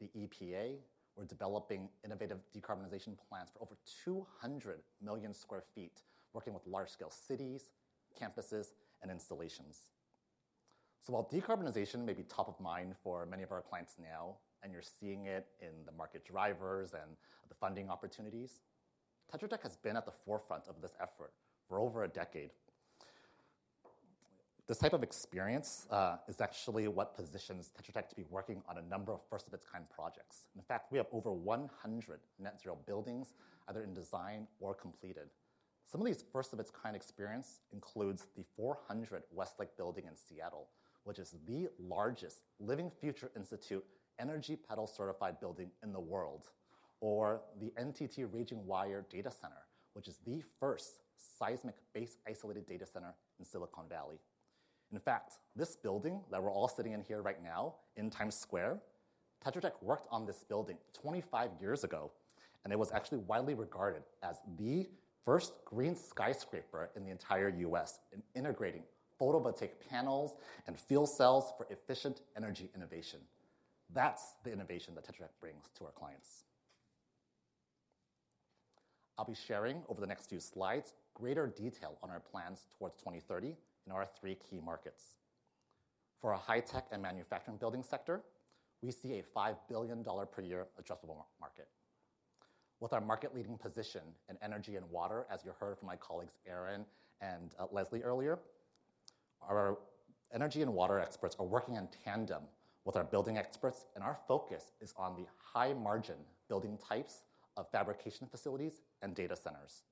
the EPA. We're developing innovative decarbonization plans for over 200 million sq ft, working with large-scale cities, campuses, and installations. So, while decarbonization may be top of mind for many of our clients now, and you're seeing it in the market drivers and the funding opportunities, Tetra Tech has been at the forefront of this effort for over a decade. This type of experience is actually what positions Tetra Tech to be working on a number of first-of-its-kind projects. In fact, we have over 100 net-zero buildings either in design or completed. Some of these first-of-its-kind experiences include the 400 Westlake Building in Seattle, which is the largest Living Future Institute Energy Petal-certified building in the world, or the NTT RagingWire Data Center, which is the first seismic base-isolated data center in Silicon Valley. In fact, this building that we're all sitting in here right now in Times Square, Tetra Tech worked on this building 25 years ago. It was actually widely regarded as the first green skyscraper in the entire U.S. in integrating photovoltaic panels and fuel cells for efficient energy innovation. That's the innovation that Tetra Tech brings to our clients. I'll be sharing over the next few slides greater detail on our plans towards 2030 in our three key markets. For our high-tech and manufacturing building sector, we see a $5 billion per year addressable market. With our market-leading position in energy and water, as you heard from my colleagues Erin and Leslie earlier, our energy and water experts are working in tandem with our building experts. Our focus is on the high-margin building types of fabrication facilities and data centers.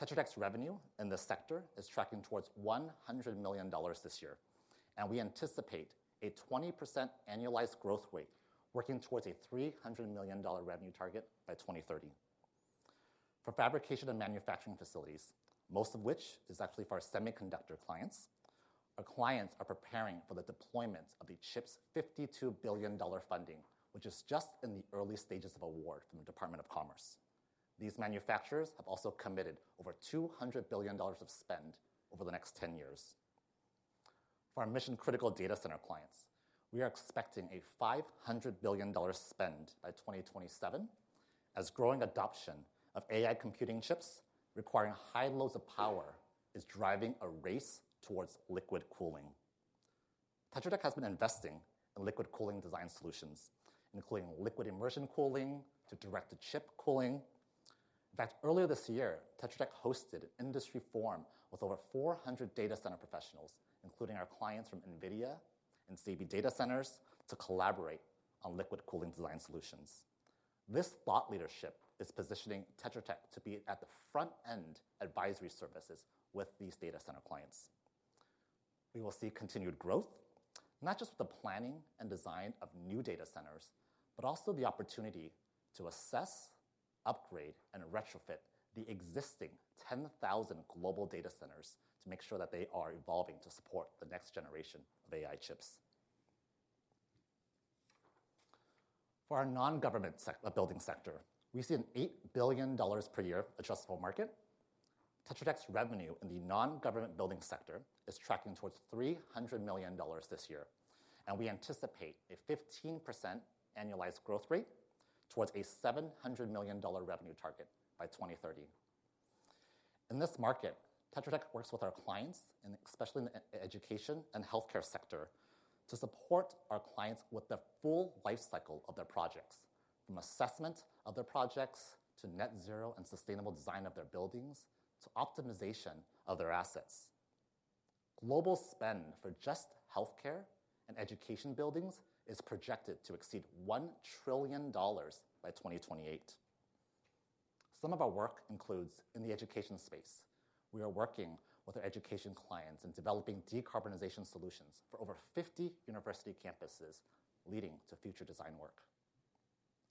Tetra Tech's revenue in this sector is tracking towards $100 million this year. We anticipate a 20% annualized growth rate, working towards a $300 million revenue target by 2030. For fabrication and manufacturing facilities, most of which is actually for our semiconductor clients, our clients are preparing for the deployment of the CHIPS $52 billion funding, which is just in the early stages of award from the Department of Commerce. These manufacturers have also committed over $200 billion of spend over the next 10 years. For our mission-critical data center clients, we are expecting a $500 billion spend by 2027, as growing adoption of AI computing chips requiring high loads of power is driving a race towards liquid cooling. Tetra Tech has been investing in liquid cooling design solutions, including liquid immersion cooling to direct-to-chip cooling. In fact, earlier this year, Tetra Tech hosted an industry forum with over 400 data center professionals, including our clients from NVIDIA and Sabey Data Centers, to collaborate on liquid cooling design solutions. This thought leadership is positioning Tetra Tech to be at the front-end advisory services with these data center clients. We will see continued growth, not just with the planning and design of new data centers, but also the opportunity to assess, upgrade, and retrofit the existing 10,000 global data centers to make sure that they are evolving to support the next generation of AI chips. For our non-government building sector, we see an $8 billion per year addressable market. Tetra Tech's revenue in the non-government building sector is tracking towards $300 million this year. We anticipate a 15% annualized growth rate towards a $700 million revenue target by 2030. In this market, Tetra Tech works with our clients, especially in the education and healthcare sector, to support our clients with the full lifecycle of their projects, from assessment of their projects to net-zero and sustainable design of their buildings to optimization of their assets. Global spend for just healthcare and education buildings is projected to exceed $1 trillion by 2028. Some of our work includes in the education space. We are working with our education clients in developing decarbonization solutions for over 50 university campuses, leading to future design work.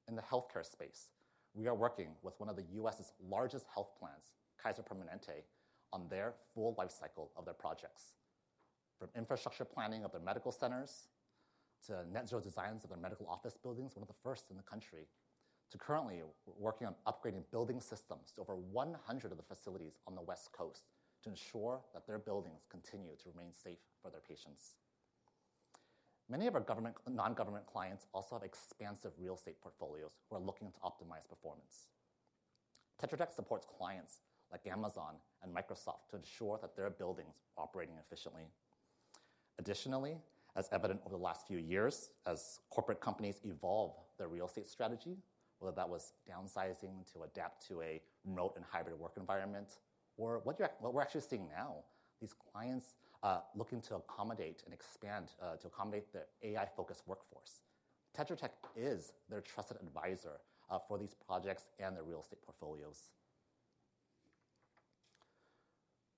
In the healthcare space, we are working with one of the U.S.'s largest health plans, Kaiser Permanente, on their full lifecycle of their projects, from infrastructure planning of their medical centers to net-zero designs of their medical office buildings, one of the first in the country, to currently working on upgrading building systems to over 100 of the facilities on the West Coast to ensure that their buildings continue to remain safe for their patients. Many of our non-government clients also have expansive real estate portfolios who are looking to optimize performance. Tetra Tech supports clients like Amazon and Microsoft to ensure that their buildings are operating efficiently. Additionally, as evident over the last few years, as corporate companies evolve their real estate strategy, whether that was downsizing to adapt to a remote and hybrid work environment or what we're actually seeing now, these clients looking to accommodate and expand to accommodate their AI-focused workforce. Tetra Tech is their trusted advisor for these projects and their real estate portfolios.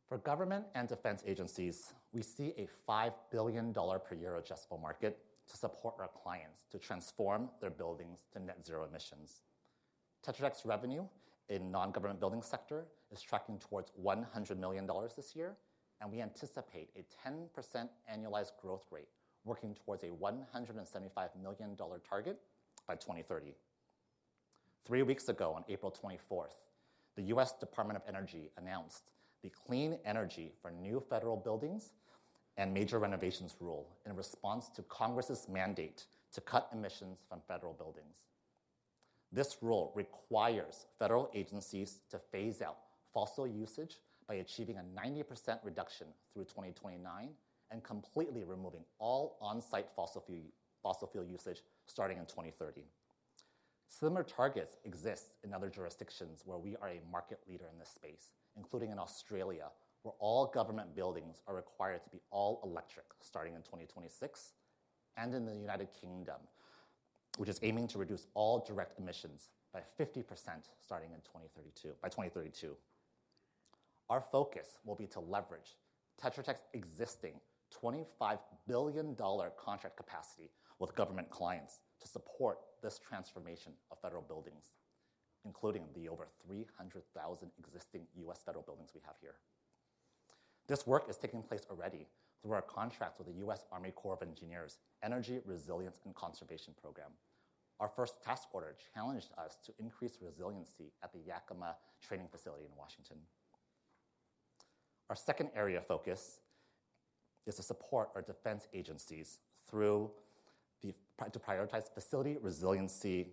For government and defense agencies, we see a $5 billion per year addressable market to support our clients to transform their buildings to net-zero emissions. Tetra Tech's revenue in the non-government building sector is tracking towards $100 million this year. We anticipate a 10% annualized growth rate, working towards a $175 million target by 2030. Three weeks ago, on April 24th, the U.S. Department of Energy announced the Clean Energy for New Federal Buildings and Major Renovations Rule in response to Congress's mandate to cut emissions from federal buildings. This rule requires federal agencies to phase out fossil usage by achieving a 90% reduction through 2029 and completely removing all on-site fossil fuel usage starting in 2030. Similar targets exist in other jurisdictions where we are a market leader in this space, including in Australia, where all government buildings are required to be all electric starting in 2026 and in the United Kingdom, which is aiming to reduce all direct emissions by 50% starting in 2032. Our focus will be to leverage Tetra Tech's existing $25 billion contract capacity with government clients to support this transformation of federal buildings, including the over 300,000 existing U.S. federal buildings we have here. This work is taking place already through our contracts with the U.S. Army Corps of Engineers Energy, Resilience, and Conservation Program. Our first task order challenged us to increase resiliency at the Yakima Training Center in Washington. Our second area of focus is to support our defense agencies through the to prioritize facility resiliency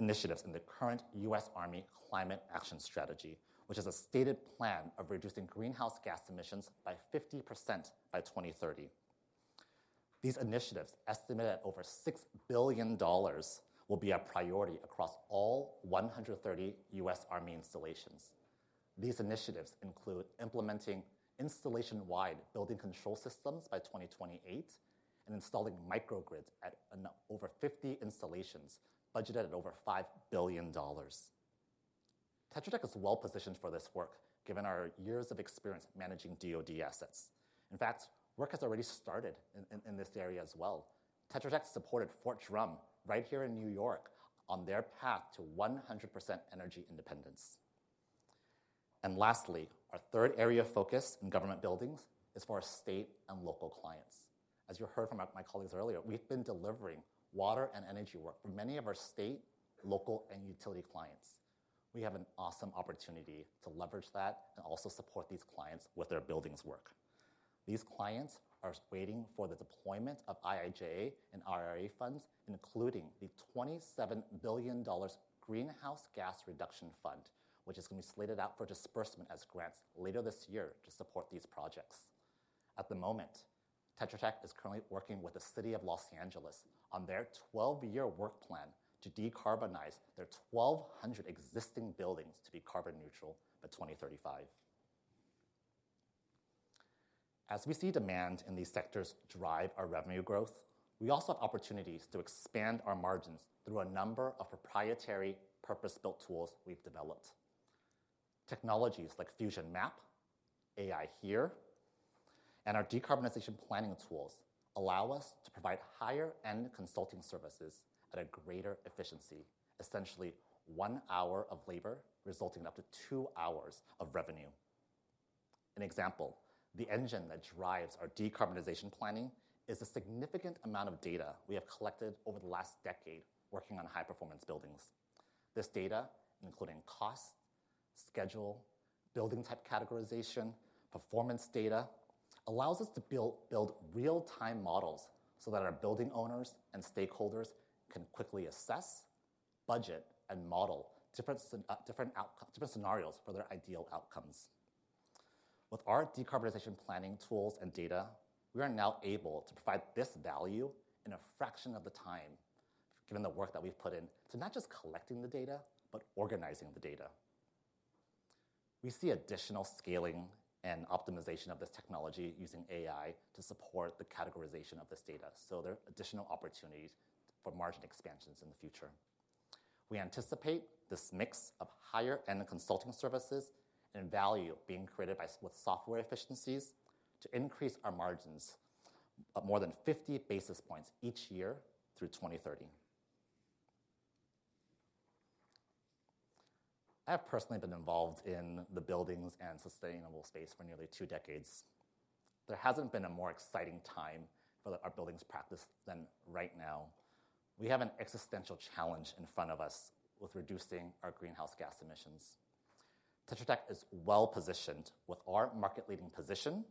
initiatives in the current U.S. Army Climate Action Strategy, which is a stated plan of reducing greenhouse gas emissions by 50% by 2030. These initiatives estimate at over $6 billion will be a priority across all 130 U.S. Army installations. These initiatives include implementing installation-wide building control systems by 2028 and installing microgrids at over 50 installations budgeted at over $5 billion. Tetra Tech is well-positioned for this work, given our years of experience managing DoD assets. In fact, work has already started in this area as well. Tetra Tech supported Fort Drum right here in New York on their path to 100% energy independence. Lastly, our third area of focus in government buildings is for our state and local clients. As you heard from my colleagues earlier, we've been delivering water and energy work for many of our state, local, and utility clients. We have an awesome opportunity to leverage that and also support these clients with their buildings work. These clients are waiting for the deployment of IIJA and IRA funds, including the $27 billion Greenhouse Gas Reduction Fund, which is going to be slated out for disbursement as grants later this year to support these projects. At the moment, Tetra Tech is currently working with the city of Los Angeles on their 12-year work plan to decarbonize their 1,200 existing buildings to be carbon neutral by 2035. As we see demand in these sectors drive our revenue growth, we also have opportunities to expand our margins through a number of proprietary purpose-built tools we've developed. Technologies like FusionMap, AI Here, and our decarbonization planning tools allow us to provide higher-end consulting services at a greater efficiency, essentially one hour of labor resulting in up to two hours of revenue. An example, the engine that drives our decarbonization planning is a significant amount of data we have collected over the last decade working on high-performance buildings. This data, including cost, schedule, building type categorization, performance data, allows us to build real-time models so that our building owners and stakeholders can quickly assess, budget, and model different scenarios for their ideal outcomes. With our decarbonization planning tools and data, we are now able to provide this value in a fraction of the time, given the work that we've put in to not just collecting the data but organizing the data. We see additional scaling and optimization of this technology using AI to support the categorization of this data. So, there are additional opportunities for margin expansions in the future. We anticipate this mix of higher-end consulting services and value being created with software efficiencies to increase our margins more than 50 basis points each year through 2030. I have personally been involved in the buildings and sustainable space for nearly two decades. There hasn't been a more exciting time for our buildings practice than right now. We have an existential challenge in front of us with reducing our greenhouse gas emissions. Tetra Tech is well-positioned with our market-leading position,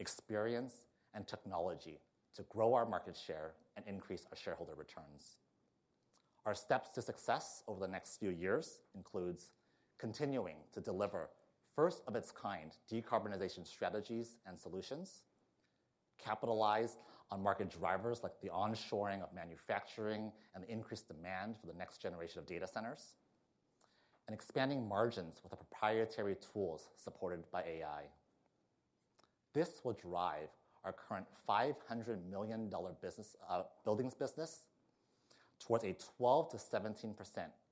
experience, and technology to grow our market share and increase our shareholder returns. Our steps to success over the next few years include continuing to deliver first-of-its-kind decarbonization strategies and solutions, capitalize on market drivers like the onshoring of manufacturing and the increased demand for the next generation of data centers, and expanding margins with proprietary tools supported by AI. This will drive our current $500 million buildings business towards a 12%-17%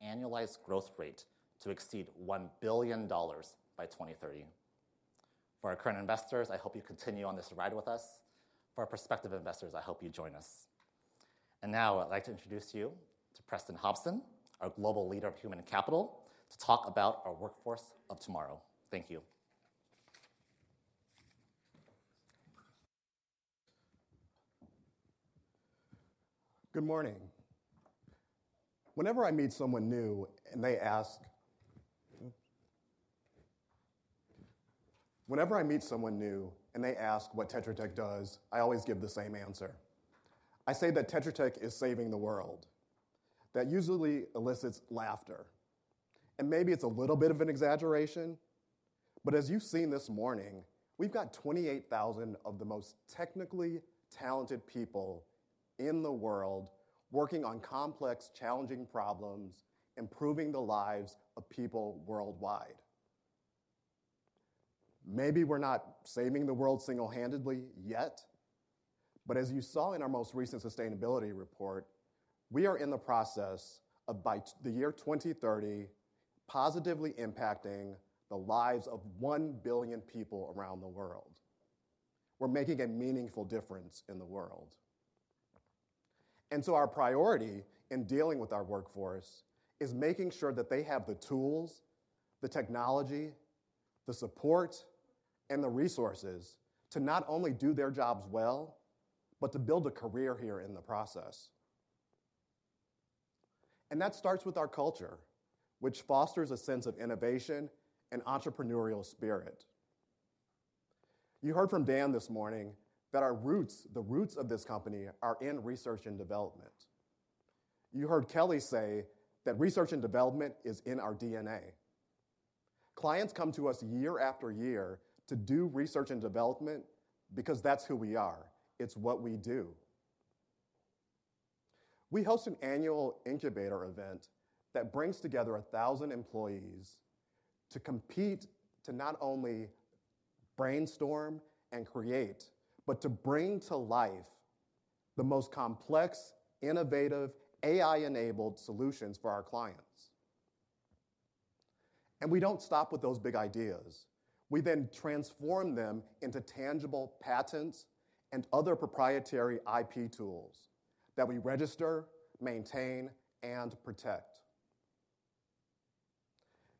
annualized growth rate to exceed $1 billion by 2030. For our current investors, I hope you continue on this ride with us. For our prospective investors, I hope you join us. And now, I'd like to introduce you to Preston Hopson, our global leader of human capital, to talk about our workforce of tomorrow. Thank you.
Good morning. Whenever I meet someone new and they ask what Tetra Tech does, I always give the same answer. I say that Tetra Tech is saving the world, that usually elicits laughter. And maybe it's a little bit of an exaggeration. But as you've seen this morning, we've got 28,000 of the most technically talented people in the world working on complex, challenging problems, improving the lives of people worldwide. Maybe we're not saving the world single-handedly yet. But as you saw in our most recent sustainability report, we are in the process of, by the year 2030, positively impacting the lives of 1 billion people around the world. We're making a meaningful difference in the world. So, our priority in dealing with our workforce is making sure that they have the tools, the technology, the support, and the resources to not only do their jobs well, but to build a career here in the process. That starts with our culture, which fosters a sense of innovation and entrepreneurial spirit. You heard from Dan this morning that our roots, the roots of this company, are in research and development. You heard Kelly say that research and development is in our DNA. Clients come to us year after year to do research and development because that's who we are. It's what we do. We host an annual incubator event that brings together 1,000 employees to compete to not only brainstorm and create, but to bring to life the most complex, innovative, AI-enabled solutions for our clients. We don't stop with those big ideas. We then transform them into tangible patents and other proprietary IP tools that we register, maintain, and protect.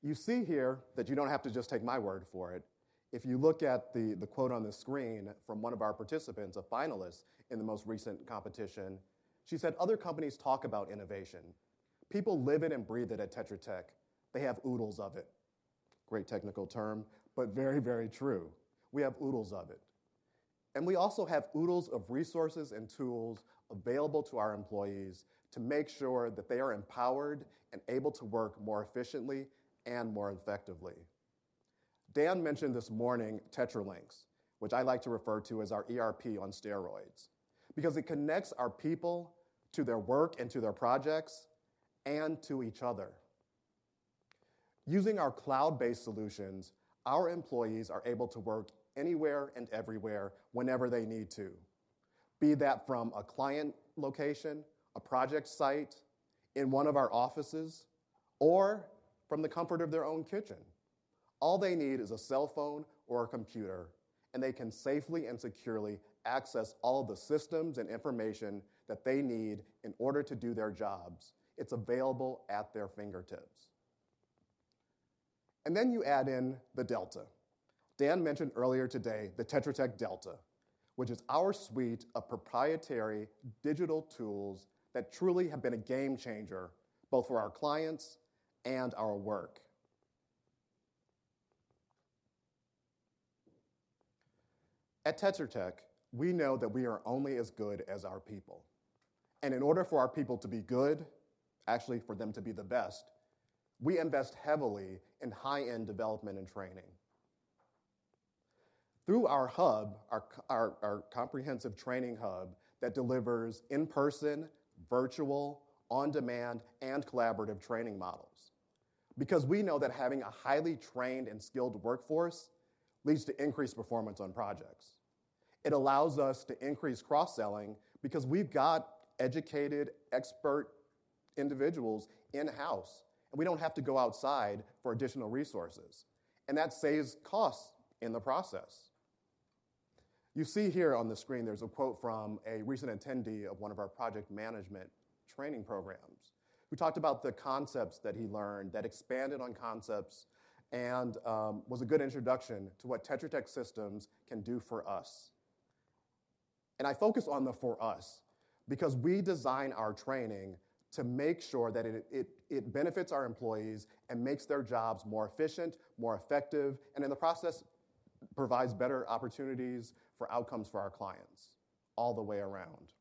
You see here that you don't have to just take my word for it. If you look at the quote on the screen from one of our participants, a finalist in the most recent competition, she said, "Other companies talk about innovation. People live it and breathe it at Tetra Tech. They have oodles of it." Great technical term, but very, very true. We have oodles of it. And we also have oodles of resources and tools available to our employees to make sure that they are empowered and able to work more efficiently and more effectively. Dan mentioned this morning TetraLinx, which I like to refer to as our ERP on steroids, because it connects our people to their work and to their projects and to each other. Using our cloud-based solutions, our employees are able to work anywhere and everywhere whenever they need to, be that from a client location, a project site, in one of our offices, or from the comfort of their own kitchen. All they need is a cell phone or a computer, and they can safely and securely access all of the systems and information that they need in order to do their jobs. It's available at their fingertips. And then you add in the Delta. Dan mentioned earlier today the Tetra Tech Delta, which is our suite of proprietary digital tools that truly have been a game-changer both for our clients and our work. At Tetra Tech, we know that we are only as good as our people. And in order for our people to be good, actually for them to be the best, we invest heavily in high-end development and training. Through our hub, our comprehensive training hub that delivers in-person, virtual, on-demand, and collaborative training models, because we know that having a highly trained and skilled workforce leads to increased performance on projects. It allows us to increase cross-selling because we've got educated, expert individuals in-house, and we don't have to go outside for additional resources. That saves costs in the process. You see here on the screen, there's a quote from a recent attendee of one of our project management training programs who talked about the concepts that he learned, that expanded on concepts, and was a good introduction to what Tetra Tech systems can do for us. I focus on the "for us" because we design our training to make sure that it benefits our employees and makes their jobs more efficient, more effective, and in the process provides better opportunities for outcomes for our clients all the way around.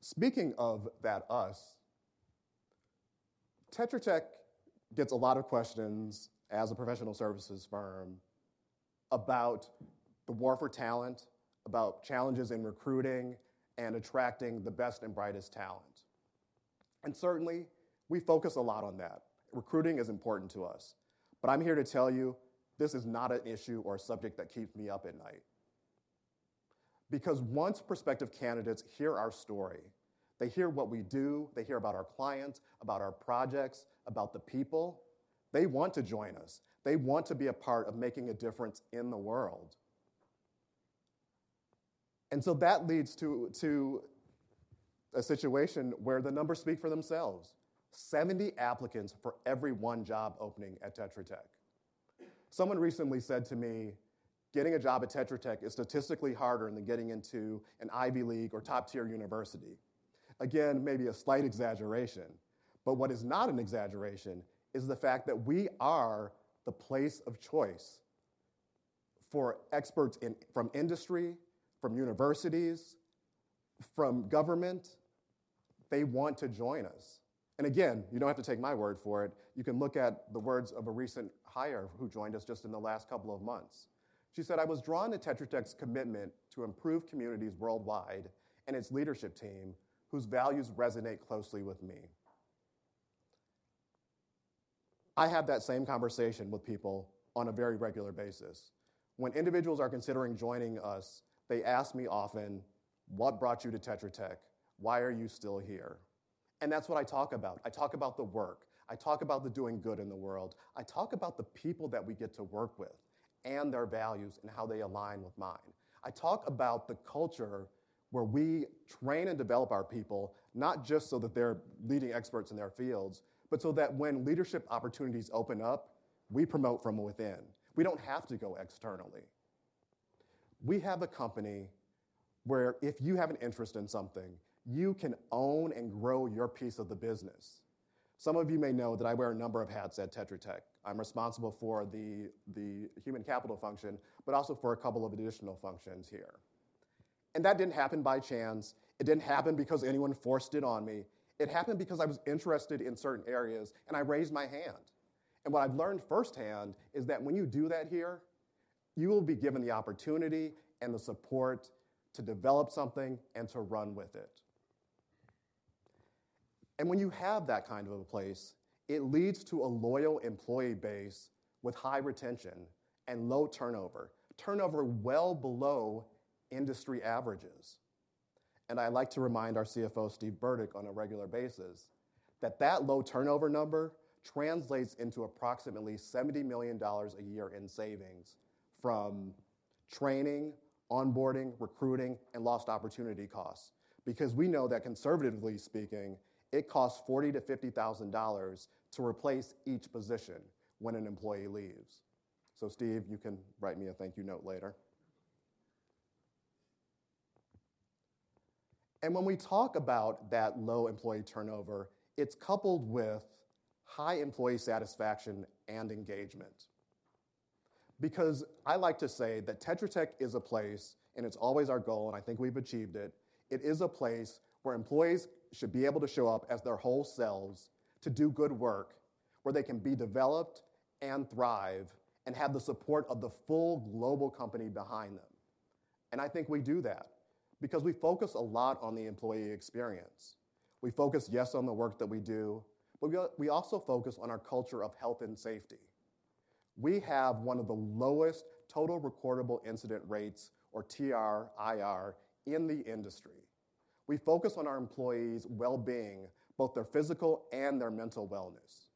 Speaking of that "us," Tetra Tech gets a lot of questions as a professional services firm about the war for talent, about challenges in recruiting and attracting the best and brightest talent. Certainly, we focus a lot on that. Recruiting is important to us. But I'm here to tell you, this is not an issue or a subject that keeps me up at night. Because once prospective candidates hear our story, they hear what we do, they hear about our clients, about our projects, about the people, they want to join us. They want to be a part of making a difference in the world. And so that leads to a situation where the numbers speak for themselves: 70 applicants for every 1 job opening at Tetra Tech. Someone recently said to me, "Getting a job at Tetra Tech is statistically harder than getting into an Ivy League or top-tier university." Again, maybe a slight exaggeration. But what is not an exaggeration is the fact that we are the place of choice for experts from industry, from universities, from government. They want to join us. And again, you don't have to take my word for it. You can look at the words of a recent hire who joined us just in the last couple of months. She said, "I was drawn to Tetra Tech's commitment to improve communities worldwide and its leadership team whose values resonate closely with me." I have that same conversation with people on a very regular basis. When individuals are considering joining us, they ask me often, "What brought you to Tetra Tech? Why are you still here?" That's what I talk about. I talk about the work. I talk about the doing good in the world. I talk about the people that we get to work with and their values and how they align with mine. I talk about the culture where we train and develop our people not just so that they're leading experts in their fields, but so that when leadership opportunities open up, we promote from within. We don't have to go externally. We have a company where if you have an interest in something, you can own and grow your piece of the business. Some of you may know that I wear a number of hats at Tetra Tech. I'm responsible for the human capital function, but also for a couple of additional functions here. That didn't happen by chance. It didn't happen because anyone forced it on me. It happened because I was interested in certain areas, and I raised my hand. What I've learned firsthand is that when you do that here, you will be given the opportunity and the support to develop something and to run with it. When you have that kind of a place, it leads to a loyal employee base with high retention and low turnover, turnover well below industry averages. I like to remind our CFO, Steve Burdick, on a regular basis that that low turnover number translates into approximately $70 million a year in savings from training, onboarding, recruiting, and lost opportunity costs. Because we know that, conservatively speaking, it costs $40,000-$50,000 to replace each position when an employee leaves. So, Steve, you can write me a thank-you note later. And when we talk about that low employee turnover, it's coupled with high employee satisfaction and engagement. Because I like to say that Tetra Tech is a place, and it's always our goal, and I think we've achieved it, it is a place where employees should be able to show up as their whole selves to do good work, where they can be developed and thrive and have the support of the full global company behind them. And I think we do that because we focus a lot on the employee experience. We focus, yes, on the work that we do, but we also focus on our culture of health and safety. We have one of the lowest total recordable incident rates, or TRIR, in the industry. We focus on our employees' well-being, both their physical and their mental wellness.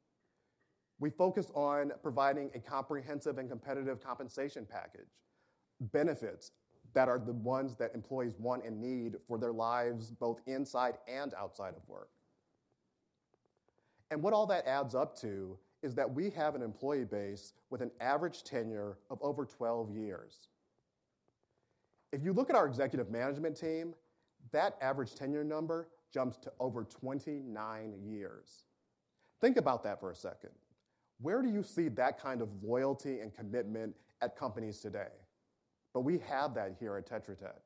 We focus on providing a comprehensive and competitive compensation package, benefits that are the ones that employees want and need for their lives both inside and outside of work. And what all that adds up to is that we have an employee base with an average tenure of over 12 years. If you look at our executive management team, that average tenure number jumps to over 29 years. Think about that for a second. Where do you see that kind of loyalty and commitment at companies today? But we have that here at Tetra Tech.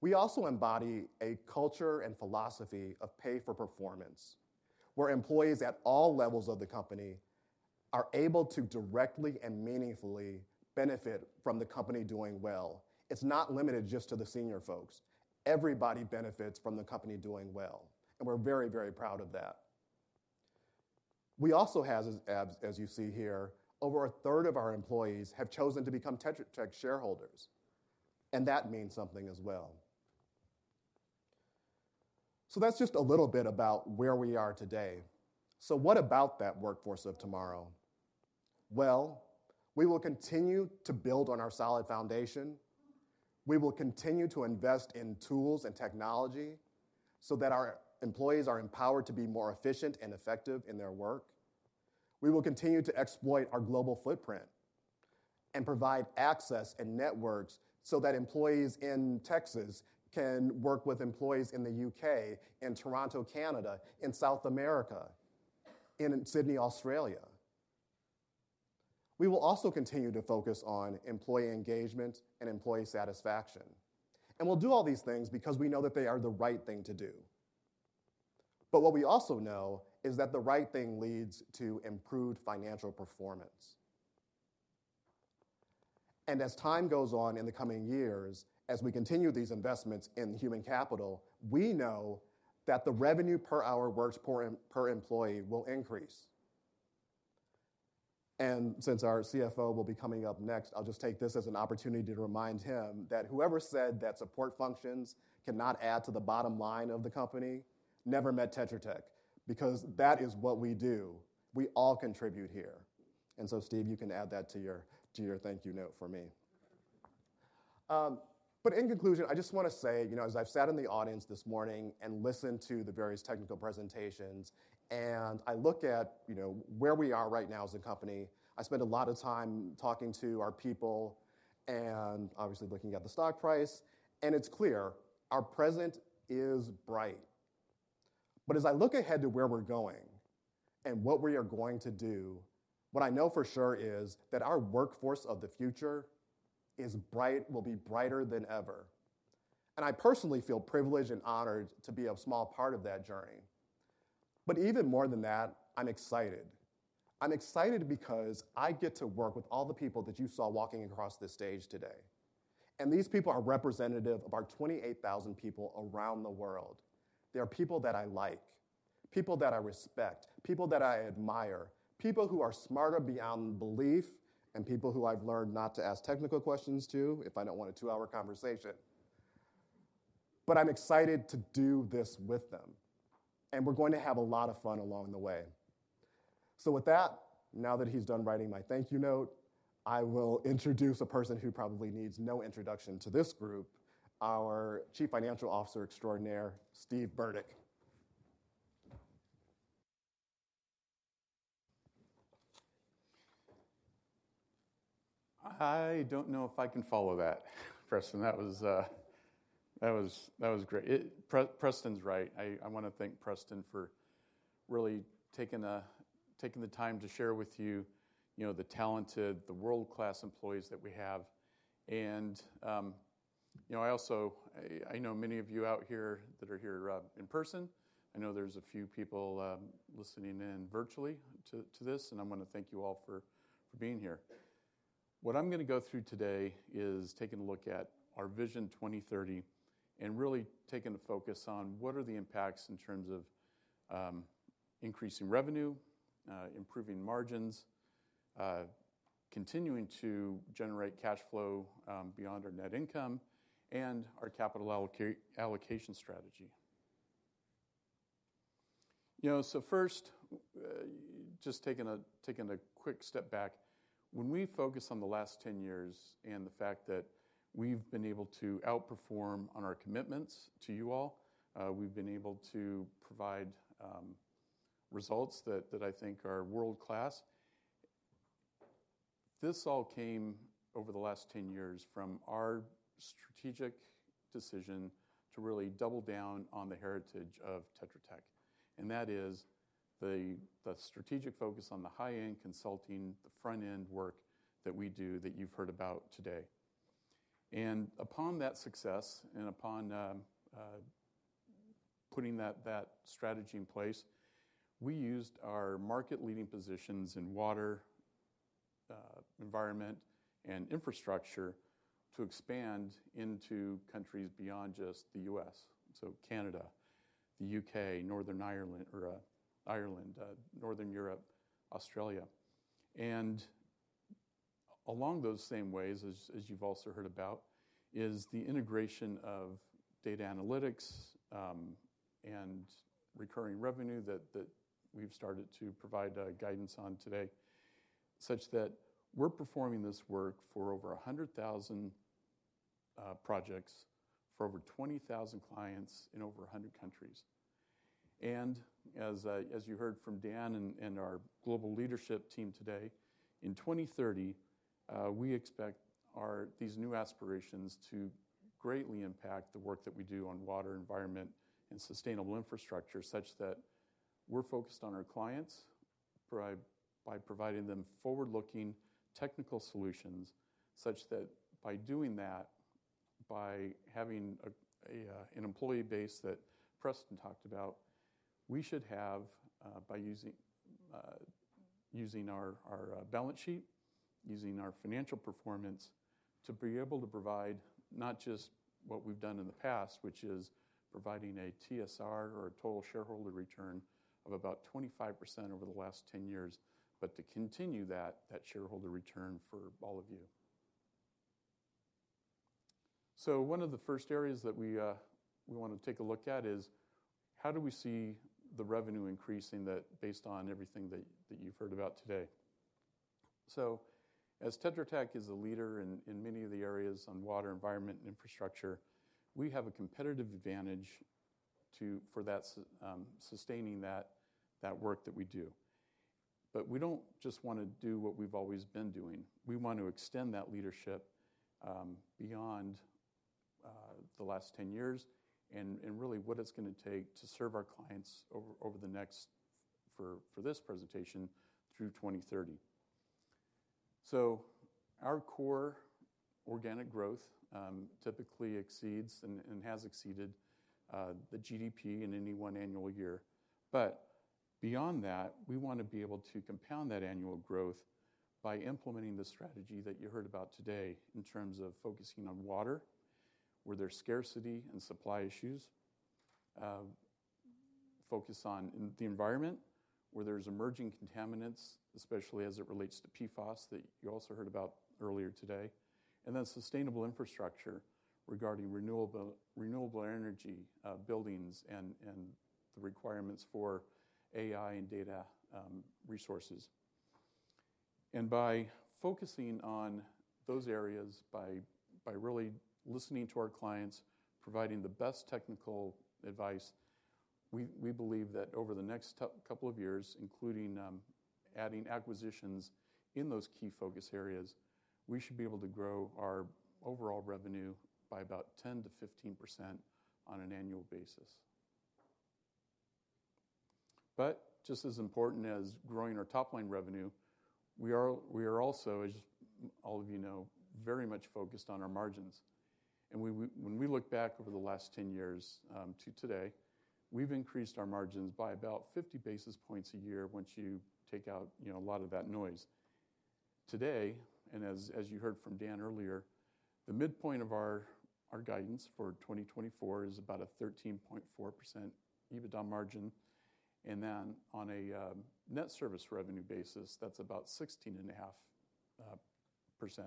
We also embody a culture and philosophy of pay for performance, where employees at all levels of the company are able to directly and meaningfully benefit from the company doing well. It's not limited just to the senior folks. Everybody benefits from the company doing well. And we're very, very proud of that. We also have, as you see here, over a third of our employees have chosen to become Tetra Tech shareholders. And that means something as well. So that's just a little bit about where we are today. So, what about that workforce of tomorrow? Well, we will continue to build on our solid foundation. We will continue to invest in tools and technology so that our employees are empowered to be more efficient and effective in their work. We will continue to exploit our global footprint and provide access and networks so that employees in Texas can work with employees in the U.K., in Toronto, Canada, in South America, and in Sydney, Australia. We will also continue to focus on employee engagement and employee satisfaction. We'll do all these things because we know that they are the right thing to do. But what we also know is that the right thing leads to improved financial performance. As time goes on in the coming years, as we continue these investments in human capital, we know that the revenue per hour per employee will increase. And since our CFO will be coming up next, I'll just take this as an opportunity to remind him that whoever said that support functions cannot add to the bottom line of the company never met Tetra Tech, because that is what we do. We all contribute here. And so, Steve, you can add that to your thank-you note for me. But in conclusion, I just want to say, you know, as I've sat in the audience this morning and listened to the various technical presentations, and I look at, you know, where we are right now as a company, I spent a lot of time talking to our people and obviously looking at the stock price. And it's clear, our present is bright. But as I look ahead to where we're going and what we are going to do, what I know for sure is that our workforce of the future will be brighter than ever. And I personally feel privileged and honored to be a small part of that journey. But even more than that, I'm excited. I'm excited because I get to work with all the people that you saw walking across this stage today. And these people are representative of our 28,000 people around the world. They are people that I like, people that I respect, people that I admire, people who are smarter beyond belief, and people who I've learned not to ask technical questions to if I don't want a two-hour conversation. But I'm excited to do this with them. And we're going to have a lot of fun along the way. So with that, now that he's done writing my thank-you note, I will introduce a person who probably needs no introduction to this group, our Chief Financial Officer Extraordinaire, Steve Burdick.
I don't know if I can follow that, Preston. That was great. Preston's right. I want to thank Preston for really taking the time to share with you, you know, the talented, the world-class employees that we have. And, you know, I also know many of you out here that are here in person. I know there's a few people listening in virtually to this, and I want to thank you all for being here. What I'm going to go through today is taking a look at our Vision 2030 and really taking a focus on what are the impacts in terms of increasing revenue, improving margins, continuing to generate cash flow beyond our net income, and our capital allocation strategy. You know, so first, just taking a quick step back, when we focus on the last 10 years and the fact that we've been able to outperform on our commitments to you all, we've been able to provide results that I think are world-class. This all came over the last 10 years from our strategic decision to really double down on the heritage of Tetra Tech. That is the strategic focus on the high-end consulting, the front-end work that we do that you've heard about today. Upon that success and upon putting that strategy in place, we used our market-leading positions in water, environment, and infrastructure to expand into countries beyond just the U.S., so Canada, the U.K., Northern Ireland, Northern Europe, Australia. Along those same ways, as you've also heard about, is the integration of data analytics and recurring revenue that we've started to provide guidance on today, such that we're performing this work for over 100,000 projects, for over 20,000 clients in over 100 countries. As you heard from Dan and our global leadership team today, in 2030, we expect these new aspirations to greatly impact the work that we do on water, environment, and sustainable infrastructure, such that we're focused on our clients by providing them forward-looking technical solutions, such that by doing that, by having an employee base that Preston talked about, we should have, by using our balance sheet, using our financial performance, to be able to provide not just what we've done in the past, which is providing a TSR or a total shareholder return of about 25% over the last 10 years, but to continue that shareholder return for all of you. So, one of the first areas that we want to take a look at is how do we see the revenue increasing based on everything that you've heard about today? As Tetra Tech is a leader in many of the areas on water, environment, and infrastructure, we have a competitive advantage for sustaining that work that we do. We don't just want to do what we've always been doing. We want to extend that leadership beyond the last 10 years and really what it's going to take to serve our clients over the next, for this presentation, through 2030. Our core organic growth typically exceeds and has exceeded the GDP in any one annual year. But beyond that, we want to be able to compound that annual growth by implementing the strategy that you heard about today in terms of focusing on water, where there's scarcity and supply issues, focus on the environment, where there's emerging contaminants, especially as it relates to PFAS that you also heard about earlier today, and then sustainable infrastructure regarding renewable energy buildings and the requirements for AI and data resources. By focusing on those areas, by really listening to our clients, providing the best technical advice, we believe that over the next couple of years, including adding acquisitions in those key focus areas, we should be able to grow our overall revenue by about 10%-15% on an annual basis. But just as important as growing our top-line revenue, we are also, as all of you know, very much focused on our margins. When we look back over the last 10 years to today, we've increased our margins by about 50 basis points a year once you take out a lot of that noise. Today, and as you heard from Dan earlier, the midpoint of our guidance for 2024 is about a 13.4% EBITDA margin. Then on a net service revenue basis, that's about 16.5%.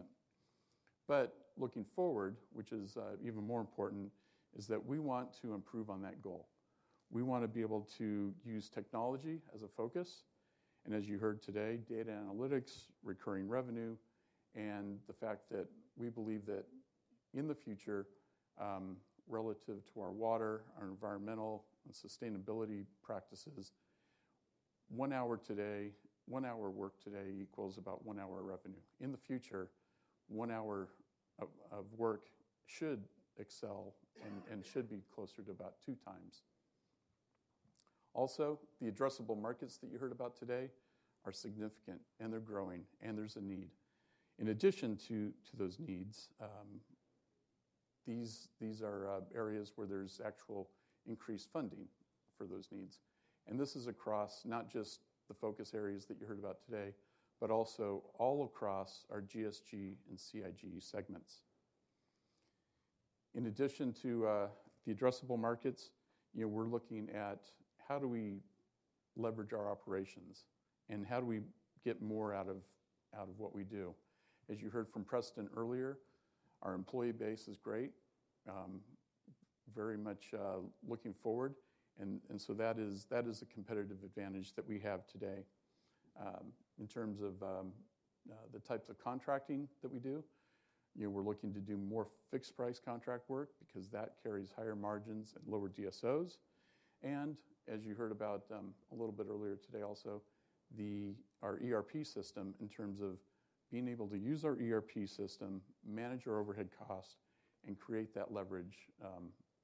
But looking forward, which is even more important, is that we want to improve on that goal. We want to be able to use technology as a focus. And as you heard today, data analytics, recurring revenue, and the fact that we believe that in the future, relative to our water, our environmental, and sustainability practices, one hour today, one hour work today equals about one hour revenue. In the future, one hour of work should excel and should be closer to about two times. Also, the addressable markets that you heard about today are significant, and they're growing, and there's a need. In addition to those needs, these are areas where there's actual increased funding for those needs. This is across not just the focus areas that you heard about today, but also all across our GSG and CIG segments. In addition to the addressable markets, we're looking at how do we leverage our operations, and how do we get more out of what we do. As you heard from Preston earlier, our employee base is great, very much looking forward. So, that is a competitive advantage that we have today in terms of the types of contracting that we do. We're looking to do more fixed-price contract work because that carries higher margins and lower DSOs. And as you heard about a little bit earlier today also, our ERP system in terms of being able to use our ERP system, manage our overhead cost, and create that leverage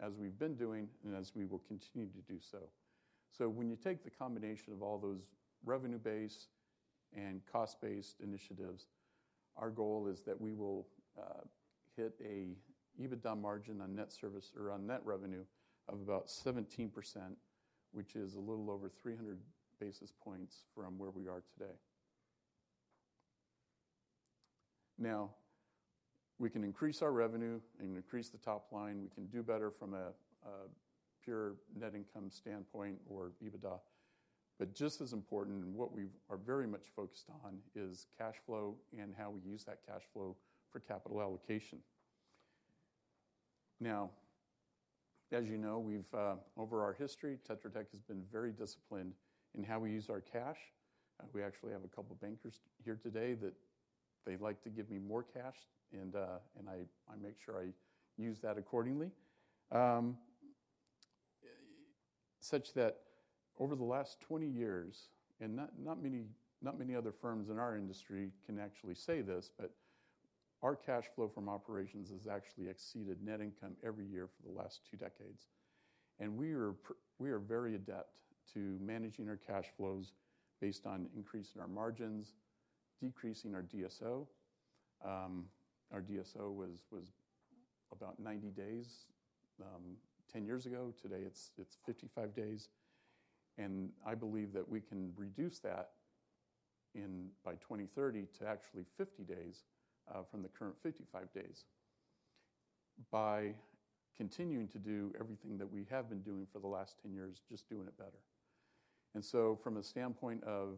as we've been doing and as we will continue to do so. So, when you take the combination of all those revenue-based and cost-based initiatives, our goal is that we will hit an EBITDA margin on net service or on net revenue of about 17%, which is a little over 300 basis points from where we are today. Now, we can increase our revenue and increase the top line. We can do better from a pure net income standpoint or EBITDA. But just as important and what we are very much focused on is cash flow and how we use that cash flow for capital allocation. Now, as you know, over our history, Tetra Tech has been very disciplined in how we use our cash. We actually have a couple of bankers here today that they like to give me more cash, and I make sure I use that accordingly. Such that over the last 20 years, and not many other firms in our industry can actually say this, but our cash flow from operations has actually exceeded net income every year for the last 2 decades. We are very adept to managing our cash flows based on increasing our margins, decreasing our DSO. Our DSO was about 90 days 10 years ago. Today, it's 55 days. I believe that we can reduce that by 2030 to actually 50 days from the current 55 days by continuing to do everything that we have been doing for the last 10 years, just doing it better. So, from a standpoint of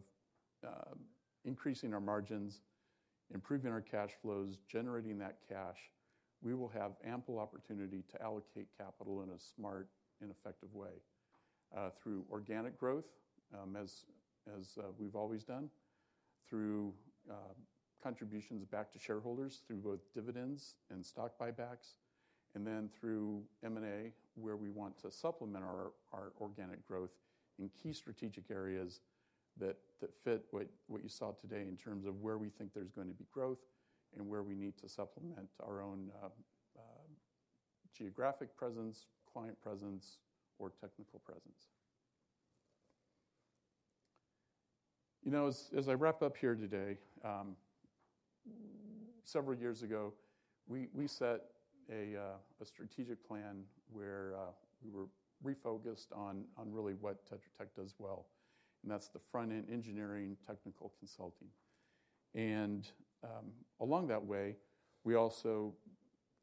increasing our margins, improving our cash flows, generating that cash, we will have ample opportunity to allocate capital in a smart and effective way through organic growth, as we've always done, through contributions back to shareholders, through both dividends and stock buybacks, and then through M&A, where we want to supplement our organic growth in key strategic areas that fit what you saw today in terms of where we think there's going to be growth and where we need to supplement our own geographic presence, client presence, or technical presence. As I wrap up here today, several years ago, we set a strategic plan where we were refocused on really what Tetra Tech does well. And that's the front-end engineering, technical consulting. Along that way, we also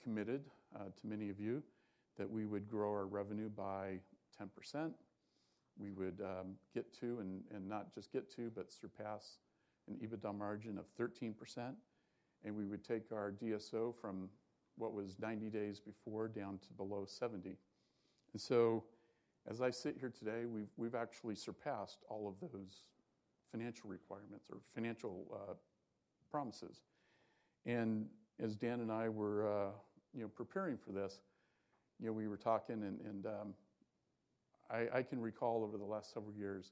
committed, to many of you, that we would grow our revenue by 10%. We would get to, and not just get to, but surpass an EBITDA margin of 13%. And we would take our DSO from what was 90 days before down to below 70. And so as I sit here today, we've actually surpassed all of those financial requirements or financial promises. And as Dan and I were preparing for this, we were talking, and I can recall over the last several years,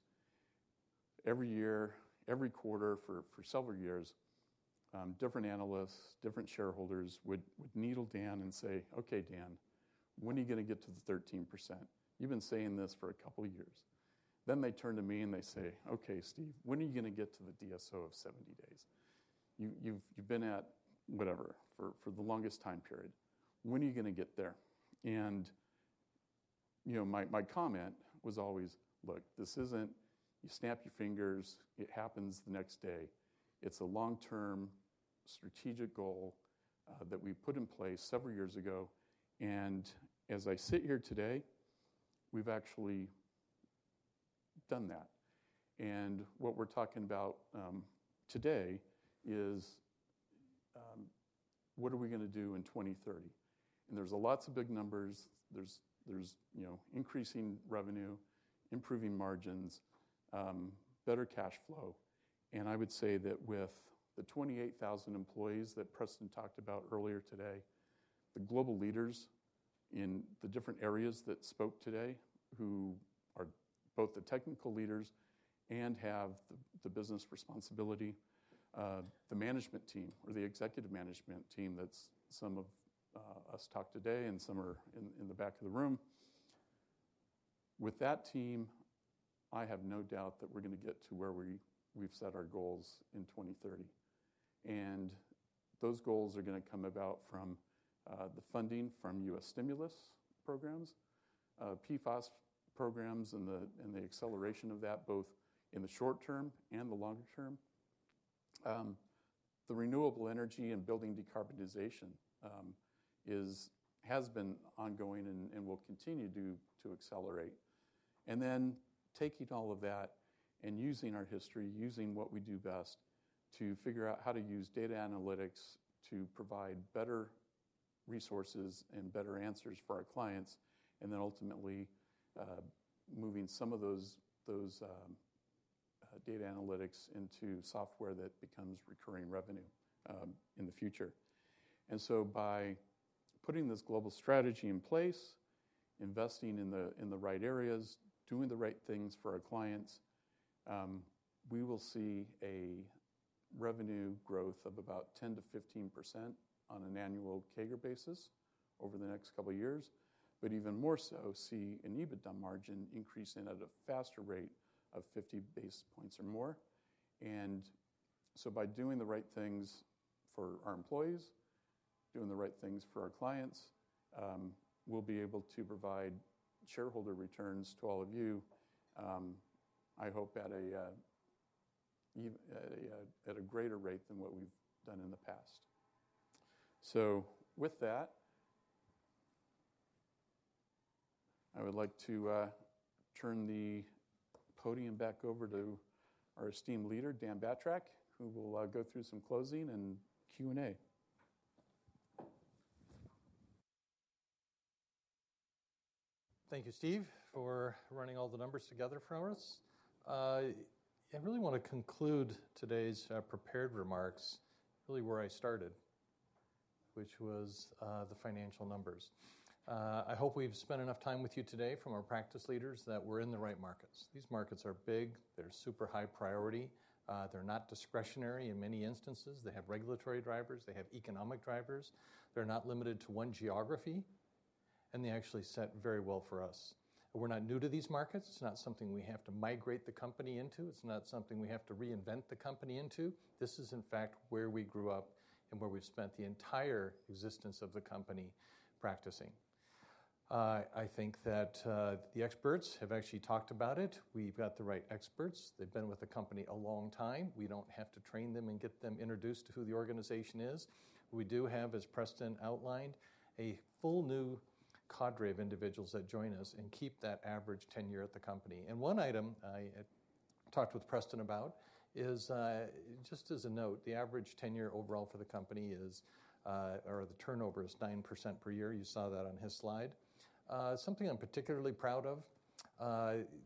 every year, every quarter for several years, different analysts, different shareholders would needle Dan and say, "OK, Dan, when are you going to get to the 13%? You've been saying this for a couple of years." Then they turn to me and they say, "OK, Steve, when are you going to get to the DSO of 70 days? You've been at whatever for the longest time period. When are you going to get there?" And my comment was always, "Look, this isn't you snap your fingers. It happens the next day. It's a long-term strategic goal that we put in place several years ago." And as I sit here today, we've actually done that. And what we're talking about today is what are we going to do in 2030? And there's lots of big numbers. There's increasing revenue, improving margins, better cash flow. I would say that with the 28,000 employees that Preston talked about earlier today, the global leaders in the different areas that spoke today, who are both the technical leaders and have the business responsibility, the management team or the executive management team that some of us talked today and some are in the back of the room, with that team, I have no doubt that we're going to get to where we've set our goals in 2030. Those goals are going to come about from the funding from U.S. stimulus programs, PFAS programs, and the acceleration of that, both in the short term and the longer term. The renewable energy and building decarbonization has been ongoing and will continue to accelerate. And then taking all of that and using our history, using what we do best to figure out how to use data analytics to provide better resources and better answers for our clients, and then ultimately moving some of those data analytics into software that becomes recurring revenue in the future. And so by putting this global strategy in place, investing in the right areas, doing the right things for our clients, we will see a revenue growth of about 10%-15% on an annual CAGR basis over the next couple of years, but even more so, see an EBITDA margin increase at a faster rate of 50 basis points or more. And so, by doing the right things for our employees, doing the right things for our clients, we'll be able to provide shareholder returns to all of you, I hope, at a greater rate than what we've done in the past. So, with that, I would like to turn the podium back over to our esteemed leader, Dan Batrack, who will go through some closing and Q&A. Thank you, Steve, for running all the numbers together for us. I really want to conclude today's prepared remarks really where I started, which was the financial numbers. I hope we've spent enough time with you today from our practice leaders that we're in the right markets. These markets are big. They're super high priority. They're not discretionary in many instances. They have regulatory drivers. They have economic drivers. They're not limited to one geography. And they actually set very well for us. We're not new to these markets. It's not something we have to migrate the company into. It's not something we have to reinvent the company into. This is, in fact, where we grew up and where we've spent the entire existence of the company practicing. I think that the experts have actually talked about it. We've got the right experts. They've been with the company a long time. We don't have to train them and get them introduced to who the organization is. We do have, as Preston outlined, a full new cadre of individuals that join us and keep that average tenure at the company. And one item I talked with Preston about is, just as a note, the average tenure overall for the company is, or the turnover is 9% per year. You saw that on his slide. Something I'm particularly proud of,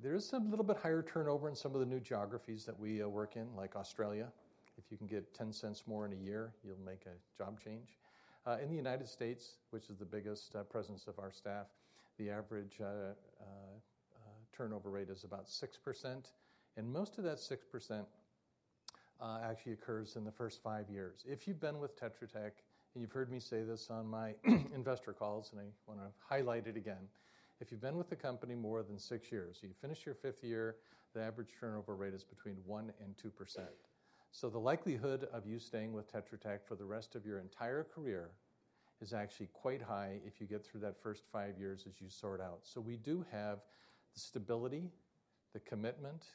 there is a little bit higher turnover in some of the new geographies that we work in, like Australia. If you can get $0.10 more in a year, you'll make a job change. In the United States, which is the biggest presence of our staff, the average turnover rate is about 6%. And most of that 6% actually occurs in the first 5 years. If you've been with Tetra Tech, and you've heard me say this on my investor calls, and I want to highlight it again, if you've been with the company more than 6 years, you finish your 5th year, the average turnover rate is between 1% and 2%. So, the likelihood of you staying with Tetra Tech for the rest of your entire career is actually quite high if you get through that first five years as you sort out. So, we do have the stability, the commitment,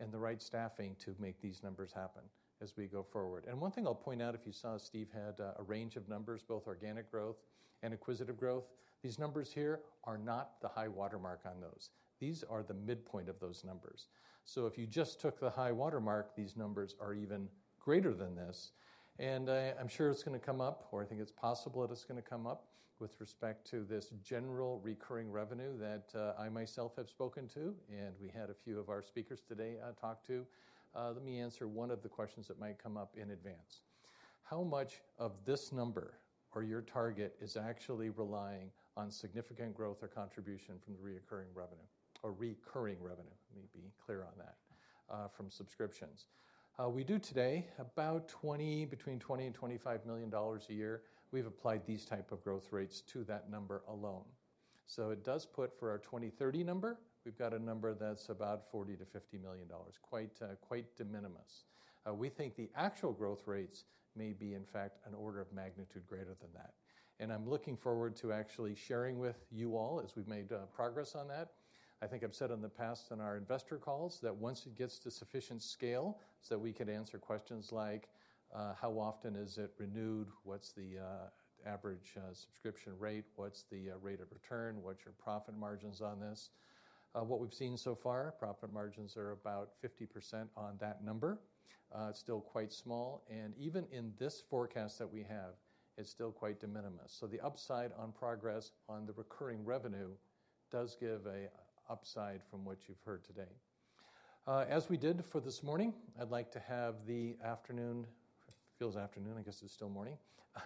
and the right staffing to make these numbers happen as we go forward. And one thing I'll point out, if you saw, Steve had a range of numbers, both organic growth and acquisitive growth. These numbers here are not the high watermark on those. These are the midpoint of those numbers. So, if you just took the high watermark, these numbers are even greater than this. And I'm sure it's going to come up, or I think it's possible that it's going to come up, with respect to this general recurring revenue that I myself have spoken to, and we had a few of our speakers today talk to. Let me answer one of the questions that might come up in advance. How much of this number or your target is actually relying on significant growth or contribution from the recurring revenue, or recurring revenue, let me be clear on that, from subscriptions? We do today about $20-$25 million a year. We've applied these types of growth rates to that number alone. So it does put, for our 2030 number, we've got a number that's about $40-$50 million, quite de minimis. We think the actual growth rates may be, in fact, an order of magnitude greater than that. And I'm looking forward to actually sharing with you all as we've made progress on that. I think I've said in the past on our investor calls that once it gets to sufficient scale so that we can answer questions like, how often is it renewed? What's the average subscription rate? What's the rate of return? What's your profit margins on this? What we've seen so far, profit margins are about 50% on that number. It's still quite small. And even in this forecast that we have, it's still quite de minimis. So, the upside on progress on the recurring revenue does give an upside from what you've heard today. As we did for this morning, I'd like to have the afternoon, feels afternoon. I guess it's still morning.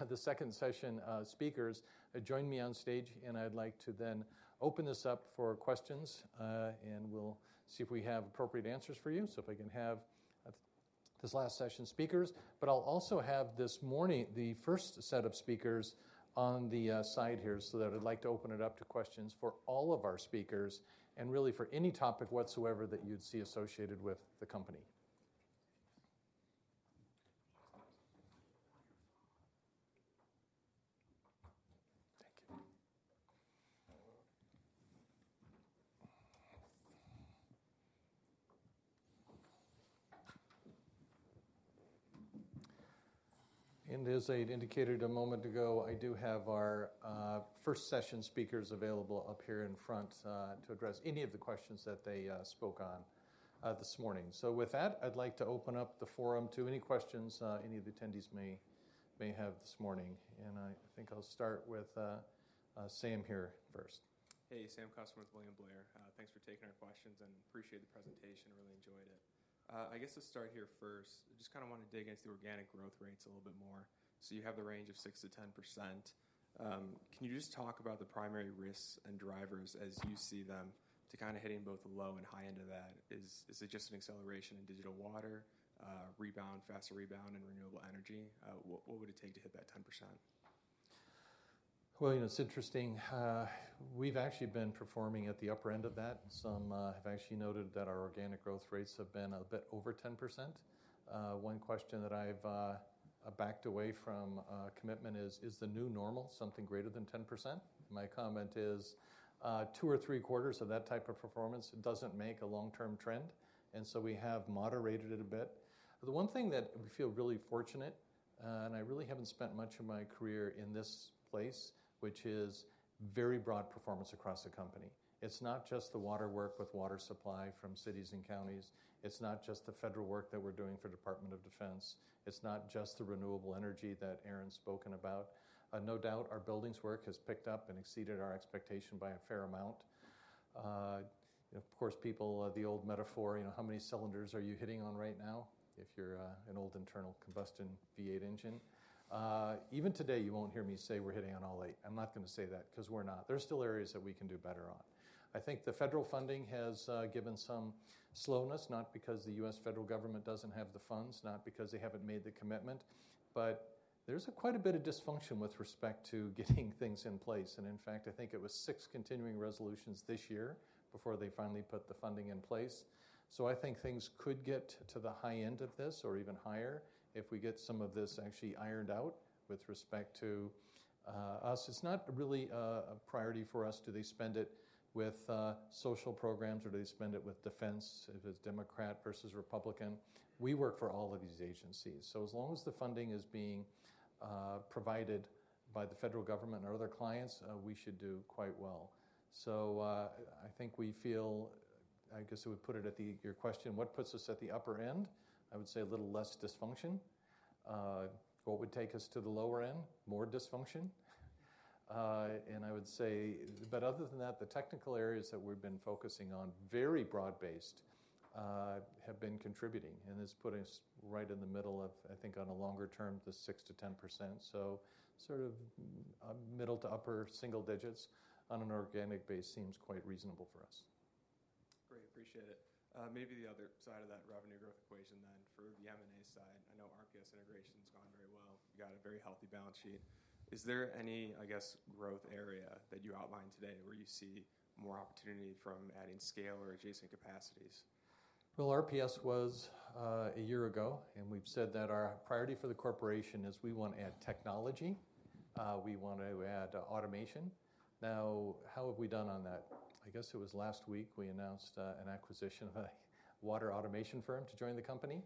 The second session speakers join me on stage, and I'd like to then open this up for questions, and we'll see if we have appropriate answers for you. If I can have these last session speakers, but I'll also have this morning the first set of speakers on the side here so that I'd like to open it up to questions for all of our speakers, and really for any topic whatsoever that you'd see associated with the company. Thank you. As Aid indicated a moment ago, I do have our first session speakers available up here in front to address any of the questions that they spoke on this morning. With that, I'd like to open up the forum to any questions any of the attendees may have this morning. I think I'll start with Sam here first.
Hey, Sam Kusswurm with William Blair. Thanks for taking our questions and appreciate the presentation. Really enjoyed it. I guess to start here first, just kind of want to dig into the organic growth rates a little bit more. So, you have the range of 6%-10%. Can you just talk about the primary risks and drivers as you see them to kind of hitting both the low and high end of that? Is it just an acceleration in digital water, faster rebound, and renewable energy? What would it take to hit that 10%?
Well, it's interesting. We've actually been performing at the upper end of that. Some have actually noted that our organic growth rates have been a bit over 10%. One question that I've backed away from commitment is, is the new normal something greater than 10%? My comment is, two or three quarters of that type of performance doesn't make a long-term trend. And so, we have moderated it a bit. The one thing that we feel really fortunate, and I really haven't spent much of my career in this place, which is very broad performance across the company. It's not just the water work with water supply from cities and counties. It's not just the federal work that we're doing for the Department of Defense. It's not just the renewable energy that Aaron's spoken about. No doubt our buildings' work has picked up and exceeded our expectation by a fair amount. Of course, people, the old metaphor, how many cylinders are you hitting on right now if you're an old internal combustion V8 engine? Even today, you won't hear me say we're hitting on all eight. I'm not going to say that because we're not. There are still areas that we can do better on. I think the federal funding has given some slowness, not because the U.S. federal government doesn't have the funds, not because they haven't made the commitment, but there's quite a bit of dysfunction with respect to getting things in place. And in fact, I think it was 6 continuing resolutions this year before they finally put the funding in place. So, I think things could get to the high end of this or even higher if we get some of this actually ironed out with respect to us. It's not really a priority for us. Do they spend it with social programs or do they spend it with defense, if it's Democrat versus Republican? We work for all of these agencies. So, as long as the funding is being provided by the federal government or other clients, we should do quite well. So, I think we feel. I guess I would put it at your question: what puts us at the upper end? I would say a little less dysfunction. What would take us to the lower end? More dysfunction. And I would say, but other than that, the technical areas that we've been focusing on, very broad-based, have been contributing. This puts us right in the middle of, I think, on a longer term, the 6%-10%. So sort of middle to upper single digits on an organic base seems quite reasonable for us.
Great. Appreciate it. Maybe the other side of that revenue growth equation then, for the M&A side, I know RPS integration's gone very well. You've got a very healthy balance sheet. Is there any, I guess, growth area that you outlined today where you see more opportunity from adding scale or adjacent capacities?
Well, RPS was a year ago, and we've said that our priority for the corporation is we want to add technology. We want to add automation. Now, how have we done on that? I guess it was last week we announced an acquisition of a water automation firm to join the company.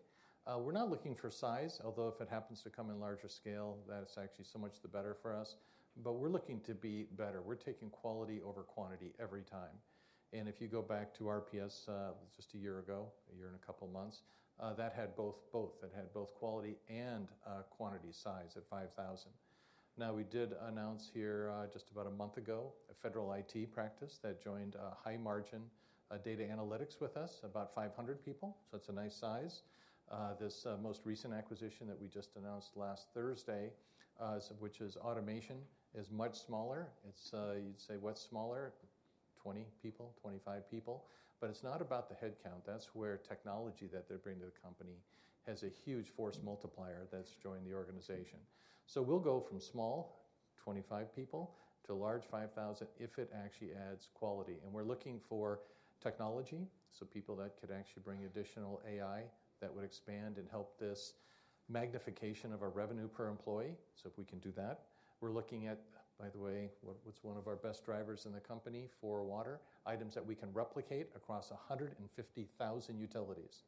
We're not looking for size, although if it happens to come in larger scale, that is actually so much the better for us. But we're looking to be better. We're taking quality over quantity every time. And if you go back to RPS just a year ago, a year and a couple of months, that had both, both. It had both quality and quantity size at 5,000. Now, we did announce here just about a month ago a federal IT practice that joined high-margin data analytics with us, about 500 people. So it's a nice size. This most recent acquisition that we just announced last Thursday, which is automation, is much smaller. You'd say, what's smaller? 20 people, 25 people. But it's not about the headcount. That's where technology that they're bringing to the company has a huge force multiplier that's joined the organization. So, we'll go from small, 25 people, to large, 5,000 if it actually adds quality. And we're looking for technology, so people that could actually bring additional AI that would expand and help this magnification of our revenue per employee, so if we can do that. We're looking at, by the way, what's one of our best drivers in the company for water? Items that we can replicate across 150,000 utilities.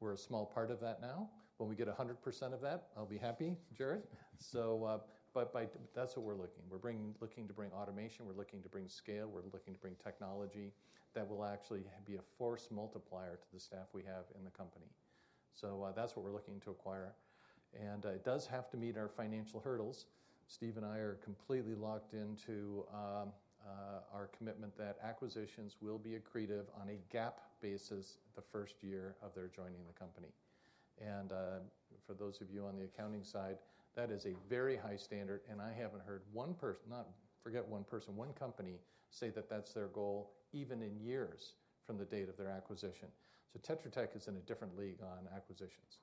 We're a small part of that now. When we get 100% of that, I'll be happy, Jared. But that's what we're looking. We're looking to bring automation. We're looking to bring scale. We're looking to bring technology that will actually be a force multiplier to the staff we have in the company. So, that's what we're looking to acquire. And it does have to meet our financial hurdles. Steve and I are completely locked into our commitment that acquisitions will be accretive on a GAAP basis the first year of their joining the company. And for those of you on the accounting side, that is a very high standard. And I haven't heard one person, not one person, one company say that that's their goal even in years from the date of their acquisition. So, Tetra Tech is in a different league on acquisitions.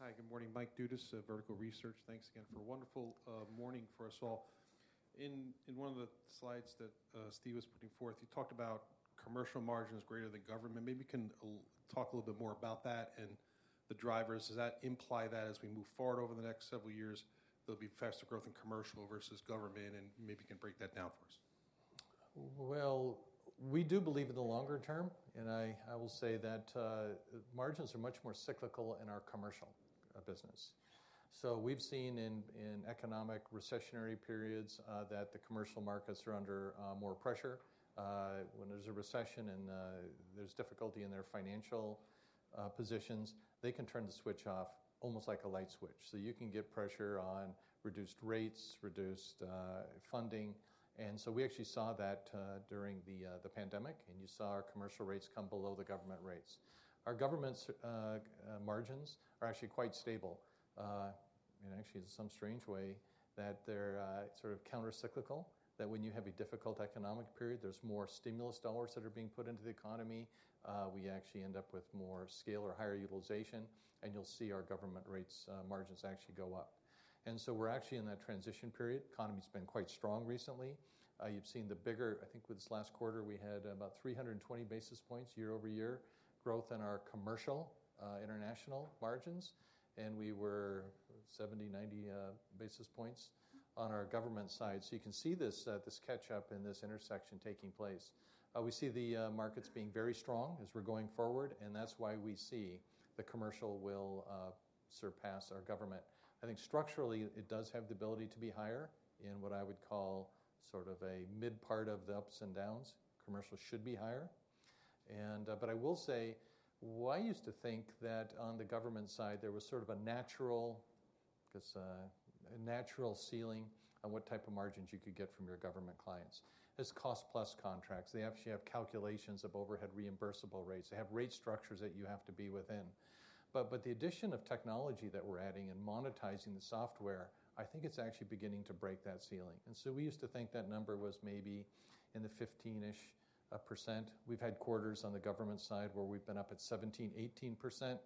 Hi. Good morning. Mike Dudas, Vertical Research. Thanks again for a wonderful morning for us all. In one of the slides that Steve was putting forth, you talked about commercial margins greater than government. Maybe you can talk a little bit more about that and the drivers. Does that imply that as we move forward over the next several years, there'll be faster growth in commercial versus government? And maybe you can break that down for us.
Well, we do believe in the longer term. I will say that margins are much more cyclical in our commercial business. We've seen in economic recessionary periods that the commercial markets are under more pressure. When there's a recession and there's difficulty in their financial positions, they can turn the switch off almost like a light switch. You can get pressure on reduced rates, reduced funding. We actually saw that during the pandemic, and you saw our commercial rates come below the government rates. Our government margins are actually quite stable. Actually, in some strange way, that they're sort of countercyclical, that when you have a difficult economic period, there's more stimulus dollars that are being put into the economy. We actually end up with more scale or higher utilization. You'll see our government rates margins actually go up. And so, we're actually in that transition period. The economy's been quite strong recently. You've seen the bigger, I think with this last quarter, we had about 320 basis points year-over-year growth in our commercial international margins. And we were 70-90 basis points on our government side. So, you can see this catch-up in this intersection taking place. We see the markets being very strong as we're going forward. And that's why we see the commercial will surpass our government. I think structurally, it does have the ability to be higher in what I would call sort of a mid-part of the ups and downs. Commercial should be higher. But I will say, I used to think that on the government side, there was sort of a natural ceiling on what type of margins you could get from your government clients. It's cost-plus contracts. They actually have calculations of overhead reimbursable rates. They have rate structures that you have to be within. But the addition of technology that we're adding and monetizing the software, I think it's actually beginning to break that ceiling. And so, we used to think that number was maybe in the 15%-ish. We've had quarters on the government side where we've been up at 17%-18%.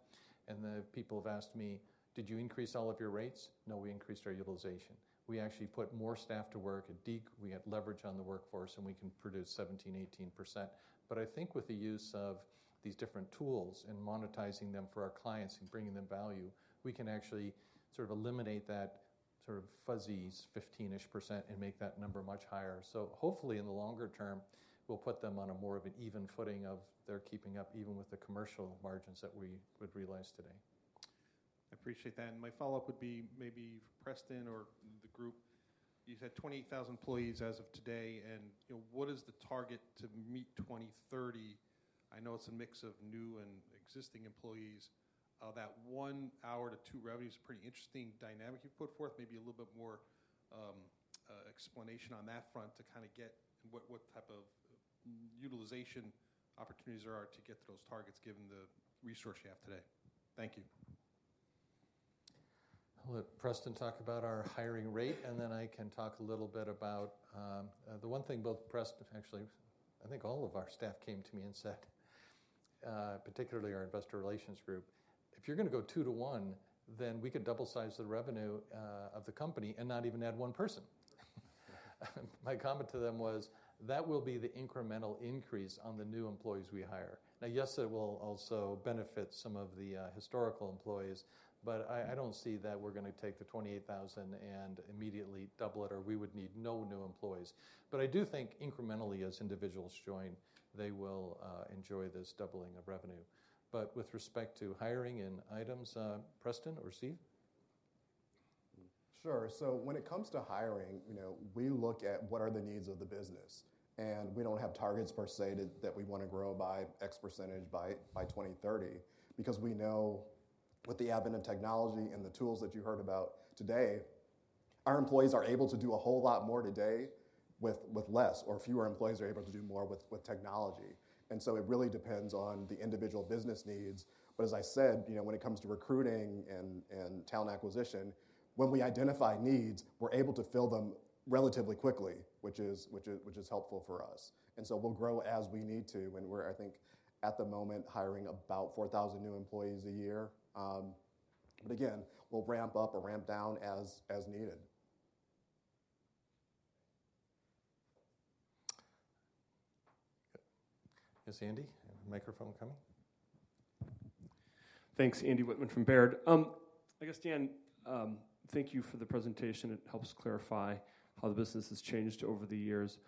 And the people have asked me, did you increase all of your rates? No, we increased our utilization. We actually put more staff to work at DEEC. We had leverage on the workforce, and we can produce 17%-18%. But I think with the use of these different tools and monetizing them for our clients and bringing them value, we can actually sort of eliminate that sort of fuzzy 15%-ish and make that number much higher. So hopefully, in the longer term, we'll put them on more of an even footing of their keeping up even with the commercial margins that we would realize today.
I appreciate that. My follow-up would be maybe Preston or the group. You said 20,000 employees as of today. What is the target to meet 2030? I know it's a mix of new and existing employees. That 1 hour to 2 revenue is a pretty interesting dynamic you've put forth. Maybe a little bit more explanation on that front to kind of get what type of utilization opportunities there are to get to those targets given the resource you have today. Thank you.
I'll let Preston talk about our hiring rate, and then I can talk a little bit about the one thing both Preston, actually, I think all of our staff came to me and said, particularly our investor relations group, if you're going to go 2:1, then we could double-size the revenue of the company and not even add one person. My comment to them was, that will be the incremental increase on the new employees we hire. Now, yes, it will also benefit some of the historical employees. But I don't see that we're going to take the 28,000 and immediately double it, or we would need no new employees. But I do think incrementally, as individuals join, they will enjoy this doubling of revenue. But with respect to hiring and items, Preston or Steve?
Sure. So, when it comes to hiring, we look at what are the needs of the business. We don't have targets per se that we want to grow by X percentage by 2030 because we know with the advent of technology and the tools that you heard about today, our employees are able to do a whole lot more today with less, or fewer employees are able to do more with technology. So, it really depends on the individual business needs. But as I said, when it comes to recruiting and talent acquisition, when we identify needs, we're able to fill them relatively quickly, which is helpful for us. So, we'll grow as we need to. We're, I think, at the moment hiring about 4,000 new employees a year. But again, we'll ramp up or ramp down as needed.
Yes, Andy? Microphone coming.
Thanks, Andy Whitman from Baird. I guess, Dan, thank you for the presentation. It helps clarify how the business has changed over the years.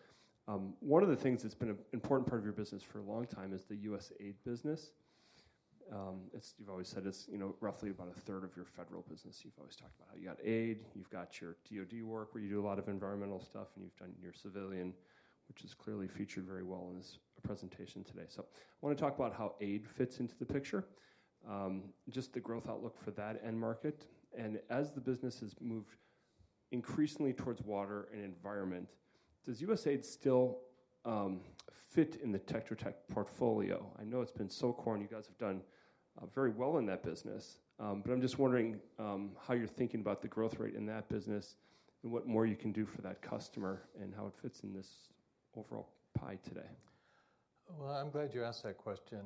One of the things that's been an important part of your business for a long time is the USAID business. You've always said it's roughly about a third of your federal business. You've always talked about how you got aid. You've got your DOD work where you do a lot of environmental stuff, and you've done your civilian, which is clearly featured very well in this presentation today. So, I want to talk about how aid fits into the picture, just the growth outlook for that end market. And as the business has moved increasingly towards water and environment, does USAID still fit in the Tetra Tech portfolio? I know it's been so core. You guys have done very well in that business. But I'm just wondering how you're thinking about the growth rate in that business and what more you can do for that customer and how it fits in this overall pie today?
Well, I'm glad you asked that question.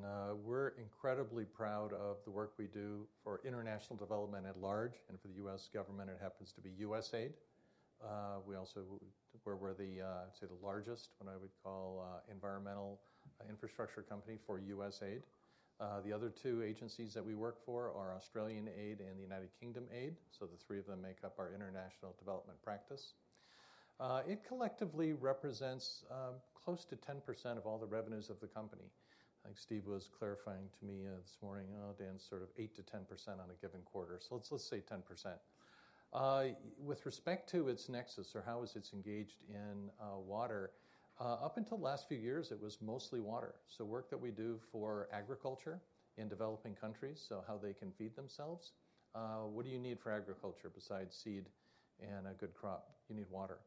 We're incredibly proud of the work we do for international development at large and for the U.S. government. It happens to be USAID. We also were the, I'd say, the largest, what I would call, environmental infrastructure company for USAID. The other two agencies that we work for are Australian Aid and the United Kingdom Aid. So, the three of them make up our international development practice. It collectively represents close to 10% of all the revenues of the company. I think Steve was clarifying to me this morning, oh, Dan, sort of 8%-10% on a given quarter. So, let's say 10%. With respect to its nexus or how is it engaged in water, up until the last few years, it was mostly water. So, work that we do for agriculture in developing countries, so how they can feed themselves, what do you need for agriculture besides seed and a good crop? You need water.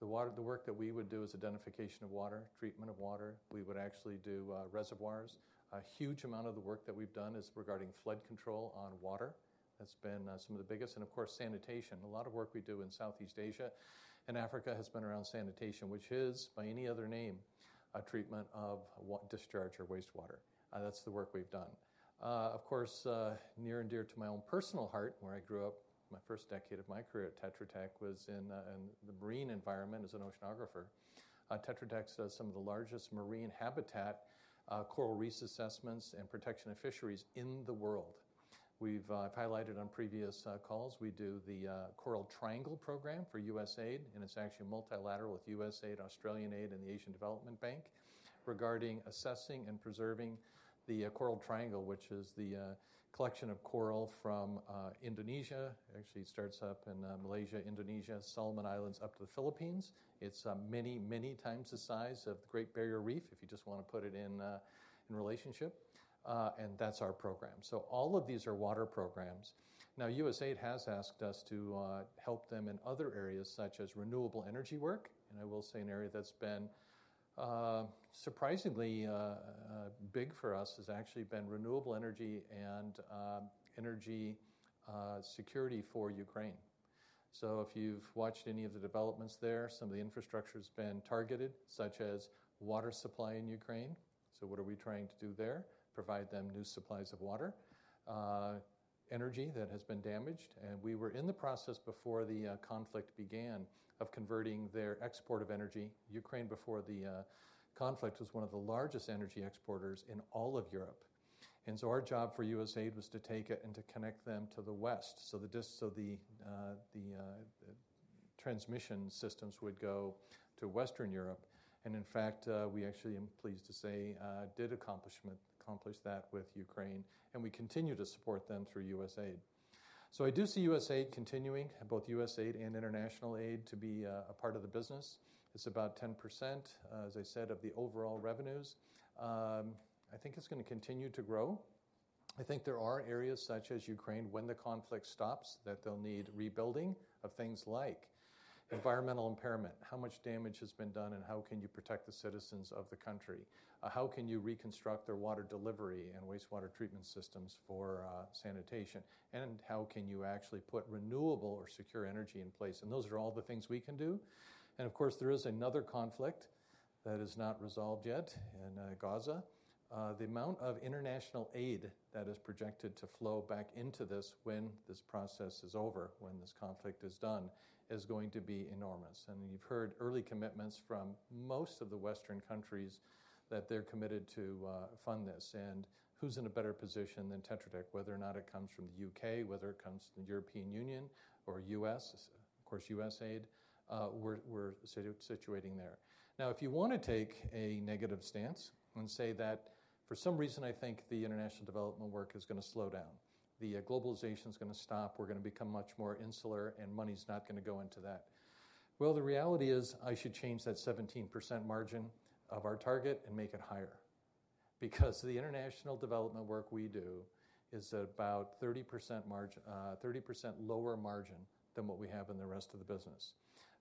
The work that we would do is identification of water, treatment of water. We would actually do reservoirs. A huge amount of the work that we've done is regarding flood control on water. That's been some of the biggest. And of course, sanitation. A lot of work we do in Southeast Asia and Africa has been around sanitation, which is, by any other name, a treatment of discharge or wastewater. That's the work we've done. Of course, near and dear to my own personal heart, where I grew up, my first decade of my career at Tetra Tech was in the marine environment as an oceanographer. Tetra Tech's some of the largest marine habitat coral reefs assessments and protection of fisheries in the world. I've highlighted on previous calls; we do the Coral Triangle Program for USAID. It's actually multilateral with USAID, Australian aid, and the Asian Development Bank regarding assessing and preserving the Coral Triangle, which is the collection of coral from Indonesia. It actually starts up in Malaysia, Indonesia, Solomon Islands, up to the Philippines. It's many, many times the size of the Great Barrier Reef if you just want to put it in relationship. That's our program. All of these are water programs. Now, USAID has asked us to help them in other areas such as renewable energy work. I will say an area that's been surprisingly big for us has actually been renewable energy and energy security for Ukraine. So, if you've watched any of the developments there, some of the infrastructure's been targeted, such as water supply in Ukraine. So, what are we trying to do there? Provide them new supplies of water, energy that has been damaged. And we were in the process before the conflict began of converting their export of energy. Ukraine, before the conflict, was one of the largest energy exporters in all of Europe. And so, our job for USAID was to take it and to connect them to the West. So, the transmission systems would go to Western Europe. And in fact, we actually, I'm pleased to say, did accomplish that with Ukraine. And we continue to support them through USAID. So, I do see USAID continuing, both USAID and international aid, to be a part of the business. It's about 10%, as I said, of the overall revenues. I think it's going to continue to grow. I think there are areas such as Ukraine, when the conflict stops, that they'll need rebuilding of things like environmental impairment, how much damage has been done, and how can you protect the citizens of the country? How can you reconstruct their water delivery and wastewater treatment systems for sanitation? How can you actually put renewable or secure energy in place? Those are all the things we can do. Of course, there is another conflict that is not resolved yet in Gaza. The amount of international aid that is projected to flow back into this when this process is over, when this conflict is done, is going to be enormous. You've heard early commitments from most of the Western countries that they're committed to fund this. And who's in a better position than Tetra Tech, whether or not it comes from the U.K., whether it comes from the European Union or U.S.? Of course, USAID we're situating there. Now, if you want to take a negative stance and say that for some reason, I think the international development work is going to slow down, the globalization's going to stop, we're going to become much more insular, and money's not going to go into that, well, the reality is I should change that 17% margin of our target and make it higher because the international development work we do is about 30% lower margin than what we have in the rest of the business.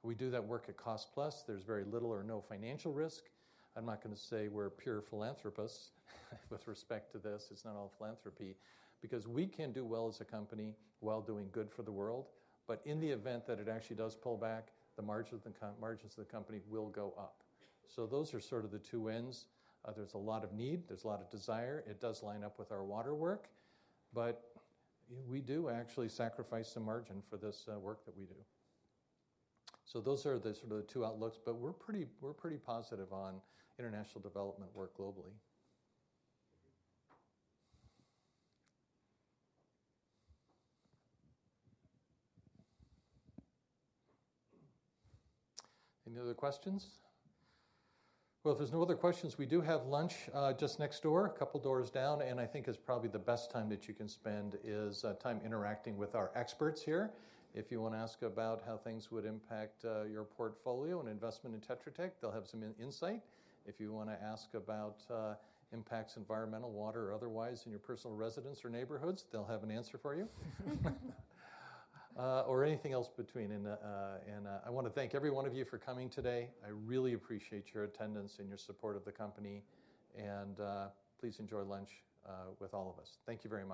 We do that work at cost-plus. There's very little or no financial risk. I'm not going to say we're pure philanthropists with respect to this. It's not all philanthropy because we can do well as a company while doing good for the world. But in the event that it actually does pull back, the margins of the company will go up. So, those are sort of the two ends. There's a lot of need. There's a lot of desire. It does line up with our water work. But we do actually sacrifice some margin for this work that we do. So those are sort of the two outlooks. But we're pretty positive on international development work globally. Any other questions? Well, if there's no other questions, we do have lunch just next door, a couple doors down. And I think it's probably the best time that you can spend is time interacting with our experts here. If you want to ask about how things would impact your portfolio and investment in Tetra Tech, they'll have some insight. If you want to ask about impacts, environmental, water, or otherwise in your personal residence or neighborhoods, they'll have an answer for you or anything else between. I want to thank every one of you for coming today. I really appreciate your attendance and your support of the company. Please enjoy lunch with all of us. Thank you very much.